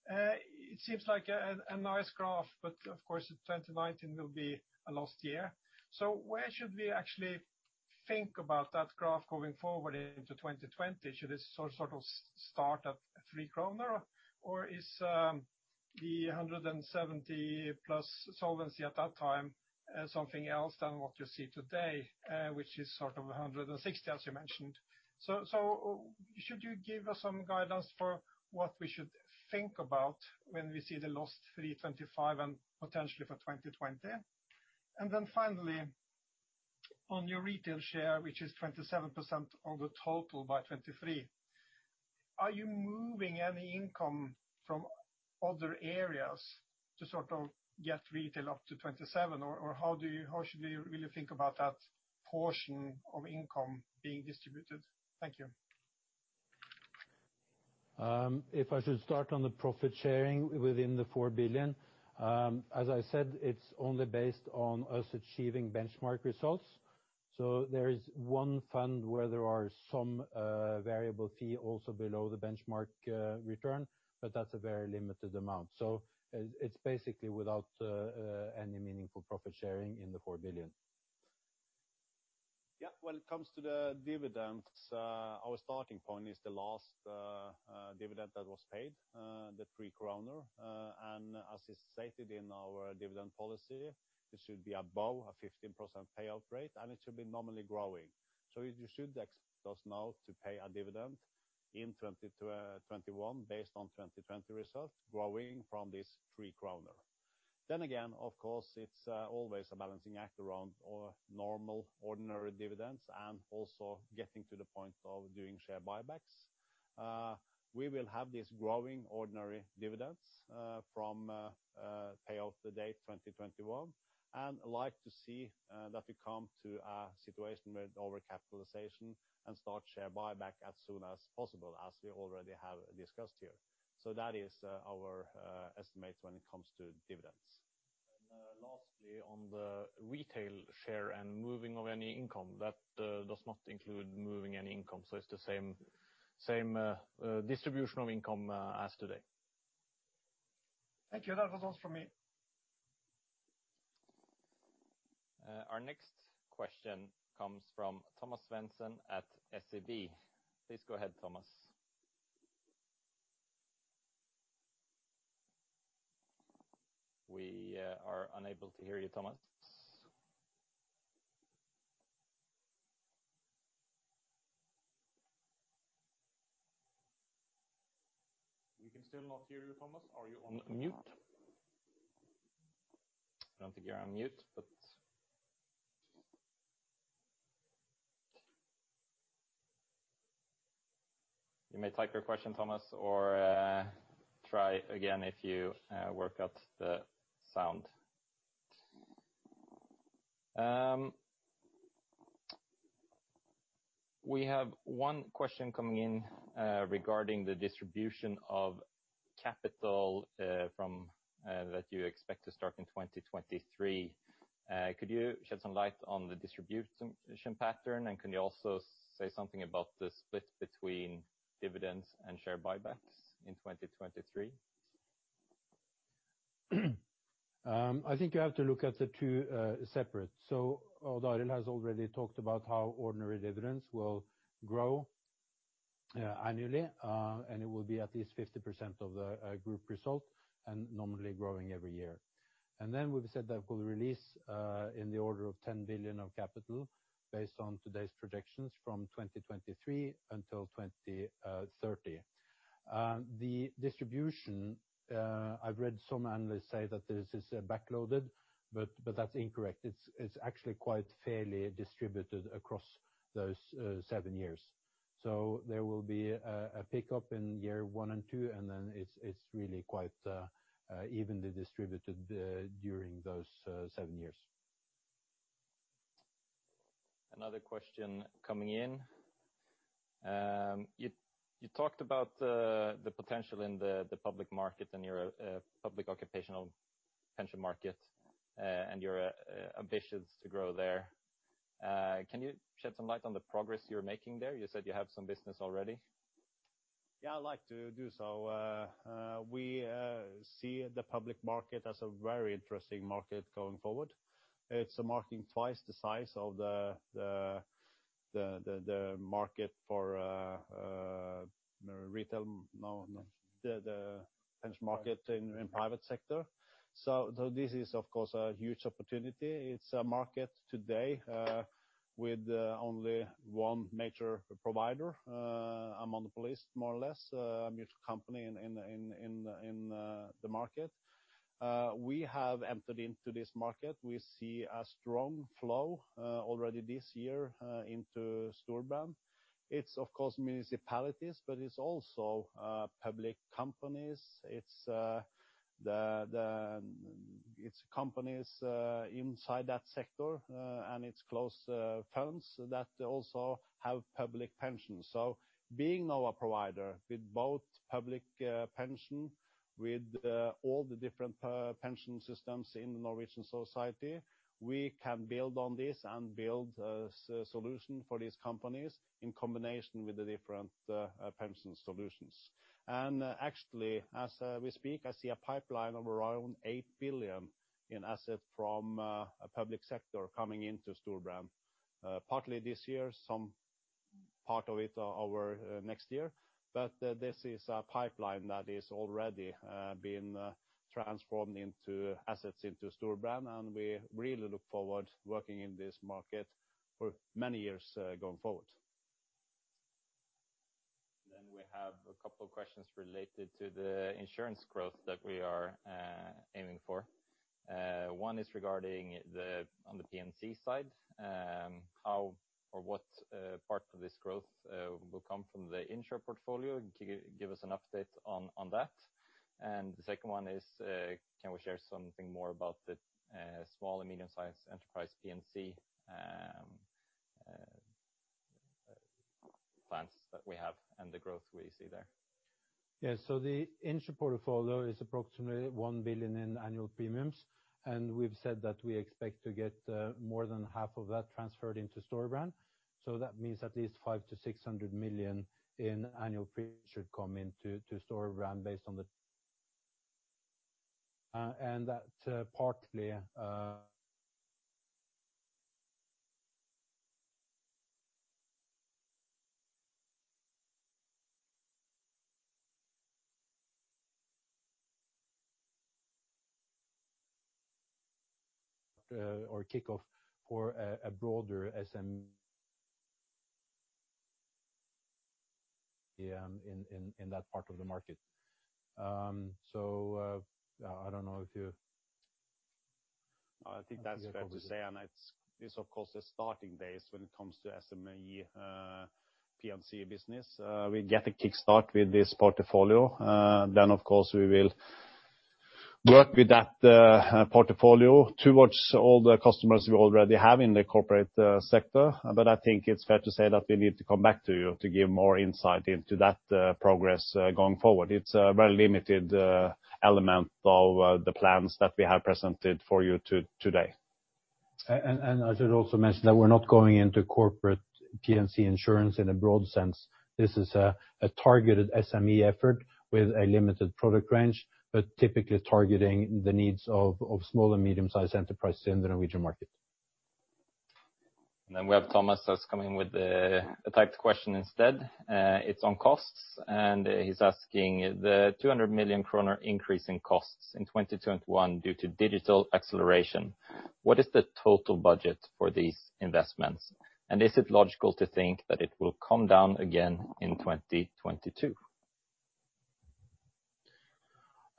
S16: It seems like a nice graph but of course 2019 will be a lost year. Where should we actually think about that graph going forward into 2020? Should it sort of start at three kroner or is the 170 plus solvency at that time something else than what you see today, which is sort of 160 as you mentioned. Should you give us some guidance for what we should think about when we see the last Q3 and potentially for 2020? Finally on your retail share, which is 27% of the total by 2023. Are you moving any income from other areas to sort of get retail up to 27% or how should we really think about that portion of income being distributed? Thank you.
S2: If I should start on the profit sharing within the four billion. As I said, it's only based on us achieving benchmark results. There is one fund where there are some variable fee also below the benchmark return, that's a very limited amount. It's basically without any meaningful profit sharing in the four billion. When it comes to the dividends, our starting point is the last dividend that was paid, the three kroner. As is stated in our dividend policy, it should be above a 15% payout rate and it should be nominally growing. You should expect us now to pay a dividend in 2021, based on 2020 results, growing from this three-kroner. Again, of course, it's always a balancing act around normal, ordinary dividends and also getting to the point of doing share buybacks. We will have these growing ordinary dividends from payout date 2021 and like to see that we come to a situation with over-capitalization and start share buyback as soon as possible, as we already have discussed here. That is our estimate when it comes to dividends. Lastly, on the retail share and moving of any income, that does not include moving any income. It's the same distribution of income as today.
S16: Thank you. That was all from me.
S9: Our next question comes from Thomas Svendsen at SEB. Please go ahead, Thomas. We are unable to hear you, Thomas. We can still not hear you, Thomas. Are you on mute? I don't think you're on mute. You may type your question, Thomas, or try again if you work out the sound. We have one question coming in regarding the distribution of capital that you expect to start in 2023. Could you shed some light on the distribution pattern? Can you also say something about the split between dividends and share buybacks in 2023?
S7: I think you have to look at the two separate. Odd Arild has already talked about how ordinary dividends will grow annually, and it will be at least 50% of the group result and normally growing every year. We've said that we'll release in the order of 10 billion of capital based on today's projections from 2023 until 2030. The distribution, I've read some analysts say that this is backloaded, but that's incorrect. It's actually quite fairly distributed across those seven years. There will be a pickup in year one and two, and then it's really quite evenly distributed during those seven years.
S9: Another question coming in. You talked about the potential in the public market and your public occupational pension market, and your ambitions to grow there. Can you shed some light on the progress you're making there? You said you have some business already.
S2: I'd like to do so. We see the public market as a very interesting market going forward. It's a market twice the size of the market for retail, no. The pension market in private sector. This is, of course, a huge opportunity. It's a market today with only one major provider, a monopolist, more or less, mutual company in the market. We have entered into this market. We see a strong flow already this year into Storebrand. It's, of course, municipalities, but it's also public companies. It's companies inside that sector, and it's close firms that also have public pensions. Being our provider with both public pension, with all the different pension systems in the Norwegian society, we can build on this and build a solution for these companies in combination with the different pension solutions. Actually, as we speak, I see a pipeline of around eight billion in assets from a public sector coming into Storebrand. Partly this year, some part of it over next year. This is a pipeline that is already being transformed into assets into Storebrand, and we really look forward to working in this market for many years going forward.
S9: We have a couple of questions related to the insurance growth that we are aiming for. One is regarding on the P&C side, how or what part of this growth will come from the Insr portfolio? Can you give us an update on that? The second one is, can we share something more about the small and medium-sized enterprise P&C plans that we have and the growth we see there?
S7: Yeah. The Insr portfolio is approximately one billion in annual premiums, and we've said that we expect to get more than half of that transferred into Storebrand. That means at least 500 million-600 million in annual premiums should come into Storebrand. Kickoff for a broader SME. In that part of the market. I don't know if you
S2: I think that's fair to say, and it's of course the starting days when it comes to SME, P&C business. We get a kickstart with this portfolio. Of course, we will work with that portfolio towards all the customers we already have in the corporate sector. I think it's fair to say that we need to come back to you to give more insight into that progress going forward. It's a very limited element of the plans that we have presented for you today.
S7: I should also mention that we're not going into corporate P&C insurance in a broad sense. This is a targeted SME effort with a limited product range, but typically targeting the needs of small and medium-sized enterprises in the Norwegian market.
S9: We have Thomas who's coming with a typed question instead. It's on costs. He's asking, the 200 million kroner increase in costs in 2021 due to digital acceleration. What is the total budget for these investments? Is it logical to think that it will come down again in 2022?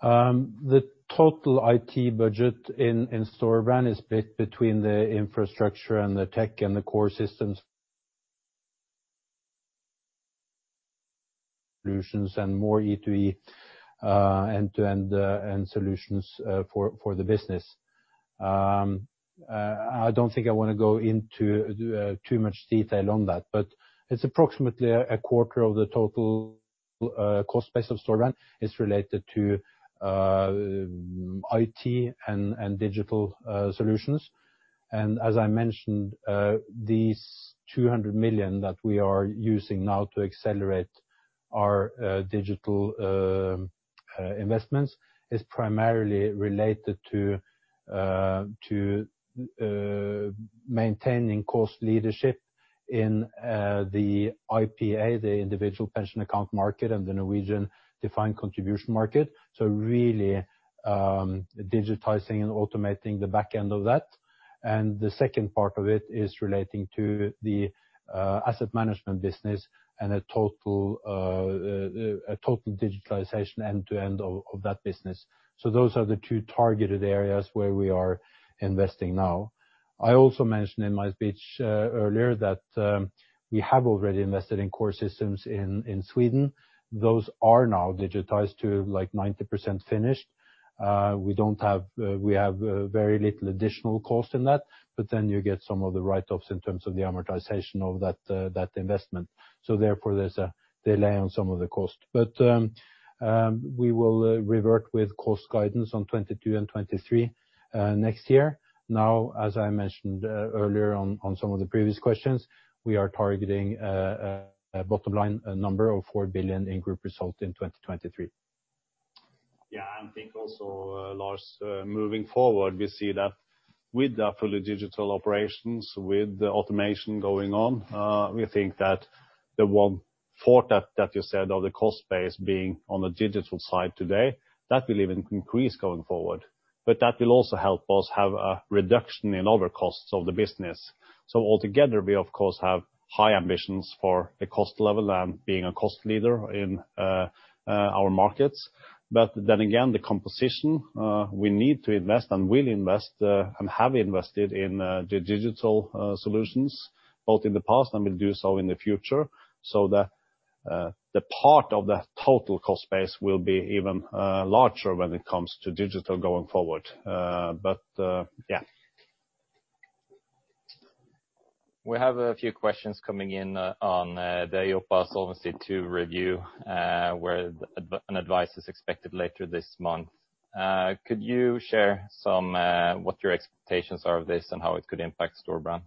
S7: The total IT budget in Storebrand is split between the infrastructure and the tech and the core systems, solutions and more E2E, end-to-end solutions for the business. I don't think I want to go into too much detail on that, but it's approximately a quarter of the total cost base of Storebrand is related to IT and digital solutions. As I mentioned, these 200 million that we are using now to accelerate our digital investments is primarily related to maintaining cost leadership in the IPA, the individual pension account market and the Norwegian defined contribution market. Really, digitizing and automating the back end of that. The second part of it is relating to the asset management business and a total digitalization end-to-end of that business. Those are the two targeted areas where we are investing now. I also mentioned in my speech earlier that we have already invested in core systems in Sweden. Those are now digitized to like 90% finished. We have very little additional cost in that, but then you get some of the write-offs in terms of the amortization of that investment. Therefore, there's a delay on some of the cost. We will revert with cost guidance on 2022 and 2023 next year. Now, as I mentioned earlier on some of the previous questions, we are targeting a bottom line number of four billion in group result in 2023.
S2: I think also, Lars, moving forward, we see that with the fully digital operations, with the automation going on, we think that the one-fourth that you said of the cost base being on the digital side today, that will even increase going forward. That will also help us have a reduction in other costs of the business. Altogether, we of course have high ambitions for the cost level and being a cost leader in our markets. Then again, the composition, we need to invest and will invest, and have invested in the digital solutions, both in the past and will do so in the future. The part of the total cost base will be even larger when it comes to digital going forward.
S9: We have a few questions coming in on the EIOPA Solvency II review, where an advice is expected later this month. Could you share what your expectations are of this and how it could impact Storebrand?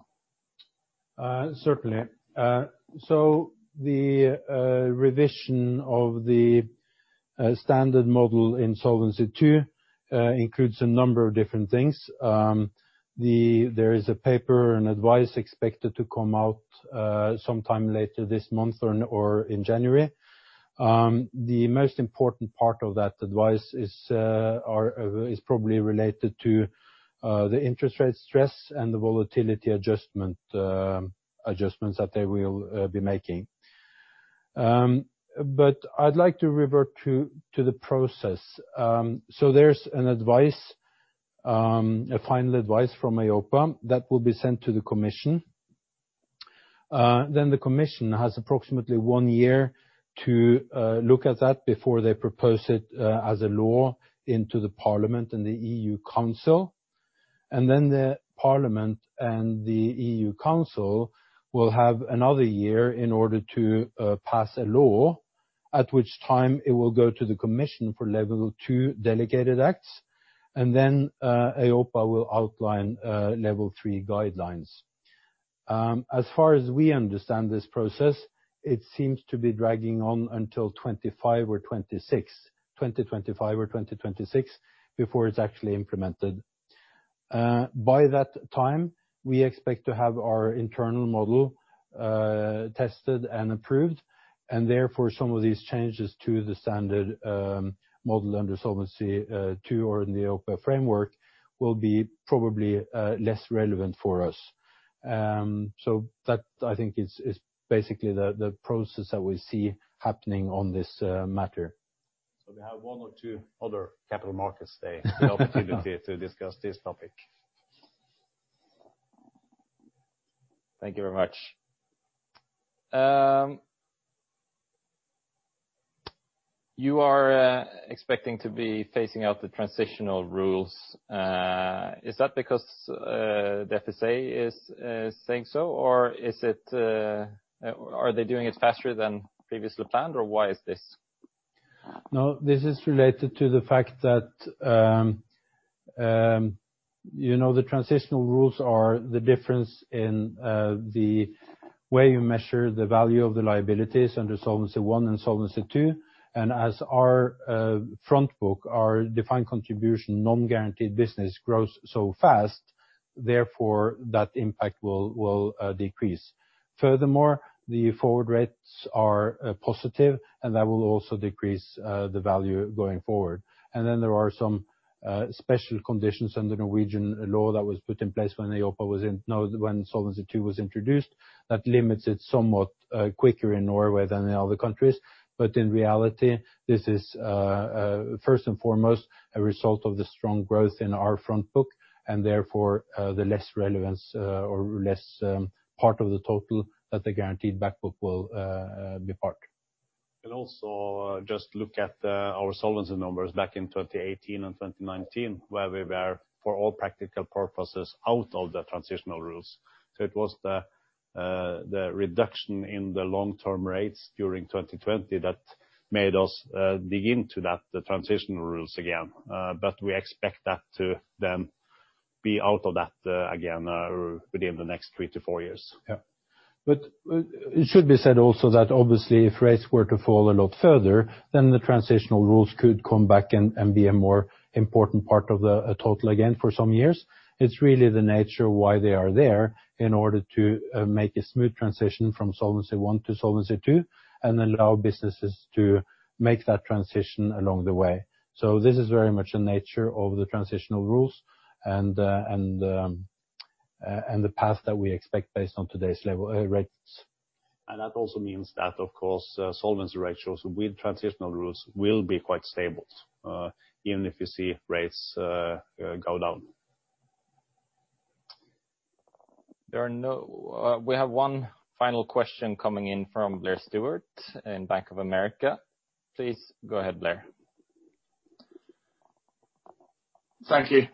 S7: Certainly. The revision of the standard model in Solvency II includes a number of different things. There is a paper and advice expected to come out sometime later this month or in January. The most important part of that advice is probably related to the interest rate stress and the volatility adjustments that they will be making. I'd like to revert to the process. There's an advice, a final advice from EIOPA that will be sent to the Commission. The Commission has approximately one year to look at that before they propose it as a law into the Parliament and the EU Council. The Parliament and the EU Council will have another year in order to pass a law, at which time it will go to the Commission for level two delegated acts, and then EIOPA will outline level three guidelines. As far as we understand this process, it seems to be dragging on until '25 or '26, 2025 or 2026 before it's actually implemented. By that time, we expect to have our internal model tested and approved, and therefore some of these changes to the standard model under Solvency II or in the EIOPA framework will be probably less relevant for us. That, I think, is basically the process that we see happening on this matter.
S2: We have one or two other Capital Markets Days. The opportunity to discuss this topic.
S9: Thank you very much. You are expecting to be phasing out the transitional rules. Is that because the FSA is saying so, or are they doing it faster than previously planned, or why is this?
S7: This is related to the fact that the transitional rules are the difference in the way you measure the value of the liabilities under Solvency I and Solvency II. As our front book, our defined contribution, non-guaranteed business grows so fast, therefore that impact will decrease. Furthermore, the forward rates are positive, and that will also decrease the value going forward. There are some special conditions under Norwegian law that was put in place when Solvency II was introduced, that limits it somewhat quicker in Norway than the other countries. In reality, this is first and foremost a result of the strong growth in our front book, and therefore the less relevance or less part of the total that the guaranteed back book will be part.
S2: Also just look at our solvency numbers back in 2018 and 2019, where we were, for all practical purposes, out of the transitional rules. It was the reduction in the long-term rates during 2020 that made us dig into the transitional rules again. We expect that to then be out of that again within the next three to four years.
S7: It should be said also that obviously, if rates were to fall a lot further, then the transitional rules could come back and be a more important part of the total again for some years. It's really the nature of why they are there, in order to make a smooth transition from Solvency I to Solvency II, and allow businesses to make that transition along the way. This is very much the nature of the transitional rules, and the path that we expect based on today's rates.
S2: That also means that, of course, solvency ratios with transitional rules will be quite stable, even if you see rates go down.
S9: We have one final question coming in from Blair Stewart in Bank of America. Please go ahead, Blair.
S12: Thank you.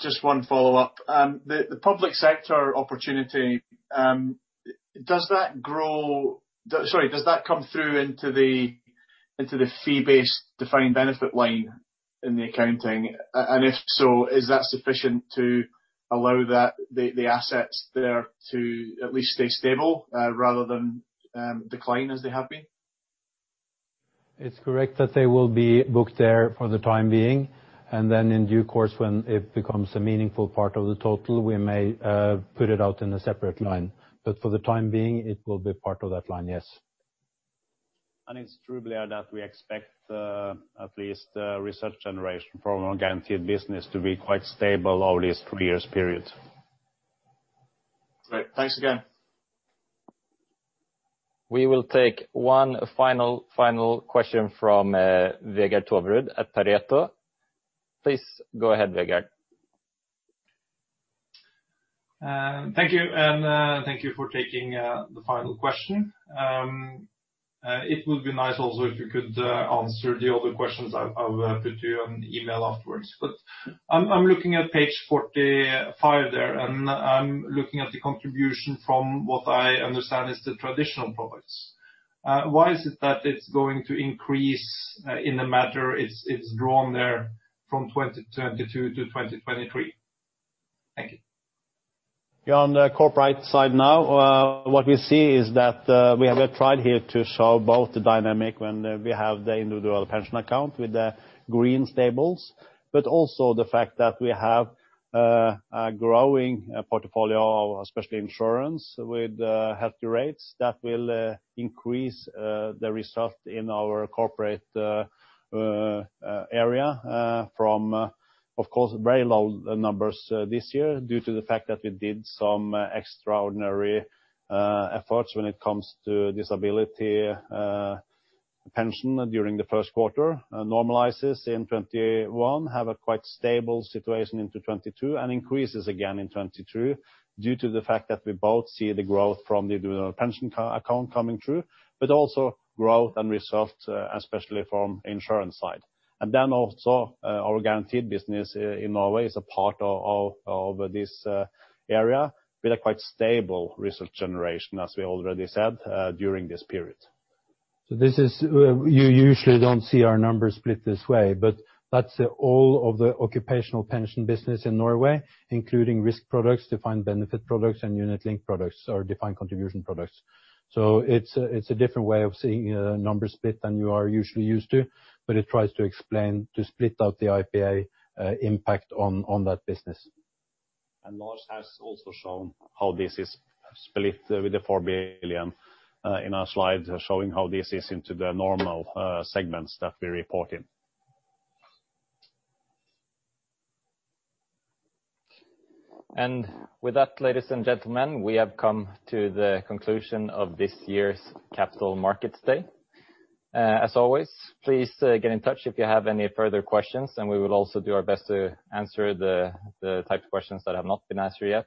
S12: Just one follow-up. The public sector opportunity, does that come through into the fee-based defined benefit line in the accounting? If so, is that sufficient to allow the assets there to at least stay stable rather than decline as they have been?
S7: It's correct that they will be booked there for the time being, and then in due course, when it becomes a meaningful part of the total, we may put it out in a separate line. For the time being, it will be part of that line, yes.
S2: It's true, Blair, that we expect at least reserve generation from our guaranteed business to be quite stable over this three years period.
S12: Great. Thanks again.
S9: We will take one final question from Vegard Toverud at Pareto. Please go ahead, Vegard.
S17: Thank you. Thank you for taking the final question. It would be nice also if you could answer the other questions I've put to you on email afterwards. I'm looking at page 45 there, and I'm looking at the contribution from what I understand is the traditional products. Why is it that it's going to increase in the matter it's drawn there from 2022 to 2023? Thank you.
S4: You're on the corporate side now. What we see is that we have tried here to show both the dynamic when we have the individual pension account with the green bars, but also the fact that we have a growing portfolio, especially insurance with healthy rates that will increase the result in our corporate area from, of course, very low numbers this year due to the fact that we did some extraordinary efforts when it comes to disability pension during the first quarter. Normalizes in 2021, have a quite stable situation into 2022, and increases again in 2022 due to the fact that we both see the growth from the pension account coming through, but also growth and results, especially from insurance side. Also our guaranteed business in Norway is a part of this area with a quite stable result generation, as we already said, during this period.
S7: You usually don't see our numbers split this way, but that's all of the occupational pension business in Norway, including risk products, defined benefit products, and unit linked products or defined contribution products. It's a different way of seeing numbers split than you are usually used to, but it tries to explain, to split out the IPA impact on that business.
S2: Lars has also shown how this is split with the four billion in our slides, showing how this is into the normal segments that we report in.
S9: With that, ladies and gentlemen, we have come to the conclusion of this year's Capital Markets Day. As always, please get in touch if you have any further questions, and we will also do our best to answer the type of questions that have not been answered yet.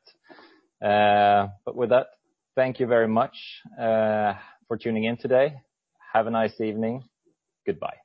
S9: With that, thank you very much for tuning in today. Have a nice evening. Goodbye